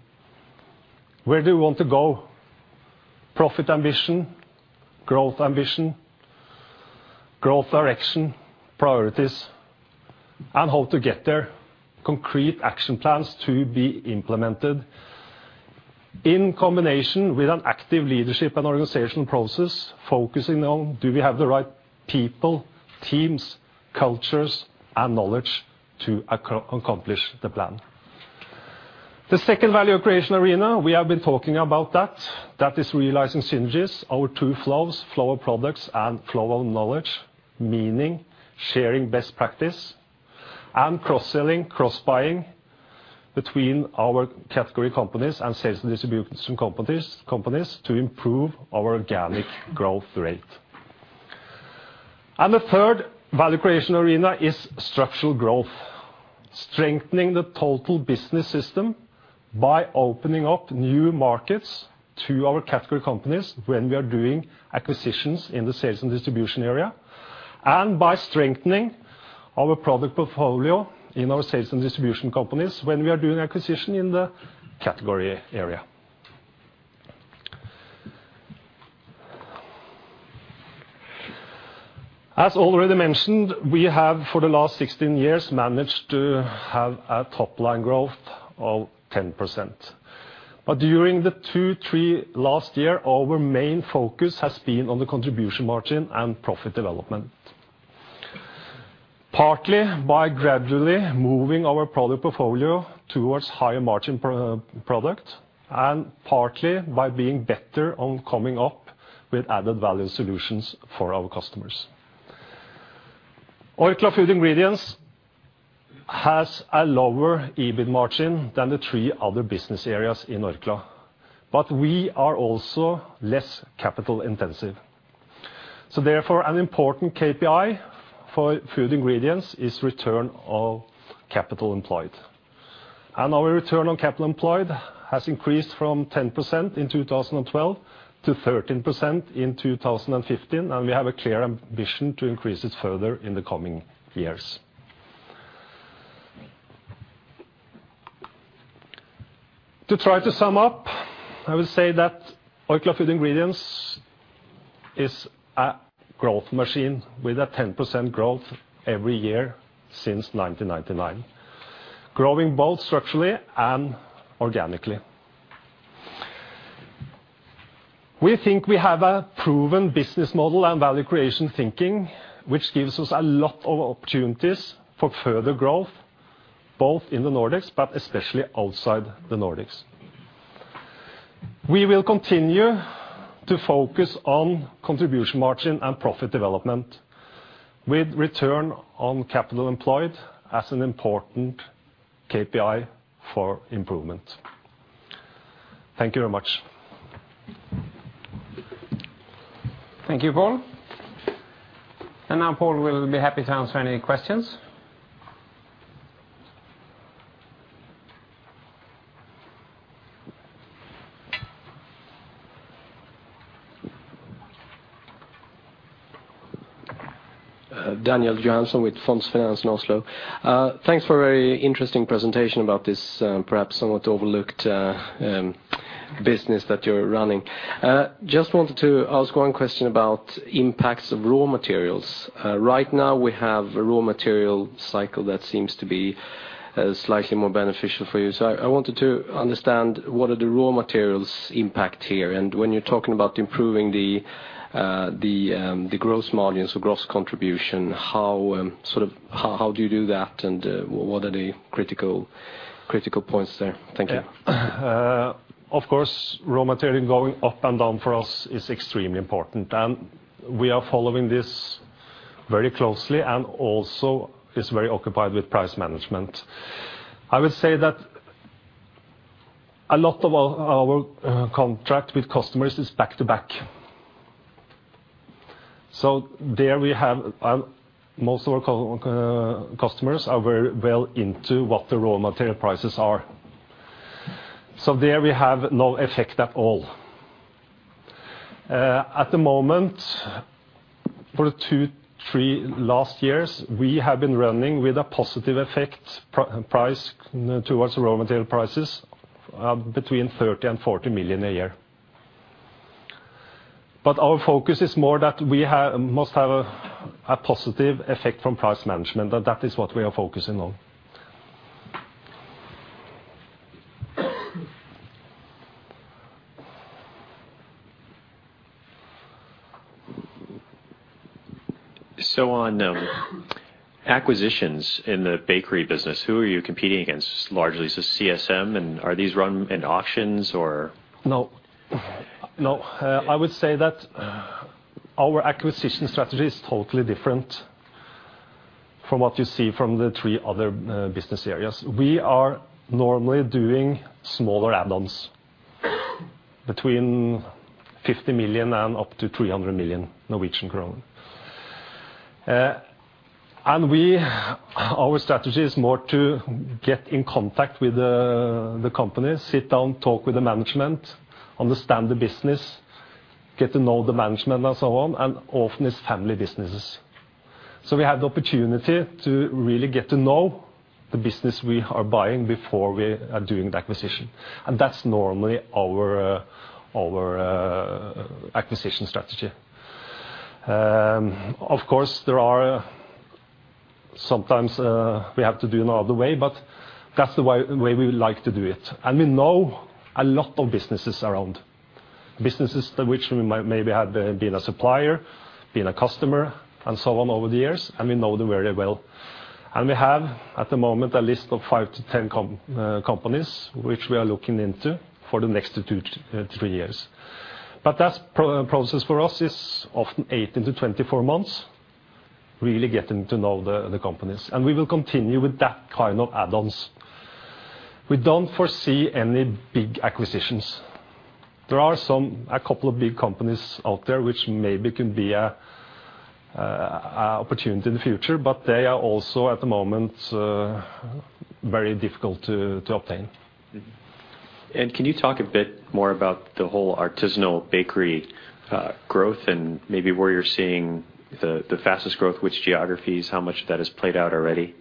Speaker 14: Where do we want to go? Profit ambition, growth ambition, growth direction, priorities, and how to get there, concrete action plans to be implemented in combination with an active leadership and organizational process, focusing on, do we have the right people, teams, cultures, and knowledge to accomplish the plan? The second value creation arena, we have been talking about that. That is realizing synergies, our two flows, flow of products and flow of knowledge, meaning sharing best practice and cross-selling, cross-buying between our category companies and sales and distribution companies to improve our organic growth rate. The third value creation arena is structural growth, strengthening the total business system by opening up new markets to our category companies when we are doing acquisitions in the sales and distribution area, and by strengthening our product portfolio in our sales and distribution companies when we are doing acquisition in the category area. As already mentioned, we have for the last 16 years managed to have a top-line growth of 10%. During the two, three last year, our main focus has been on the contribution margin and profit development. Partly by gradually moving our product portfolio towards higher margin product, and partly by being better on coming up with added value solutions for our customers. Orkla Food Ingredients has a lower EBIT margin than the three other business areas in Orkla, but we are also less capital intensive. Therefore, an important KPI for Food Ingredients is return on capital employed. Our return on capital employed has increased from 10% in 2012 to 13% in 2015, and we have a clear ambition to increase it further in the coming years. To try to sum up, I would say that Orkla Food Ingredients is a growth machine with a 10% growth every year since 1999, growing both structurally and organically. We think we have a proven business model and value creation thinking, which gives us a lot of opportunities for further growth, both in the Nordics but especially outside the Nordics. We will continue to focus on contribution margin and profit development with return on capital employed as an important KPI for improvement. Thank you very much.
Speaker 1: Thank you, Pål. Now Pål will be happy to answer any questions.
Speaker 15: Daniel Johansson with Fondsfinans in Oslo. Thanks for a very interesting presentation about this perhaps somewhat overlooked business that you're running. Just wanted to ask one question about impacts of raw materials. Right now, we have a raw material cycle that seems to be slightly more beneficial for you. I wanted to understand what are the raw materials impact here? When you're talking about improving the gross margins or gross contribution, how do you do that and what are the critical points there? Thank you.
Speaker 14: Of course, raw material going up and down for us is extremely important, and we are following this very closely and also is very occupied with price management. I would say that a lot of our contract with customers is back to back. There we have most of our customers are very well into what the raw material prices are. There we have no effect at all. At the moment, for the two, three last years, we have been running with a positive effect price towards raw material prices between 30 million and 40 million a year. Our focus is more that we must have a positive effect from price management, and that is what we are focusing on.
Speaker 5: On acquisitions in the bakery business, who are you competing against largely? Is this CSM? And are these run in auctions or?
Speaker 14: No. I would say that our acquisition strategy is totally different from what you see from the three other business areas. We are normally doing smaller add-ons between 50 million and up to 300 million Norwegian kroner. Our strategy is more to get in contact with the companies, sit down, talk with the management, understand the business, get to know the management and so on, and often it's family businesses. We have the opportunity to really get to know the business we are buying before we are doing the acquisition. That's normally our acquisition strategy. Of course, there are sometimes we have to do in another way, but that's the way we like to do it. We know a lot of businesses around, businesses which we maybe have been a supplier, been a customer, and so on over the years, and we know them very well. We have at the moment a list of five to 10 companies which we are looking into for the next two, three years. That process for us is often 18-24 months, really getting to know the companies, and we will continue with that kind of add-ons. We don't foresee any big acquisitions. There are a couple of big companies out there, which maybe can be an opportunity in the future, but they are also, at the moment, very difficult to obtain.
Speaker 1: Can you talk a bit more about the whole artisanal bakery growth and maybe where you're seeing the fastest growth, which geographies, how much of that has played out already?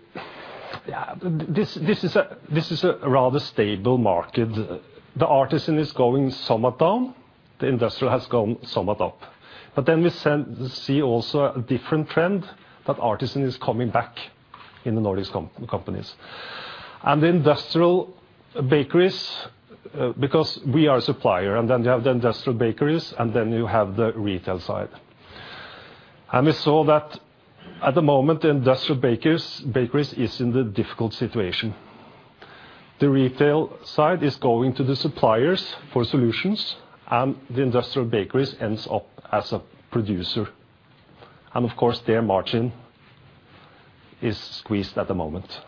Speaker 14: Yeah. This is a rather stable market. The artisan is going somewhat down. The industrial has gone somewhat up. We see also a different trend, that artisan is coming back in the Nordics companies. Industrial bakeries, because we are a supplier, then you have the industrial bakeries, then you have the retail side. We saw that at the moment, industrial bakeries is in the difficult situation. The retail side is going to the suppliers for solutions, and the industrial bakeries ends up as a producer. Of course, their margin is squeezed at the moment.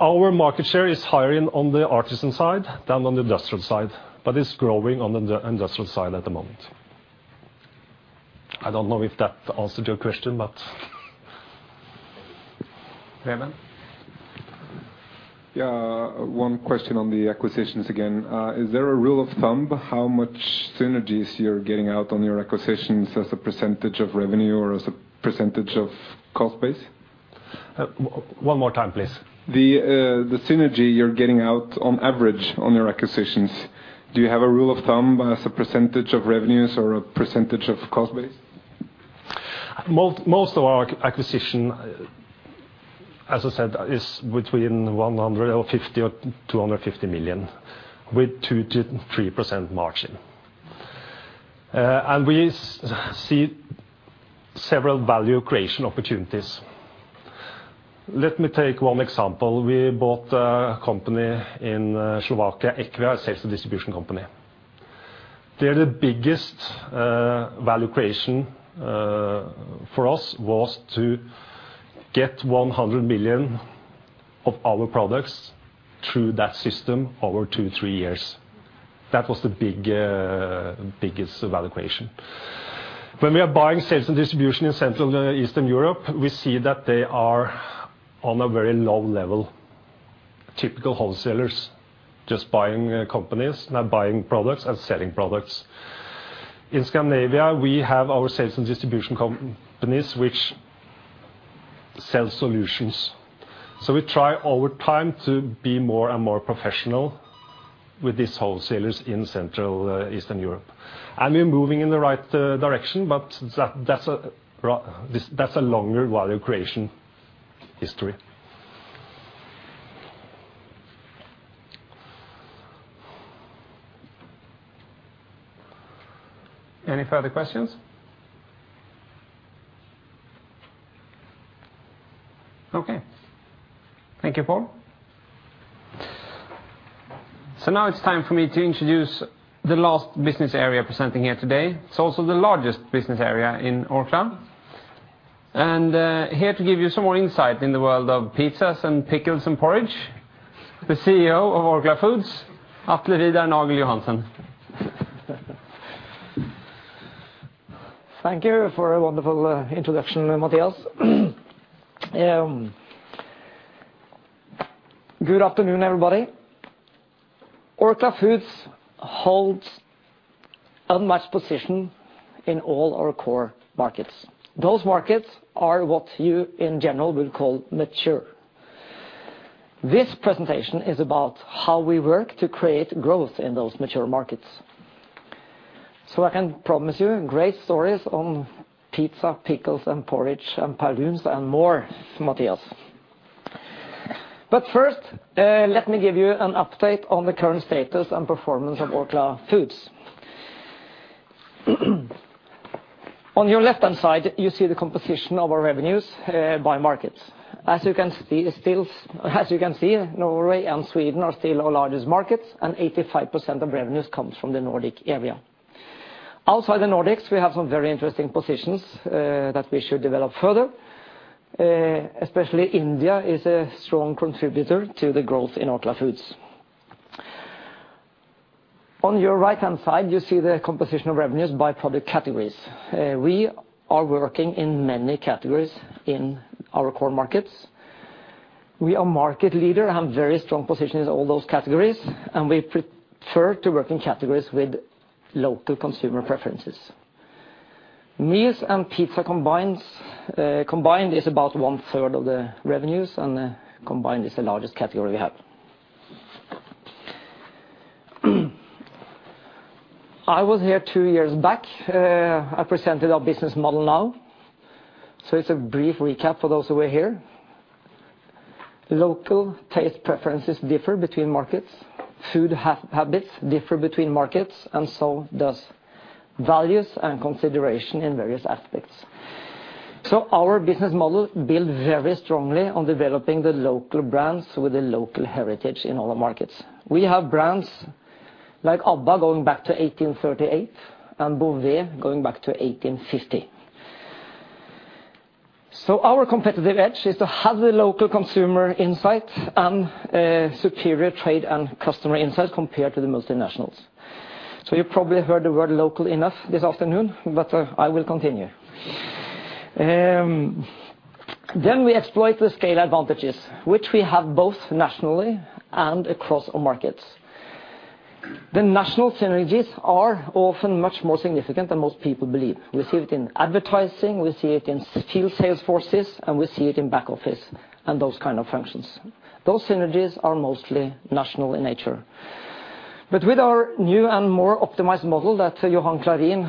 Speaker 14: Our market share is higher on the artisan side than on the industrial side, but it's growing on the industrial side at the moment. I don't know if that answered your question.
Speaker 1: Raymond?
Speaker 6: Yeah. One question on the acquisitions again. Is there a rule of thumb how much synergies you're getting out on your acquisitions as a percentage of revenue or as a percentage of cost base?
Speaker 14: One more time, please.
Speaker 6: The synergy you are getting out on average on your acquisitions, do you have a rule of thumb as a percentage of revenues or a percentage of cost base?
Speaker 14: Most of our acquisition, as I said, is between 100 million or 50 million or 250 million, with 2%-3% margin. We see several value creation opportunities. Let me take one example. We bought a company in Slovakia, Ekva, a sales and distribution company. There the biggest value creation for us was to get 100 million of our products through that system over two, three years. That was the biggest value creation. When we are buying sales and distribution in Central and Eastern Europe, we see that they are on a very low level, typical wholesalers, just buying companies, buying products and selling products. In Scandinavia, we have our sales and distribution companies which sell solutions. We try over time to be more and more professional with these wholesalers in Central Eastern Europe. We are moving in the right direction, but that's a longer value creation history.
Speaker 1: Any further questions? Okay. Thank you, Pål. Now it's time for me to introduce the last business area presenting here today. It's also the largest business area in Orkla. Here to give you some more insight in the world of pizzas and pickles and porridge, the CEO of Orkla Foods, Atle Vidar Nagel Johansen.
Speaker 16: Thank you for a wonderful introduction, Mattias. Good afternoon, everybody. Orkla Foods holds a much position in all our core markets. Those markets are what you, in general, will call mature. This presentation is about how we work to create growth in those mature markets. I can promise you great stories on pizza, pickles, and porridge, and Paulúns and more, Mattias. First, let me give you an update on the current status and performance of Orkla Foods. On your left-hand side, you see the composition of our revenues by market. As you can see, Norway and Sweden are still our largest markets, and 85% of revenues comes from the Nordic area. Outside the Nordics, we have some very interesting positions that we should develop further. Especially India is a strong contributor to the growth in Orkla Foods. On your right-hand side, you see the composition of revenues by product categories. We are working in many categories in our core markets. We are market leader and have very strong position in all those categories, and we prefer to work in categories with local consumer preferences. Meals and pizza combined is about one-third of the revenues and combined is the largest category we have. I was here two years back, I presented our business model now, so it's a brief recap for those who were here. Local taste preferences differ between markets. Food habits differ between markets and so does values and consideration in various aspects. Our business model build very strongly on developing the local brands with the local heritage in all our markets. We have brands like Abba going back to 1838 and Beauvais going back to 1850. Our competitive edge is to have the local consumer insights and superior trade and customer insights compared to the multinationals. You probably heard the word local enough this afternoon, I will continue. We exploit the scale advantages, which we have both nationally and across all markets. The national synergies are often much more significant than most people believe. We see it in advertising, we see it in field sales forces, and we see it in back office and those kind of functions. Those synergies are mostly national in nature. With our new and more optimized model that Johan Clarin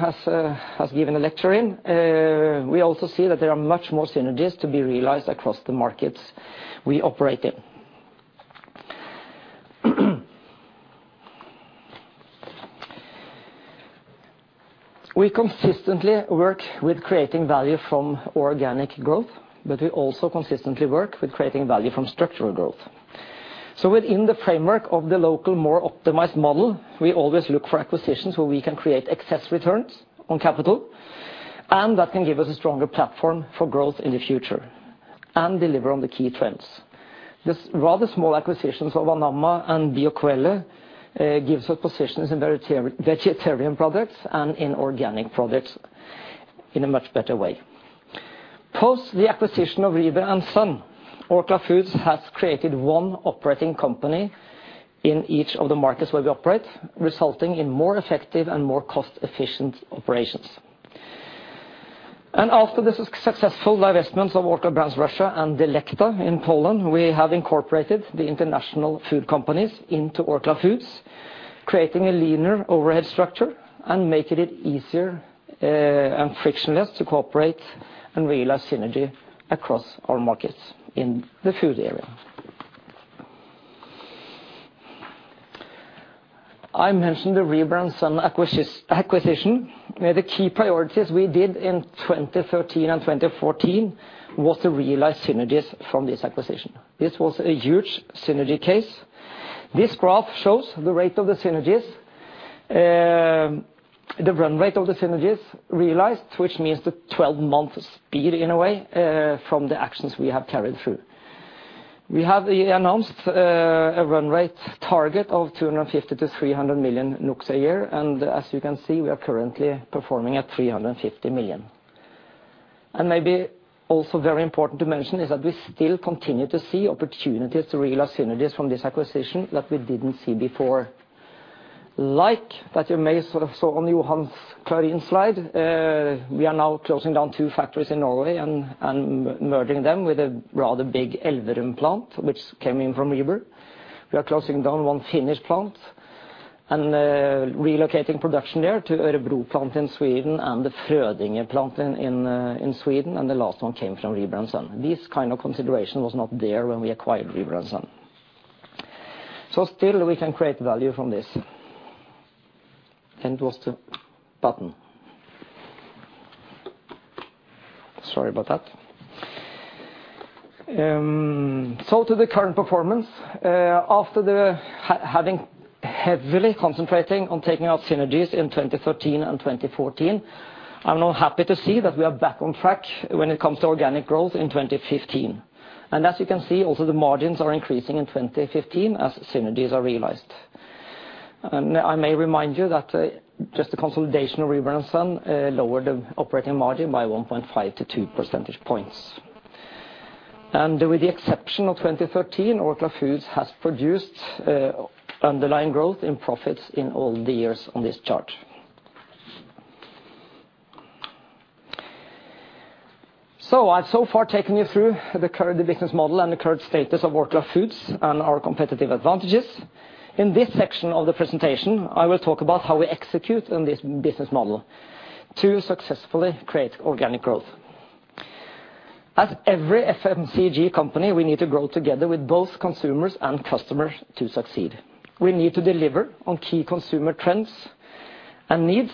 Speaker 16: has given a lecture in, we also see that there are much more synergies to be realized across the markets we operate in. We consistently work with creating value from organic growth, we also consistently work with creating value from structural growth. Within the framework of the local more optimized model, we always look for acquisitions where we can create excess returns on capital, and that can give us a stronger platform for growth in the future and deliver on the key trends. This rather small acquisitions of Anamma and Bioquelle gives us positions in vegetarian products and in organic products in a much better way. Post the acquisition of Rieber & Søn, Orkla Foods has created one operating company in each of the markets where we operate, resulting in more effective and more cost-efficient operations. After this successful divestments of Orkla Brands Russia and Delecta in Poland, we have incorporated the international food companies into Orkla Foods, creating a leaner overhead structure and making it easier and frictionless to cooperate and realize synergy across our markets in the food area. I mentioned the Rieber & Søn acquisition. One of the key priorities we did in 2013 and 2014 was to realize synergies from this acquisition. This was a huge synergy case. This graph shows the rate of the synergies, the run rate of the synergies realized, which means the 12 months speed, in a way, from the actions we have carried through. We have announced a run rate target of 250 million-300 million a year, and as you can see, we are currently performing at 350 million. Maybe also very important to mention is that we still continue to see opportunities to realize synergies from this acquisition that we didn't see before. Like that you may sort of saw on Johan Clarin's slide, we are now closing down two factories in Norway and merging them with a rather big Elverum plant, which came in from Rieber. We are closing down one Finnish plant and relocating production there to Örebro plant in Sweden and the Frödinge plant in Sweden and the last one came from Rieber & Søn. This kind of consideration was not there when we acquired Rieber & Søn. Still we can create value from this. It was the button. Sorry about that. To the current performance. After having heavily concentrating on taking out synergies in 2013 and 2014, I'm now happy to see that we are back on track when it comes to organic growth in 2015. As you can see, also the margins are increasing in 2015 as synergies are realized. I may remind you that just the consolidation of Rieber & Søn lowered the operating margin by 1.5-2 percentage points. With the exception of 2013, Orkla Foods has produced underlying growth in profits in all the years on this chart. I've so far taken you through the current business model and the current status of Orkla Foods and our competitive advantages. In this section of the presentation, I will talk about how we execute on this business model to successfully create organic growth. As every FMCG company, we need to grow together with both consumers and customers to succeed. We need to deliver on key consumer trends and needs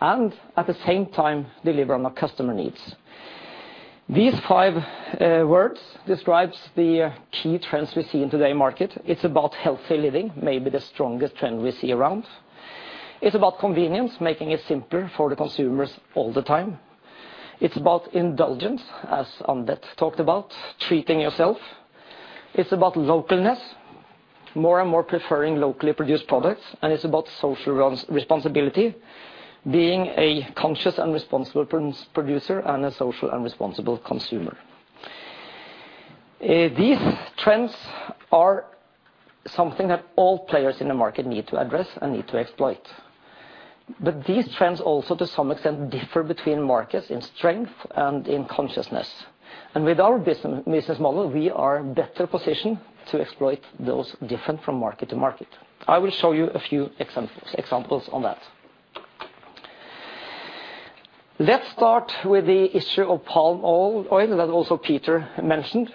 Speaker 16: and at the same time deliver on our customer needs. These five words describes the key trends we see in today market. It's about healthy living, maybe the strongest trend we see around. It's about convenience, making it simpler for the consumers all the time. It's about indulgence, as Ann-Beth talked about, treating yourself. It's about localness, more and more preferring locally produced products, and it's about social responsibility, being a conscious and responsible producer and a social and responsible consumer. These trends are something that all players in the market need to address and need to exploit. These trends also to some extent differ between markets in strength and in consciousness. With our business model, we are better positioned to exploit those different from market to market. I will show you a few examples on that. Let's start with the issue of palm oil that also Peter mentioned.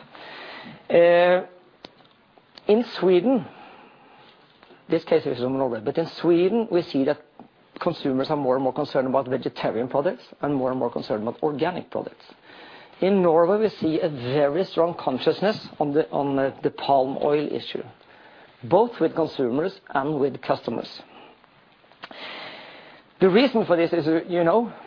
Speaker 16: In Sweden, this case is from Norway, but in Sweden, we see that consumers are more and more concerned about vegetarian products and more and more concerned about organic products. In Norway, we see a very strong consciousness on the palm oil issue, both with consumers and with customers. The reason for this is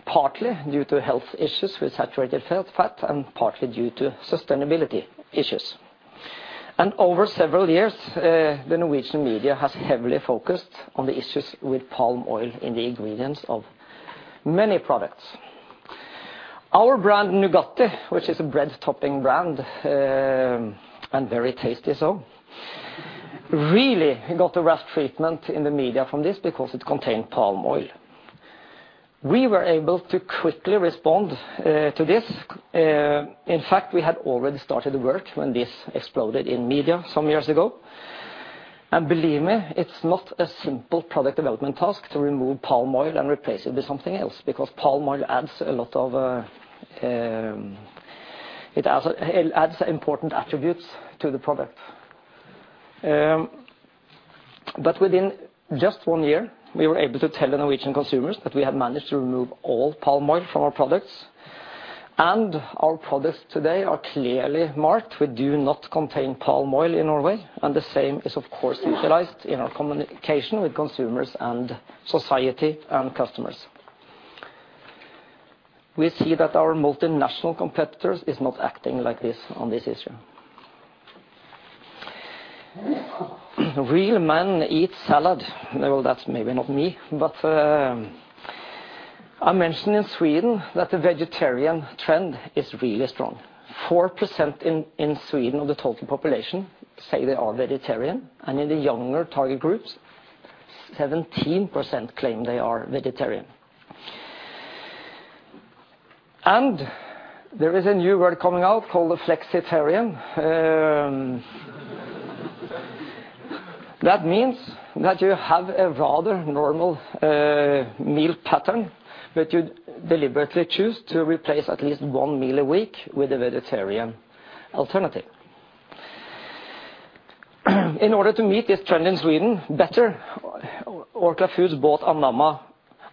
Speaker 16: partly due to health issues with saturated fat and partly due to sustainability issues. Over several years, the Norwegian media has heavily focused on the issues with palm oil in the ingredients of many products. Our brand, Nugatti, which is a bread topping brand, and very tasty, really got a rough treatment in the media from this because it contained palm oil. We were able to quickly respond to this. In fact, we had already started work when this exploded in media some years ago. Believe me, it is not a simple product development task to remove palm oil and replace it with something else, because palm oil adds important attributes to the product. But within just one year, we were able to tell the Norwegian consumers that we had managed to remove all palm oil from our products. Our products today are clearly marked with, "Do not contain palm oil," in Norway, and the same is, of course, utilized in our communication with consumers and society and customers. We see that our multinational competitors is not acting like this on this issue. Real men eat salad. Well, that is maybe not me. I mentioned in Sweden that the vegetarian trend is really strong. 4% in Sweden of the total population say they are vegetarian, and in the younger target groups, 17% claim they are vegetarian. There is a new word coming out called a flexitarian. That means that you have a rather normal meal pattern, but you deliberately choose to replace at least one meal a week with a vegetarian alternative. In order to meet this trend in Sweden better, Orkla Foods bought Anamma.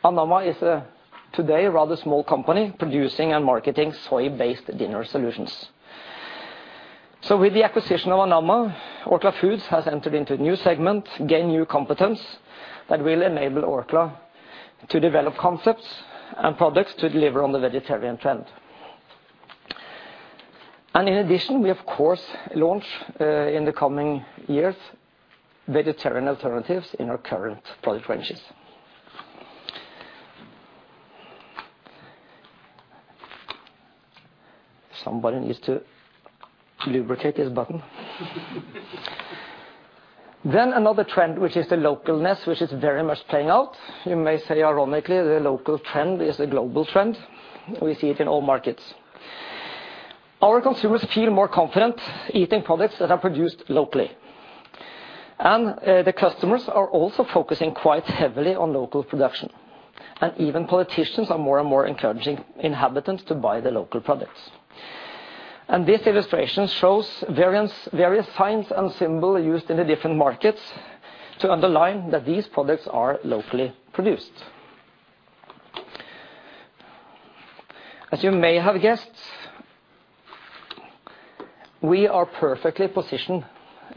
Speaker 16: Anamma is a, today, rather small company producing and marketing soy-based dinner solutions. With the acquisition of Anamma, Orkla Foods has entered into a new segment, gain new competence that will enable Orkla to develop concepts and products to deliver on the vegetarian trend. Somebody needs to lubricate this button. Then another trend, which is the localness, which is very much playing out. You may say, ironically, the local trend is a global trend. We see it in all markets. Our consumers feel more confident eating products that are produced locally. The customers are also focusing quite heavily on local production. Even politicians are more and more encouraging inhabitants to buy the local products. This illustration shows various signs and symbols used in the different markets to underline that these products are locally produced. As you may have guessed, we are perfectly positioned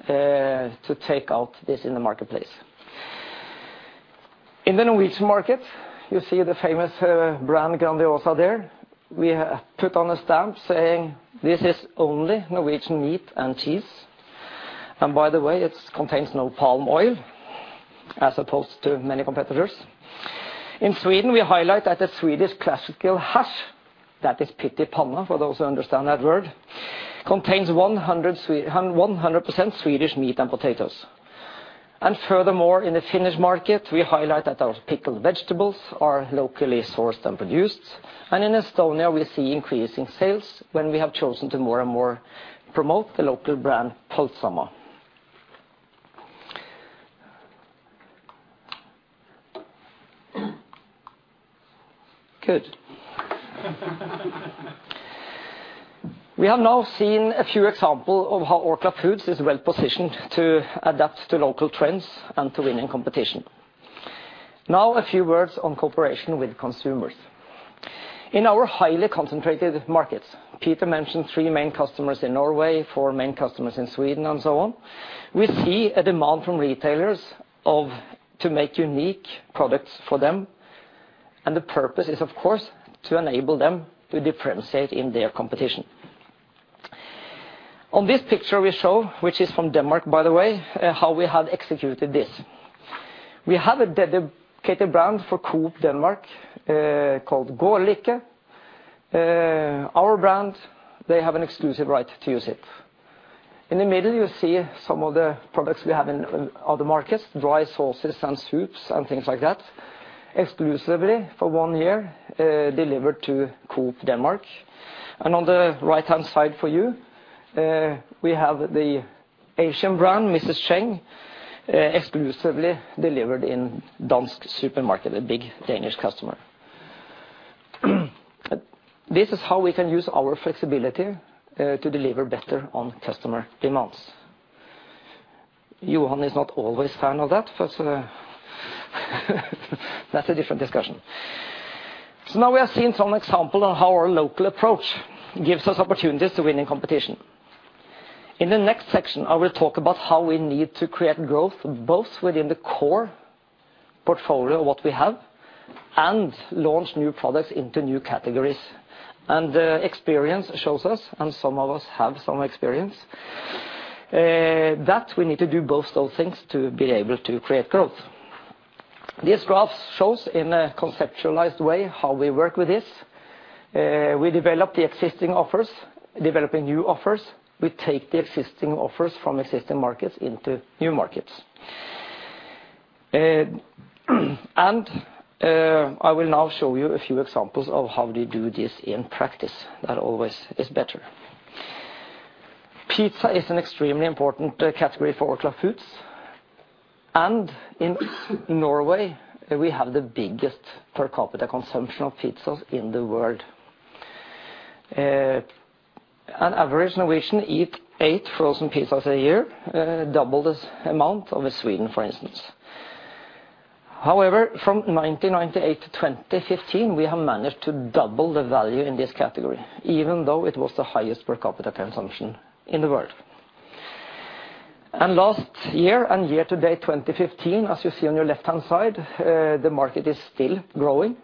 Speaker 16: to take out this in the marketplace. In the Norwegian market, you see the famous brand, Grandiosa there. We put on a stamp saying, "This is only Norwegian meat and cheese." By the way, it contains no palm oil, as opposed to many competitors. In Sweden, we highlight that the Swedish classical hush, that is pyttipanna for those who understand that word, contains 100% Swedish meat and potatoes. Furthermore, in the Finnish market, we highlight that our pickled vegetables are locally sourced and produced. In Estonia, we see increase in sales when we have chosen to more and more promote the local brand, Põltsamaa. Good. We have now seen a few examples of how Orkla Foods is well positioned to adapt to local trends and to winning competition. Now a few words on cooperation with consumers. In our highly concentrated markets, Peter mentioned three main customers in Norway, four main customers in Sweden, and so on. We see a demand from retailers to make unique products for them, and the purpose is, of course, to enable them to differentiate in their competition. On this picture we show, which is from Denmark, by the way, how we have executed this. We have a dedicated brand for Coop Danmark, called Go Like. Our brand. They have an exclusive right to use it. In the middle, you see some of the products we have in other markets, dry sauces and soups and things like that, exclusively for one year, delivered to Coop Danmark. On the right-hand side for you, we have the Asian brand, Mrs. Cheng, exclusively delivered in Dansk Supermarked, a big Danish customer. This is how we can use our flexibility to deliver better on customer demands. Johan is not always fan of that, but that's a different discussion. Now we have seen some examples on how our local approach gives us opportunities to win in competition. In the next section, I will talk about how we need to create growth, both within the core portfolio of what we have and launch new products into new categories. Experience shows us, and some of us have some experience, that we need to do both those things to be able to create growth. This graph shows in a conceptualized way how we work with this. We develop the existing offers, developing new offers. We take the existing offers from existing markets into new markets. I will now show you a few examples of how we do this in practice. That always is better. Pizza is an extremely important category for Orkla Foods, and in Norway, we have the biggest per capita consumption of pizzas in the world. An average Norwegian eats eight frozen pizzas a year, double this amount over Sweden, for instance. However, from 1998 to 2015, we have managed to double the value in this category, even though it was the highest per capita consumption in the world. Last year and year to date 2015, as you see on your left-hand side, the market is still growing,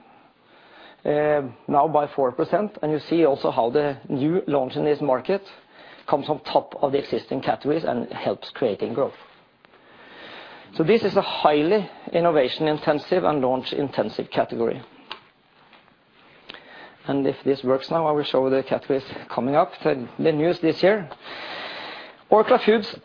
Speaker 16: now by 4%. You see also how the new launch in this market comes on top of the existing categories and helps creating growth. This is a highly innovation-intensive and launch-intensive category. If this works now, I will show the categories coming up, the news this year. Orkla Foods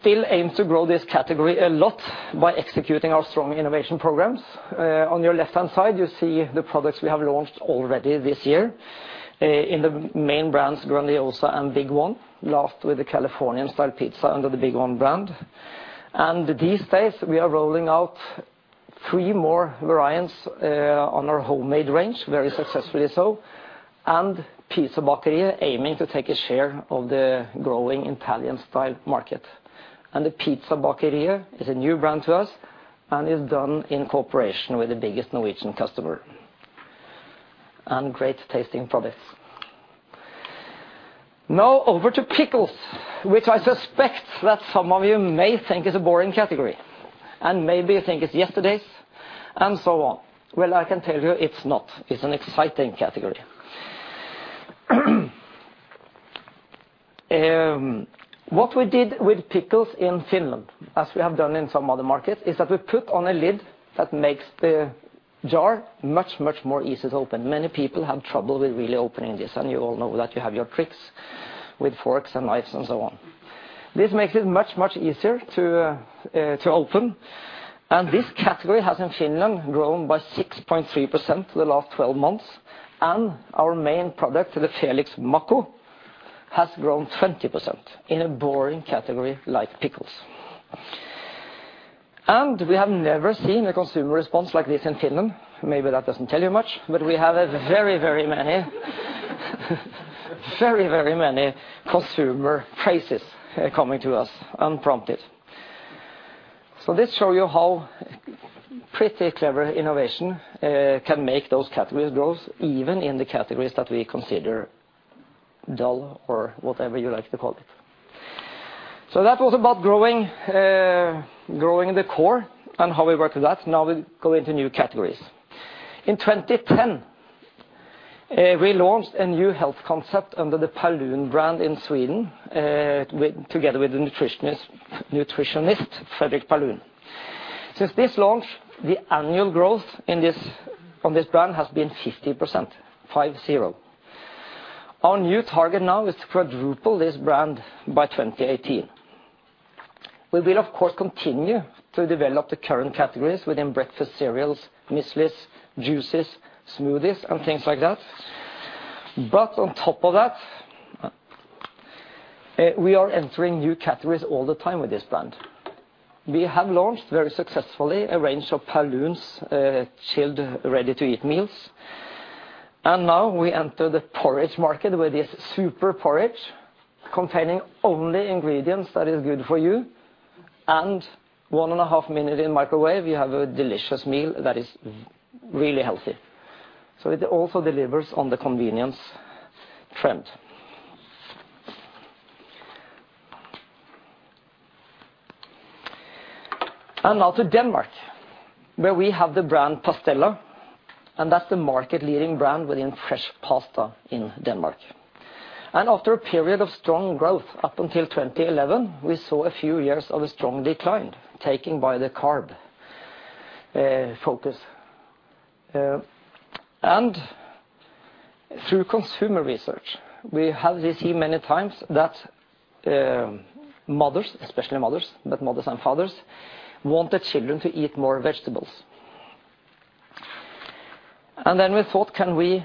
Speaker 16: still aims to grow this category a lot by executing our strong innovation programs. On your left-hand side, you see the products we have launched already this year. In the main brands, Grandiosa and Big One, last with the Californian-style pizza under the Big One brand. These days, we are rolling out three more variants on our homemade range, very successfully so. Pizza Boccheria aiming to take a share of the growing Italian style market. The Pizza Boccheria is a new brand to us and is done in cooperation with the biggest Norwegian customer. Great-tasting products. Now over to pickles, which I suspect that some of you may think is a boring category, maybe you think it's yesterday's, and so on. Well, I can tell you it's not. It's an exciting category. What we did with pickles in Finland, as we have done in some other markets, is that we put on a lid that makes the jar much, much more easier to open. Many people have trouble with really opening this, you all know that you have your tricks with forks and knives and so on. This makes it much, much easier to open. This category has in Finland grown by 6.3% the last 12 months. Our main product, the Felix Maku, has grown 20% in a boring category like pickles. We have never seen a consumer response like this in Finland. Maybe that doesn't tell you much, we have a very, very many consumer praises coming to us unprompted. This show you how pretty clever innovation can make those categories growth, even in the categories that we consider dull or whatever you like to call it. That was about growing the core and how we work with that. Now we go into new categories. In 2010, we launched a new health concept under the Paulúns brand in Sweden, together with the nutritionist Fredrik Paulún. Since this launch, the annual growth from this brand has been 50%, five zero. Our new target now is to quadruple this brand by 2018. We will of course continue to develop the current categories within breakfast cereals, mueslis, juices, smoothies, and things like that. On top of that, we are entering new categories all the time with this brand. We have launched very successfully a range of Paulúns' chilled ready-to-eat meals. Now we enter the porridge market with this super porridge containing only ingredients that is good for you. One and a half minute in microwave, you have a delicious meal that is really healthy. It also delivers on the convenience trend. Now to Denmark, where we have the brand Pastella, that's the market-leading brand within fresh pasta in Denmark. After a period of strong growth up until 2011, we saw a few years of a strong decline taken by the carb focus. Through consumer research, we have received many times that mothers, especially mothers and fathers, want their children to eat more vegetables. Then we thought, can we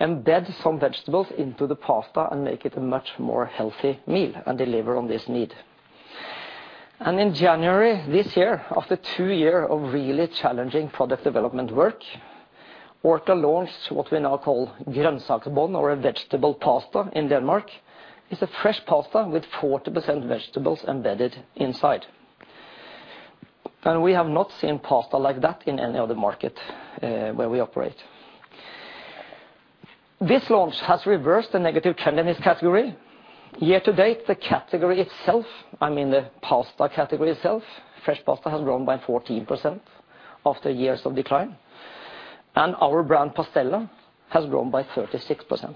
Speaker 16: embed some vegetables into the pasta and make it a much more healthy meal and deliver on this need? In January this year, after two year of really challenging product development work, Orkla launched what we now call Grøntsagsbånd or a vegetable pasta in Denmark. It's a fresh pasta with 40% vegetables embedded inside. We have not seen pasta like that in any other market where we operate. This launch has reversed the negative trend in this category. Year to date, the category itself, I mean, the pasta category itself, fresh pasta has grown by 14% after years of decline. Our brand Pastella has grown by 36%.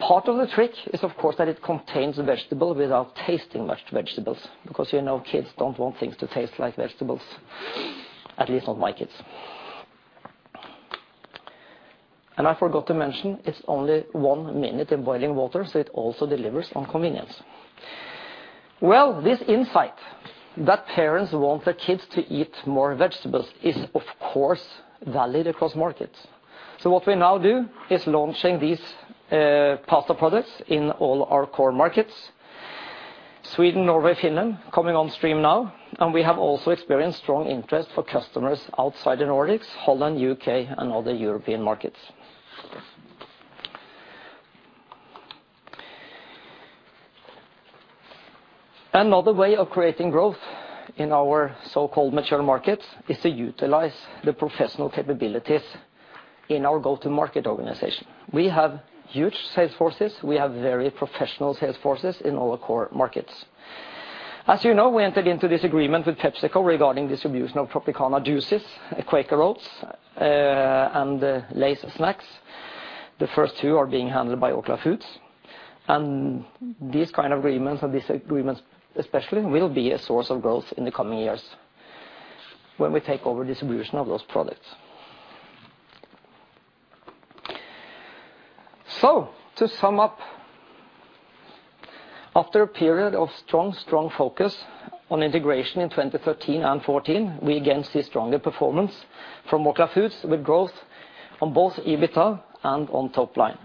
Speaker 16: Part of the trick is, of course, that it contains vegetable without tasting much vegetables, because kids don't want things to taste like vegetables. At least not my kids. I forgot to mention, it's only one minute in boiling water, it also delivers on convenience. This insight that parents want their kids to eat more vegetables is, of course, valid across markets. What we now do is launching these pasta products in all our core markets. Sweden, Norway, Finland, coming on stream now, and we have also experienced strong interest for customers outside the Nordics, Holland, U.K., and other European markets. Another way of creating growth in our so-called mature markets is to utilize the professional capabilities in our go-to market organization. We have huge sales forces. We have very professional sales forces in all the core markets. As you know, we entered into this agreement with PepsiCo regarding distribution of Tropicana juices, Quaker Oats, and Lay's snacks. The first two are being handled by Orkla Foods. These kind of agreements, and this agreement especially, will be a source of growth in the coming years when we take over distribution of those products. To sum up, after a period of strong focus on integration in 2013 and 2014, we again see stronger performance from Orkla Foods with growth on both EBITDA and on top line.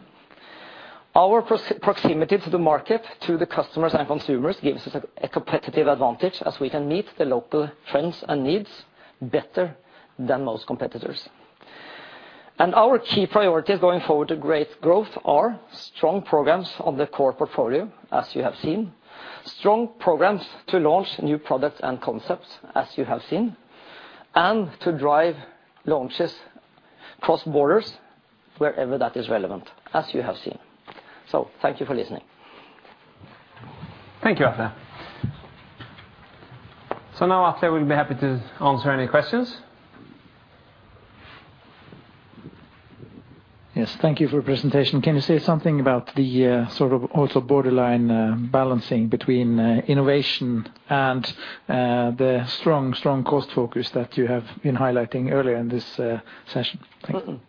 Speaker 16: Our proximity to the market, to the customers and consumers, gives us a competitive advantage as we can meet the local trends and needs better than most competitors. Our key priorities going forward to great growth are strong programs on the core portfolio, as you have seen. Strong programs to launch new products and concepts, as you have seen, and to drive launches cross borders wherever that is relevant, as you have seen. Thank you for listening.
Speaker 1: Thank you, Atle. Now Atle will be happy to answer any questions.
Speaker 11: Yes, thank you for your presentation. Can you say something about the also borderline balancing between innovation and the strong cost focus that you have been highlighting earlier in this session? Thank you.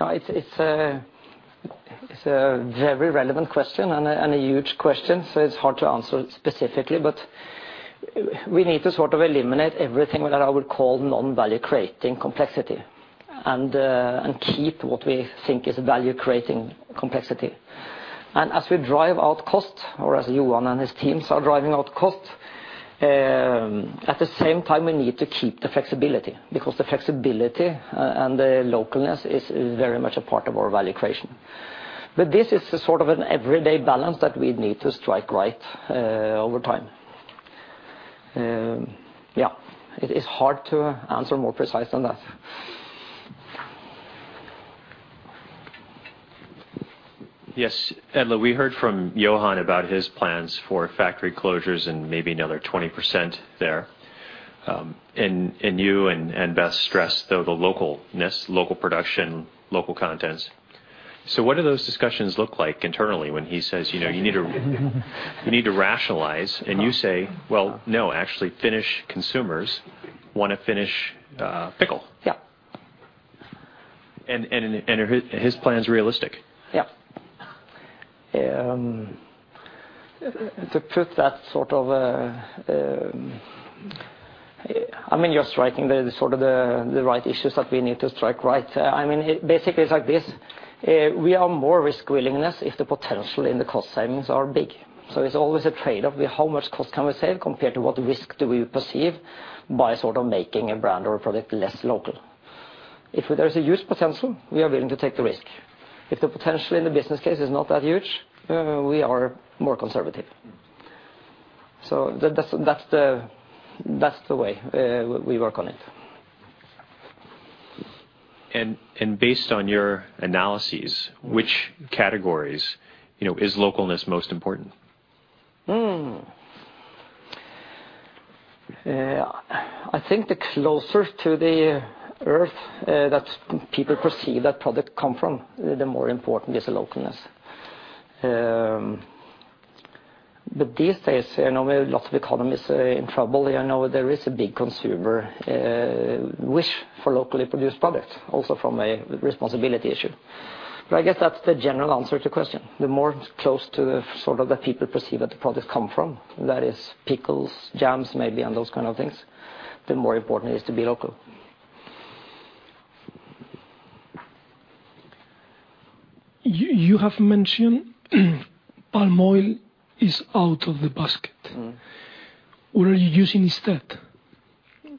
Speaker 16: It's a very relevant question and a huge question, it's hard to answer specifically, but we need to eliminate everything that I would call non-value-creating complexity and keep what we think is value-creating complexity. As we drive out cost, or as Johan and his teams are driving out cost, at the same time, we need to keep the flexibility because the flexibility and the localness is very much a part of our value creation. This is an everyday balance that we need to strike right over time. It is hard to answer more precise than that.
Speaker 5: Atle, we heard from Johan about his plans for factory closures and maybe another 20% there. You and Beth stressed, though, the localness, local production, local contents. What do those discussions look like internally when he says, you need to rationalize, and you say, "No, actually Finnish consumers want a Finnish pickle.
Speaker 16: Yeah.
Speaker 5: Are his plans realistic?
Speaker 16: To put that. You're striking the right issues that we need to strike right. It's like this. We are more risk willingness if the potential in the cost savings are big. It's always a trade-off with how much cost can we save compared to what risk do we perceive by making a brand or a product less local. If there is a huge potential, we are willing to take the risk. If the potential in the business case is not that huge, we are more conservative. That's the way we work on it.
Speaker 5: Based on your analyses, which categories is localness most important?
Speaker 16: I think the closer to the Earth that people perceive that product come from, the more important is the localness. These days, I know lots of economies are in trouble, I know there is a big consumer wish for locally produced products, also from a responsibility issue. I guess that's the general answer to your question. The more close to the people perceive that the product come from, that is pickles, jams, maybe, and those kind of things, the more important it is to be local.
Speaker 17: You have mentioned palm oil is out of the basket. What are you using instead?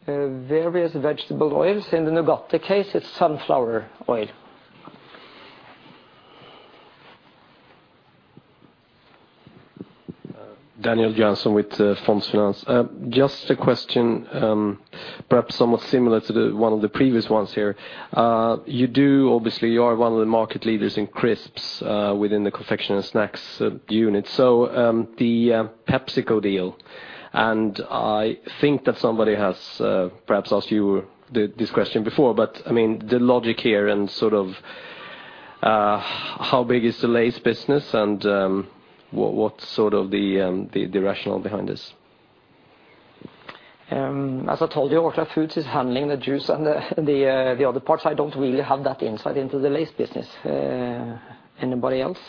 Speaker 16: Various vegetable oils. In the Nugatti case, it's sunflower oil.
Speaker 15: Daniel Johansson with Fondsfinans. Just a question, perhaps somewhat similar to one of the previous ones here. Obviously, you are one of the market leaders in crisps within the confection and snacks unit. The PepsiCo deal, and I think that somebody has perhaps asked you this question before, but the logic here and how big is the Lay's business and what's the rationale behind this?
Speaker 16: As I told you, Orkla Foods is handling the juice and the other parts, I don't really have that insight into the Lay's business. Anybody else?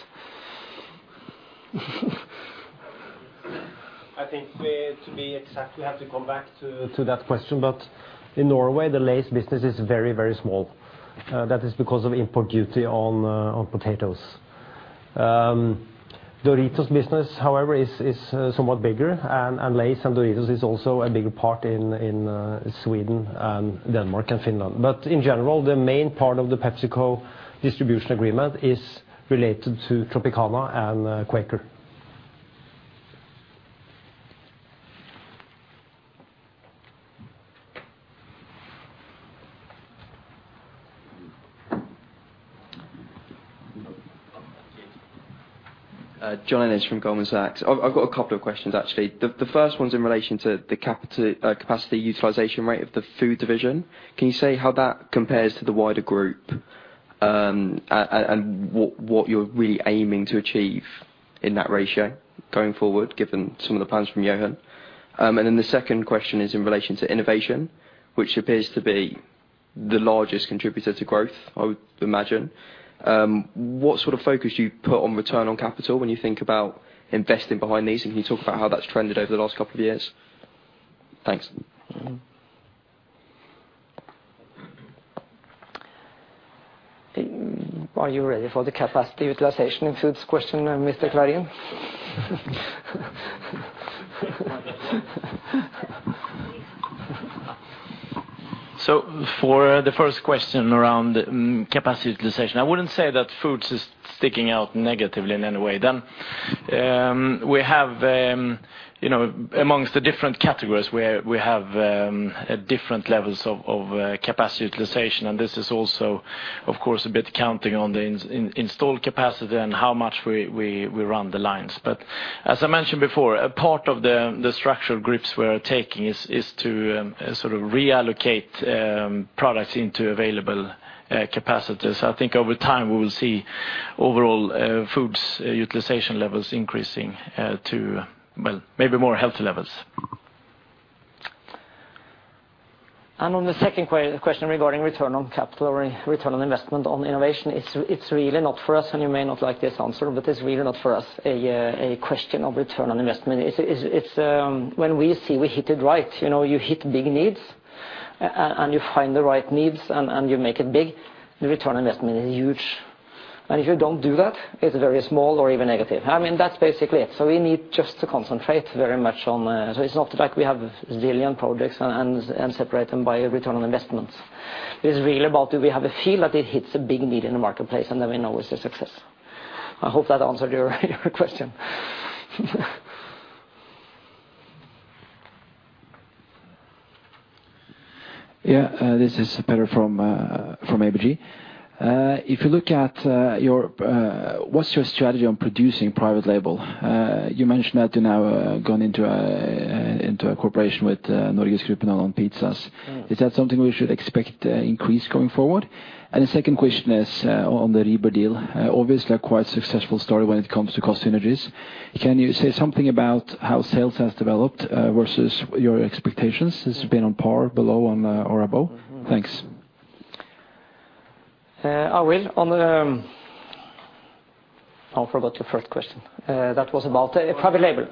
Speaker 2: I think to be exact, we have to come back to that question, but in Norway, the Lay's business is very, very small. That is because of import duty on potatoes. Doritos business, however, is somewhat bigger and Lay's and Doritos is also a bigger part in Sweden and Denmark and Finland. In general, the main part of the PepsiCo distribution agreement is related to Tropicana and Quaker.
Speaker 18: John Innes from Goldman Sachs. I've got a couple of questions, actually. The first one's in relation to the capacity utilization rate of the Food Division. Can you say how that compares to the wider group, and what you're really aiming to achieve in that ratio going forward, given some of the plans from Johan? The second question is in relation to innovation, which appears to be the largest contributor to growth, I would imagine. What sort of focus do you put on return on capital when you think about investing behind these? Can you talk about how that's trended over the last couple of years? Thanks.
Speaker 16: Are you ready for the capacity utilization in Foods question, Mr. Clarin?
Speaker 4: For the first question around capacity utilization, I wouldn't say that Foods is sticking out negatively in any way. We have amongst the different categories where we have different levels of capacity utilization, this is also, of course, a bit counting on the installed capacity and how much we run the lines. As I mentioned before, a part of the structural grips we're taking is to reallocate products into available capacities. I think over time, we will see overall Foods utilization levels increasing to, well, maybe more healthy levels.
Speaker 16: On the second question regarding return on capital or return on investment on innovation, it's really not for us, you may not like this answer, it's really not for us a question of return on investment. It's when we see we hit it right, you hit big needs, you find the right needs, you make it big, the return on investment is huge. If you don't do that, it's very small or even negative. That's basically it. It's not like we have a zillion projects and separate them by return on investments. It's really about do we have a feel that it hits a big need in the marketplace, we know it's a success. I hope that answered your question.
Speaker 8: This is Petter from ABG. What's your strategy on producing private label? You mentioned that you now gone into a cooperation with NorgesGruppen on pizzas. Is that something we should expect to increase going forward? The second question is on the Rieber deal. Obviously, a quite successful story when it comes to cost synergies. Can you say something about how sales has developed versus your expectations? Has been on par below or above? Thanks.
Speaker 16: I will. I forgot your first question. That was about private label.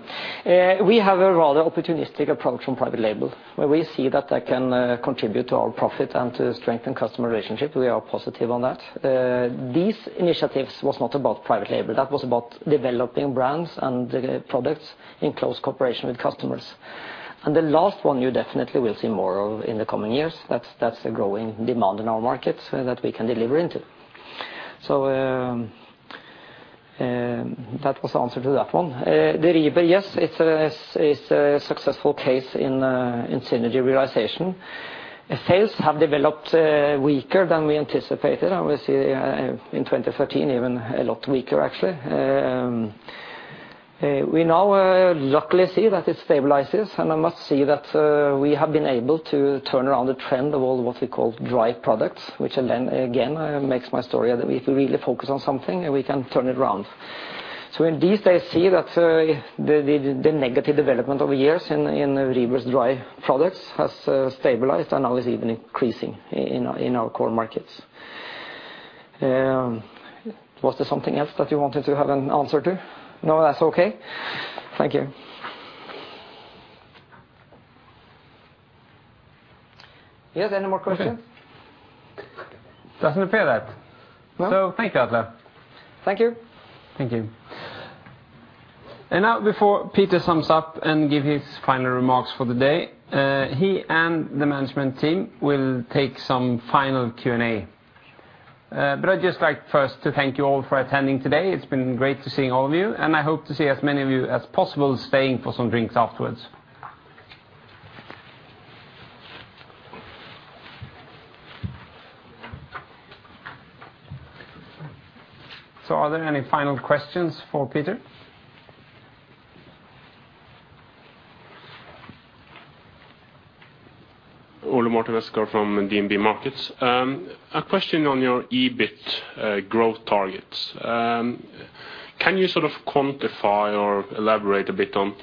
Speaker 16: We have a rather opportunistic approach on private label, where we see that that can contribute to our profit and to strengthen customer relationship, we are positive on that. These initiatives was not about private label, that was about developing brands and the products in close cooperation with customers. The last one you definitely will see more of in the coming years. That's a growing demand in our markets that we can deliver into. That was the answer to that one. The Rieber, yes, it's a successful case in synergy realization. Sales have developed weaker than we anticipated, obviously, in 2015, even a lot weaker, actually. We now luckily see that it stabilizes, I must say that we have been able to turn around the trend of all what we call dry products, which again makes my story that if we really focus on something, we can turn it around. Indeed I see that the negative development over years in Rieber's dry products has stabilized and now is even increasing in our core markets. Was there something else that you wanted to have an answer to? No, that's okay. Thank you. Yes, any more questions?
Speaker 1: Doesn't appear that.
Speaker 16: No.
Speaker 1: Thank you, Atle.
Speaker 16: Thank you.
Speaker 2: Thank you.
Speaker 1: Now before Peter sums up and give his final remarks for the day, he and the management team will take some final Q&A. I'd just like first to thank you all for attending today. It's been great to see all of you, and I hope to see as many of you as possible staying for some drinks afterwards. Are there any final questions for Peter?
Speaker 13: Ole Morten Westgaard from DNB Markets. A question on your EBIT growth targets. Can you sort of quantify or elaborate a bit on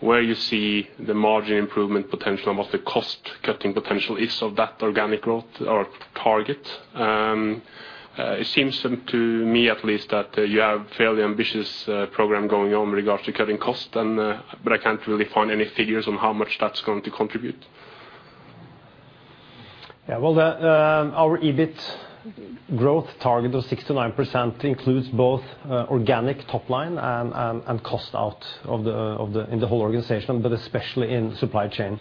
Speaker 13: where you see the margin improvement potential and what the cost-cutting potential is of that organic growth or target? It seems to me at least that you have fairly ambitious program going on regards to cutting costs, but I can't really find any figures on how much that's going to contribute.
Speaker 2: Well, our EBIT growth target of 6%-9% includes both organic top line and cost-out in the whole organization, but especially in supply chain.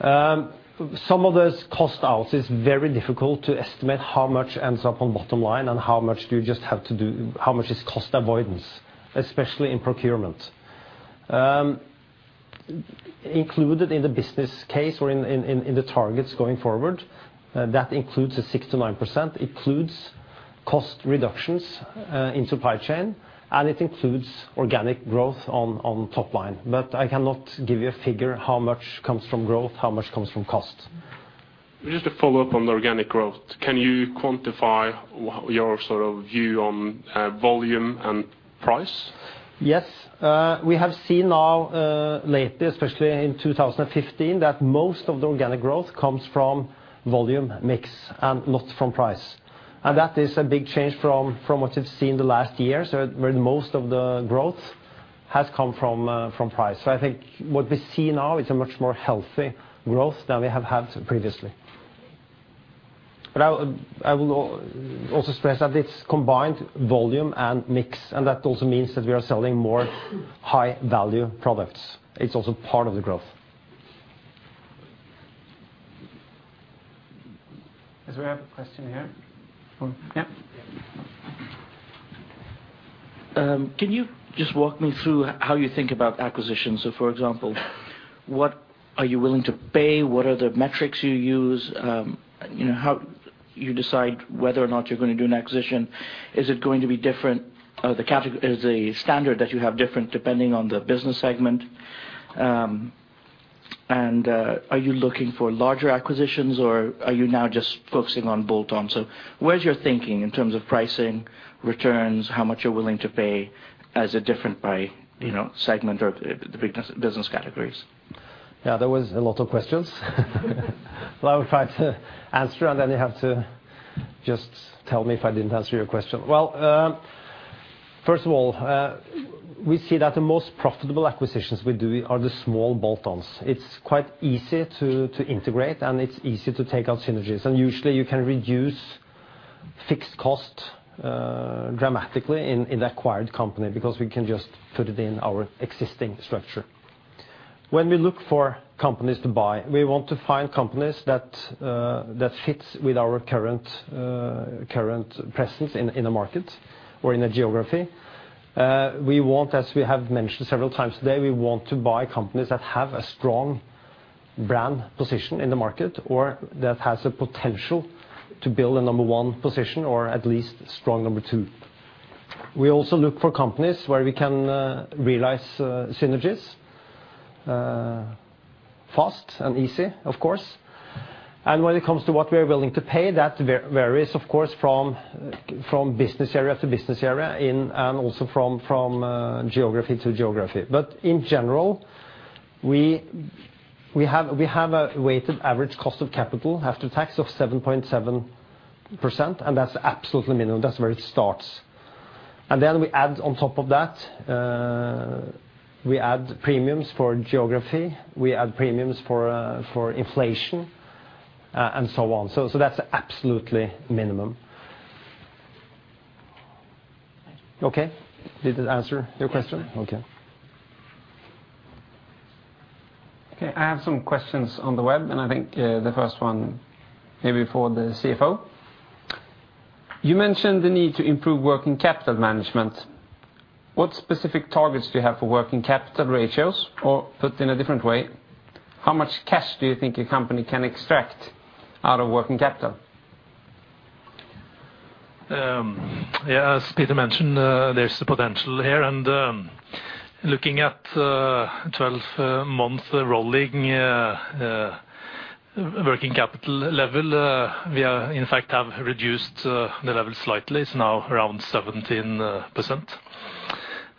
Speaker 2: Some of those cost-outs is very difficult to estimate how much ends up on bottom line and how much is cost avoidance, especially in procurement. Included in the business case or in the targets going forward, that includes the 6%-9%, includes cost reductions in supply chain, and it includes organic growth on top line. I cannot give you a figure how much comes from growth, how much comes from cost.
Speaker 13: Just to follow up on the organic growth. Can you quantify your sort of view on volume and price?
Speaker 2: Yes. We have seen now lately, especially in 2015, that most of the organic growth comes from volume-mix and not from price. That is a big change from what we've seen the last years, where most of the growth has come from price. I think what we see now is a much more healthy growth than we have had previously. I will also stress that it's combined volume and mix, and that also means that we are selling more high-value products. It's also part of the growth.
Speaker 1: Yes, we have a question here.
Speaker 9: Can you just walk me through how you think about acquisitions? For example, what are you willing to pay? What are the metrics you use? How you decide whether or not you're going to do an acquisition? Is it going to be different, the standard that you have different depending on the business segment? Are you looking for larger acquisitions or are you now just focusing on bolt-ons? Where is your thinking in terms of pricing, returns, how much you're willing to pay as a different by segment or the big business categories?
Speaker 2: There was a lot of questions. Well, I will try to answer, then you have to just tell me if I didn't answer your question. Well, first of all, we see that the most profitable acquisitions we're doing are the small bolt-ons. It's quite easy to integrate, and it's easy to take out synergies. Usually, you can reduce fixed cost dramatically in acquired company because we can just put it in our existing structure. When we look for companies to buy, we want to find companies that fits with our current presence in the market or in a geography. We want, as we have mentioned several times today, we want to buy companies that have a strong brand position in the market or that has a potential to build a number one position or at least strong number two. We also look for companies where we can realize synergies fast and easy, of course. When it comes to what we are willing to pay, that varies, of course, from business area to business area and also from geography to geography. In general, we have a weighted average cost of capital after tax of 7.7%, that's absolutely minimum. That's where it starts. Then we add on top of that, we add premiums for geography, we add premiums for inflation, and so on. That's absolutely minimum.
Speaker 9: Thank you.
Speaker 2: Okay. Did it answer your question?
Speaker 9: Yes.
Speaker 2: Okay.
Speaker 1: I have some questions on the web. I think the first one maybe for the CFO. You mentioned the need to improve working capital management. What specific targets do you have for working capital ratios? Put in a different way, how much cash do you think a company can extract out of working capital?
Speaker 17: Yeah, as Peter mentioned, there's a potential here. Looking at 12-month rolling working capital level, we in fact have reduced the level slightly. It's now around 17%.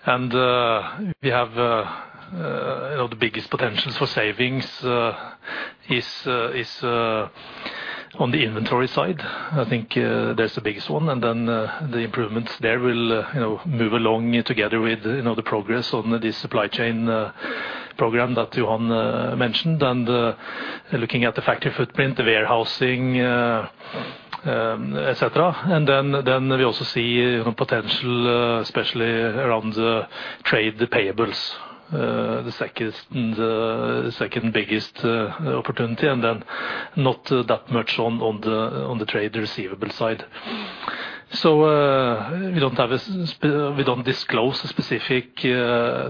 Speaker 17: We have the biggest potential for savings is on the inventory side. I think that's the biggest one. The improvements there will move along together with the progress on the supply chain program that Johan mentioned, looking at the factory footprint, the warehousing, et cetera. We also see potential, especially around the trade payables, the second-biggest opportunity. Not that much on the trade receivable side. We don't disclose a specific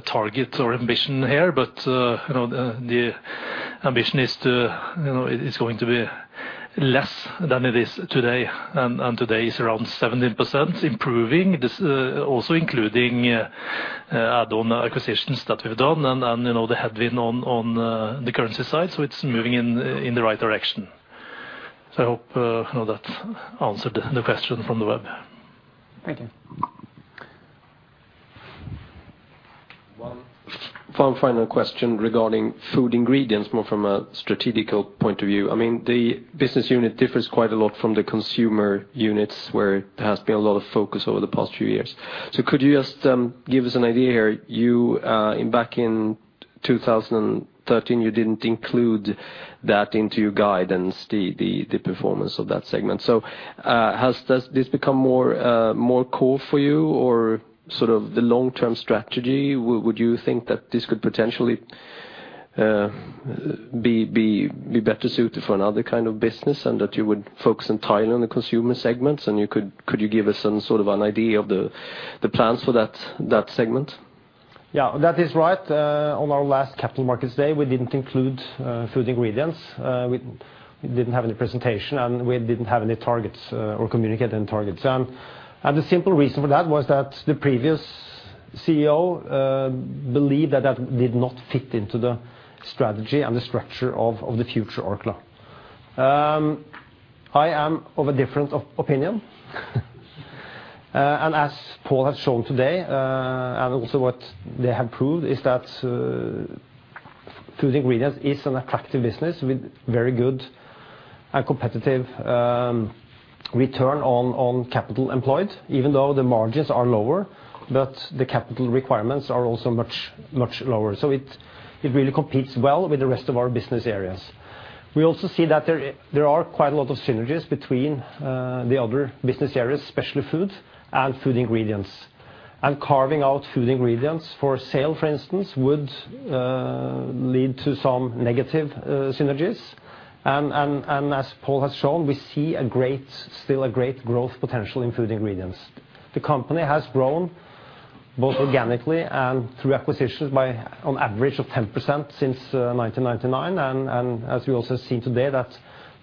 Speaker 17: target or ambition here, but the ambition is it's going to be less than it is today. Today is around 17% improving. This also including add-on acquisitions that we've done, and the headwind on the currency side, it's moving in the right direction. I hope that answered the question from the web.
Speaker 1: Thank you.
Speaker 15: One final question regarding Food Ingredients, more from a strategical point of view. The business unit differs quite a lot from the consumer units, where there has been a lot of focus over the past few years. Could you just give us an idea here, you back in 2013, you didn't include that into your guidance, the performance of that segment. Has this become more core for you or sort of the long-term strategy? Would you think that this could potentially be better suited for another kind of business, and that you would focus entirely on the consumer segments? Could you give us some sort of an idea of the plans for that segment?
Speaker 2: Yeah, that is right. On our last capital markets day, we didn't include Food Ingredients. We didn't have any presentation, and we didn't have any targets or communicate any targets. The simple reason for that was that the previous CEO believed that that did not fit into the strategy and the structure of the future Orkla. I am of a different opinion. As Pål has shown today, and also what they have proved, is that Food Ingredients is an attractive business with very good and competitive return on capital employed, even though the margins are lower, but the capital requirements are also much, much lower. It really competes well with the rest of our business areas. We also see that there are quite a lot of synergies between the other business areas, especially Food and Food Ingredients. Carving out food ingredients for sale, for instance, would lead to some negative synergies. As Pål has shown, we see still a great growth potential in food ingredients. The company has grown both organically and through acquisitions by an average of 10% since 1999. As you also see today, that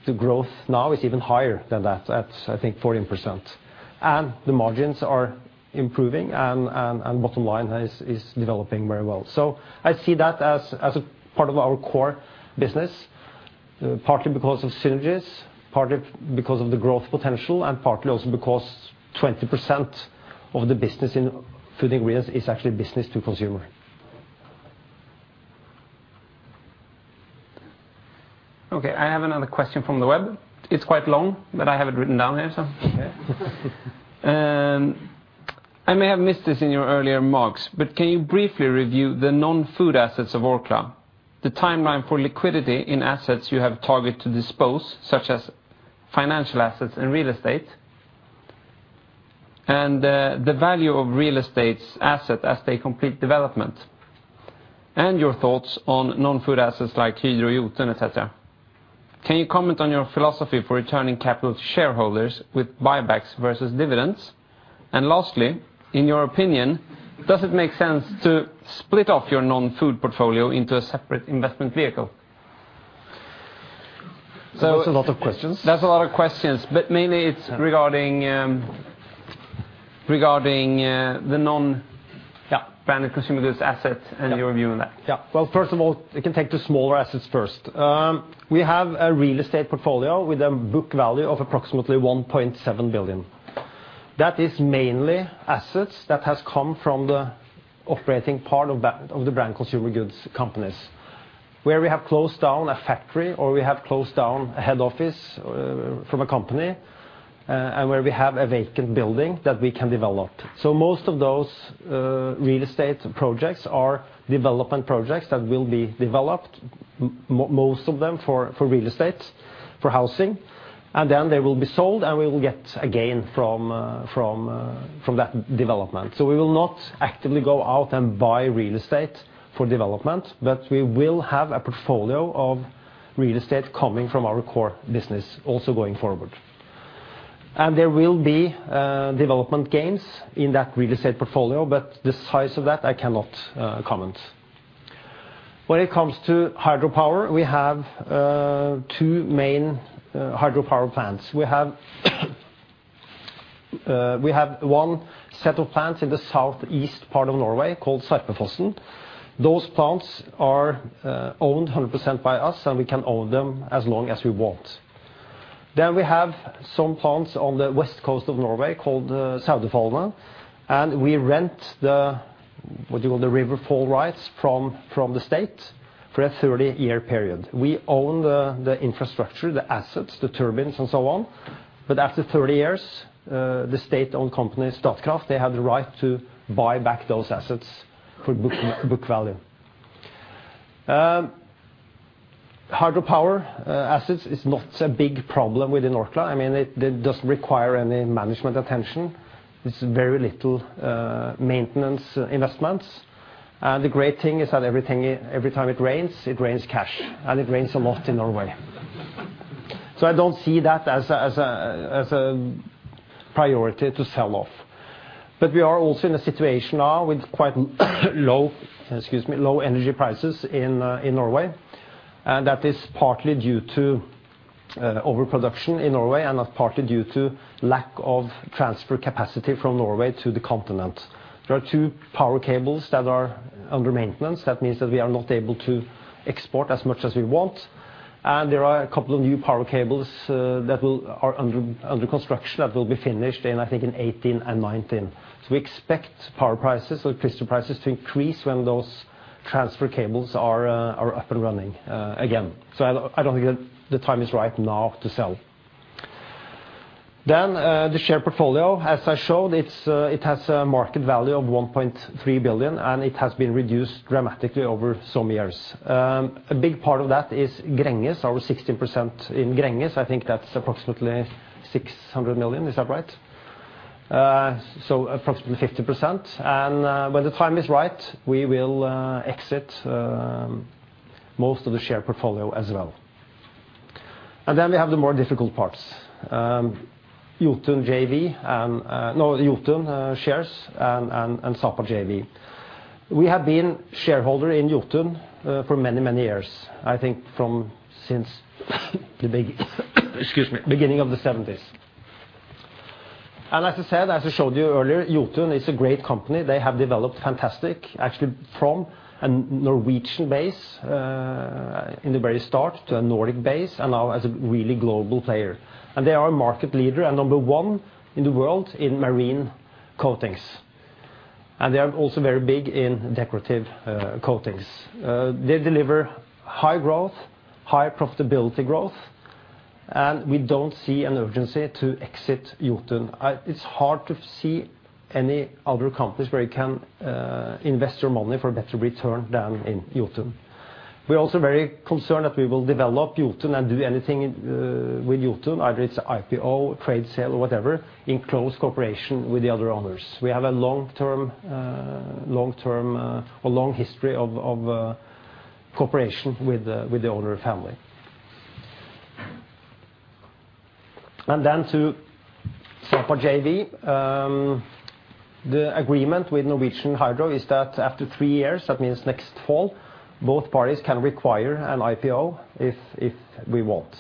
Speaker 2: the growth now is even higher than that, at, I think, 14%. The margins are improving, and bottom line is developing very well. I see that as a part of our core business, partly because of synergies, partly because of the growth potential, and partly also because 20% of the business in food ingredients is actually business to consumer.
Speaker 1: Okay, I have another question from the web. It's quite long, but I have it written down here, so.
Speaker 2: Okay.
Speaker 1: I may have missed this in your earlier remarks, but can you briefly review the non-food assets of Orkla? The timeline for liquidity in assets you have target to dispose, such as financial assets and real estate, and the value of real estate's asset as they complete development. Your thoughts on non-food assets like Hydro Jotun, et cetera. Can you comment on your philosophy for returning capital to shareholders with buybacks versus dividends? Lastly, in your opinion, does it make sense to split off your non-food portfolio into a separate investment vehicle?
Speaker 2: So-
Speaker 17: That's a lot of questions.
Speaker 1: That's a lot of questions, but mainly it's regarding the non-
Speaker 2: Yeah
Speaker 1: brand and consumer goods assets and your view on that.
Speaker 2: Yeah. Well, first of all, we can take the smaller assets first. We have a real estate portfolio with a book value of approximately 1.7 billion. That is mainly assets that has come from the operating part of the brand consumer goods companies. Where we have closed down a factory, or we have closed down a head office from a company, and where we have a vacant building that we can develop. Most of those real estate projects are development projects that will be developed, most of them for real estate, for housing. They will be sold, and we will get a gain from that development. We will not actively go out and buy real estate for development, but we will have a portfolio of real estate coming from our core business also going forward. There will be development gains in that real estate portfolio, but the size of that, I cannot comment. When it comes to hydropower, we have two main hydropower plants. We have one set of plants in the southeast part of Norway called Sarpsfossen. Those plants are owned 100% by us. We can own them as long as we want. We have some plants on the west coast of Norway called Saudefaldene. We rent the waterfall rights from the state For a 30-year period. We own the infrastructure, the assets, the turbines, and so on. After 30 years, the state-owned company, Statkraft, they have the right to buy back those assets for book value. Hydropower assets is not a big problem within Orkla. It doesn't require any management attention. It's very little maintenance investments. The great thing is that every time it rains, it rains cash, and it rains a lot in Norway. I don't see that as a priority to sell off. We are also in a situation now with quite low energy prices in Norway, and that is partly due to overproduction in Norway and partly due to lack of transfer capacity from Norway to the continent. There are two power cables that are under maintenance. That means that we are not able to export as much as we want, and there are a couple of new power cables that are under construction that will be finished in, I think, in 2018 and 2019. We expect power prices or grid prices to increase when those transfer cables are up and running again. I don't think that the time is right now to sell. The share portfolio, as I showed, it has a market value of 1.3 billion, and it has been reduced dramatically over some years. A big part of that is Gränges, our 16% in Gränges. I think that's approximately 600 million. Is that right? Approximately 50%. When the time is right, we will exit most of the share portfolio as well. We have the more difficult parts. Jotun shares and Sapa JV. We have been shareholder in Jotun for many years. I think from since the beginning of the 1970s. As I said, as I showed you earlier, Jotun is a great company. They have developed fantastic, actually from a Norwegian base in the very start, to a Nordic base, and now as a really global player. They are a market leader and number one in the world in marine coatings. They are also very big in decorative coatings. They deliver high growth, high profitability growth. We don't see an urgency to exit Jotun. It's hard to see any other companies where you can invest your money for a better return than in Jotun. We are also very concerned that we will develop Jotun and do anything with Jotun, either it is IPO, trade sale, or whatever, in close cooperation with the other owners. We have a long history of cooperation with the owner family. To Sapa JV. The agreement with Norsk Hydro is that after three years, that means next fall, both parties can require an IPO if we want.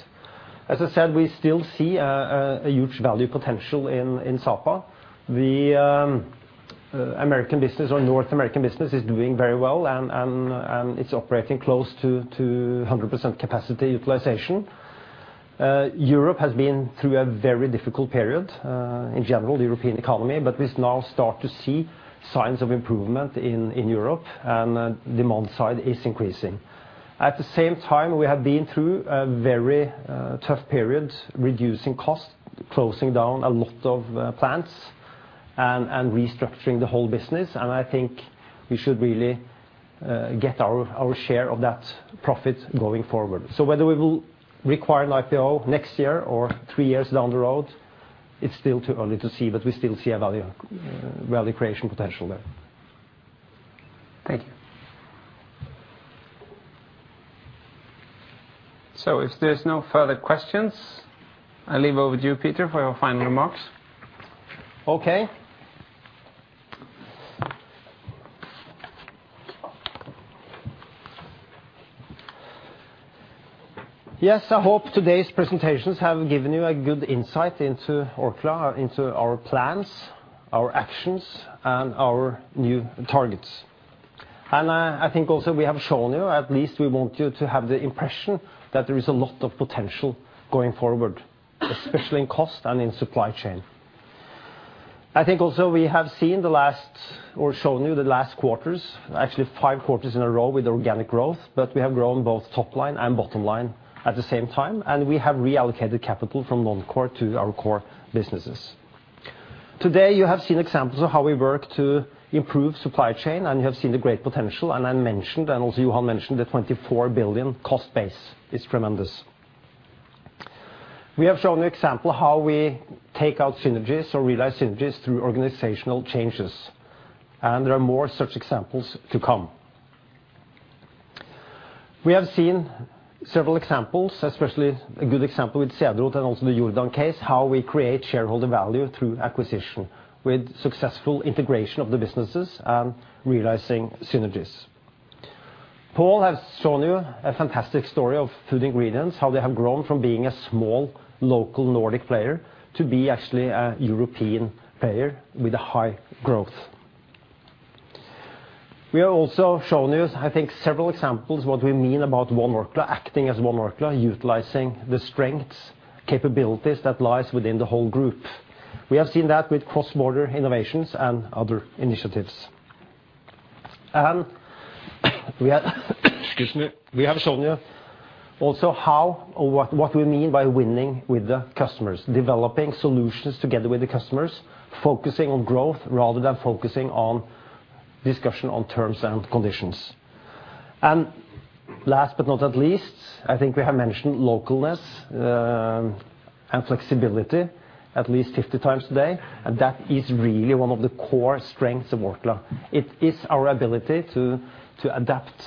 Speaker 2: As I said, we still see a huge value potential in Sapa. The North American business is doing very well, and it's operating close to 100% capacity utilization. Europe has been through a very difficult period, in general, the European economy. We now start to see signs of improvement in Europe, and demand side is increasing. At the same time, we have been through a very tough period reducing costs, closing down a lot of plants, and restructuring the whole business. I think we should really get our share of that profit going forward. Whether we will require an IPO next year or three years down the road, it's still too early to see, but we still see a value creation potential there.
Speaker 19: Thank you.
Speaker 1: If there's no further questions, I leave over to you, Peter, for your final remarks.
Speaker 2: Okay. Yes, I hope today's presentations have given you a good insight into Orkla, into our plans, our actions, and our new targets. I think also we have shown you, at least we want you to have the impression that there is a lot of potential going forward, especially in cost and in supply chain. I think also we have shown you the last quarters, actually five quarters in a row with organic growth. We have grown both top line and bottom line at the same time, and we have reallocated capital from non-core to our core businesses. Today, you have seen examples of how we work to improve supply chain, and you have seen the great potential, and I mentioned, and also Johan mentioned, the 24 billion cost base is tremendous. We have shown you example how we take out synergies or realize synergies through organizational changes. There are more such examples to come. We have seen several examples, especially a good example with Cederroth and also the Jordan case, how we create shareholder value through acquisition with successful integration of the businesses and realizing synergies. Pål has shown you a fantastic story of Food Ingredients, how they have grown from being a small, local Nordic player to be actually a European player with a high growth. We have also shown you, I think, several examples what we mean about One Orkla, acting as One Orkla, utilizing the strengths, capabilities that lies within the whole group. We have seen that with cross-border innovations and other initiatives. Excuse me. We have shown you also what we mean by winning with the customers, developing solutions together with the customers, focusing on growth rather than focusing on discussion on terms and conditions. Last but not at least, I think we have mentioned localness and flexibility at least 50 times today, and that is really one of the core strengths of Orkla. It is our ability to adapt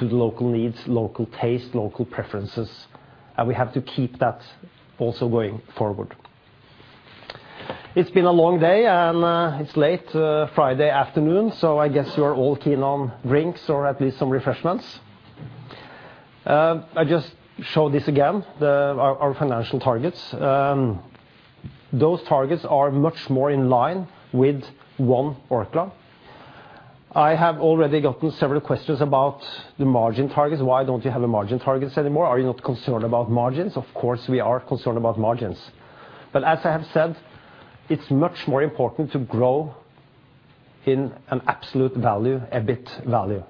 Speaker 2: to the local needs, local taste, local preferences, and we have to keep that also going forward. It's been a long day, it's late Friday afternoon, so I guess you are all keen on drinks or at least some refreshments. I just show this again, our financial targets. Those targets are much more in line with One Orkla. I have already gotten several questions about the margin targets. Why don't you have margin targets anymore? Are you not concerned about margins? Of course, we are concerned about margins, but as I have said, it's much more important to grow in an absolute value, EBIT value.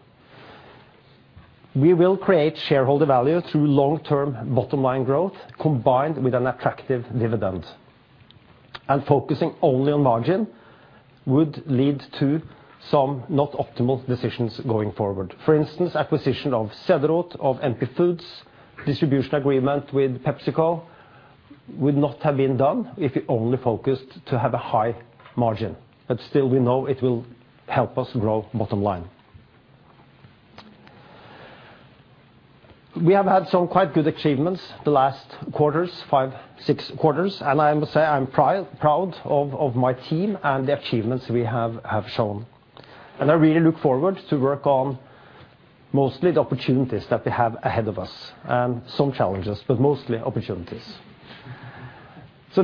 Speaker 2: We will create shareholder value through long-term bottom-line growth combined with an attractive dividend, focusing only on margin would lead to some not optimal decisions going forward. For instance, acquisition of Cederroth, of NP Foods, distribution agreement with PepsiCo would not have been done if we only focused to have a high margin, but still we know it will help us grow bottom line. We have had some quite good achievements the last quarters, five, six quarters, and I must say I'm proud of my team and the achievements we have shown. I really look forward to work on mostly the opportunities that we have ahead of us and some challenges, but mostly opportunities.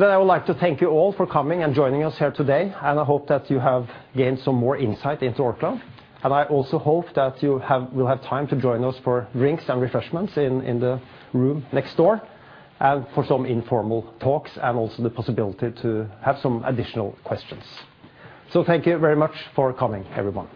Speaker 2: I would like to thank you all for coming and joining us here today, and I hope that you have gained some more insight into Orkla. I also hope that you will have time to join us for drinks and refreshments in the room next door, and for some informal talks, and also the possibility to have some additional questions. Thank you very much for coming, everyone.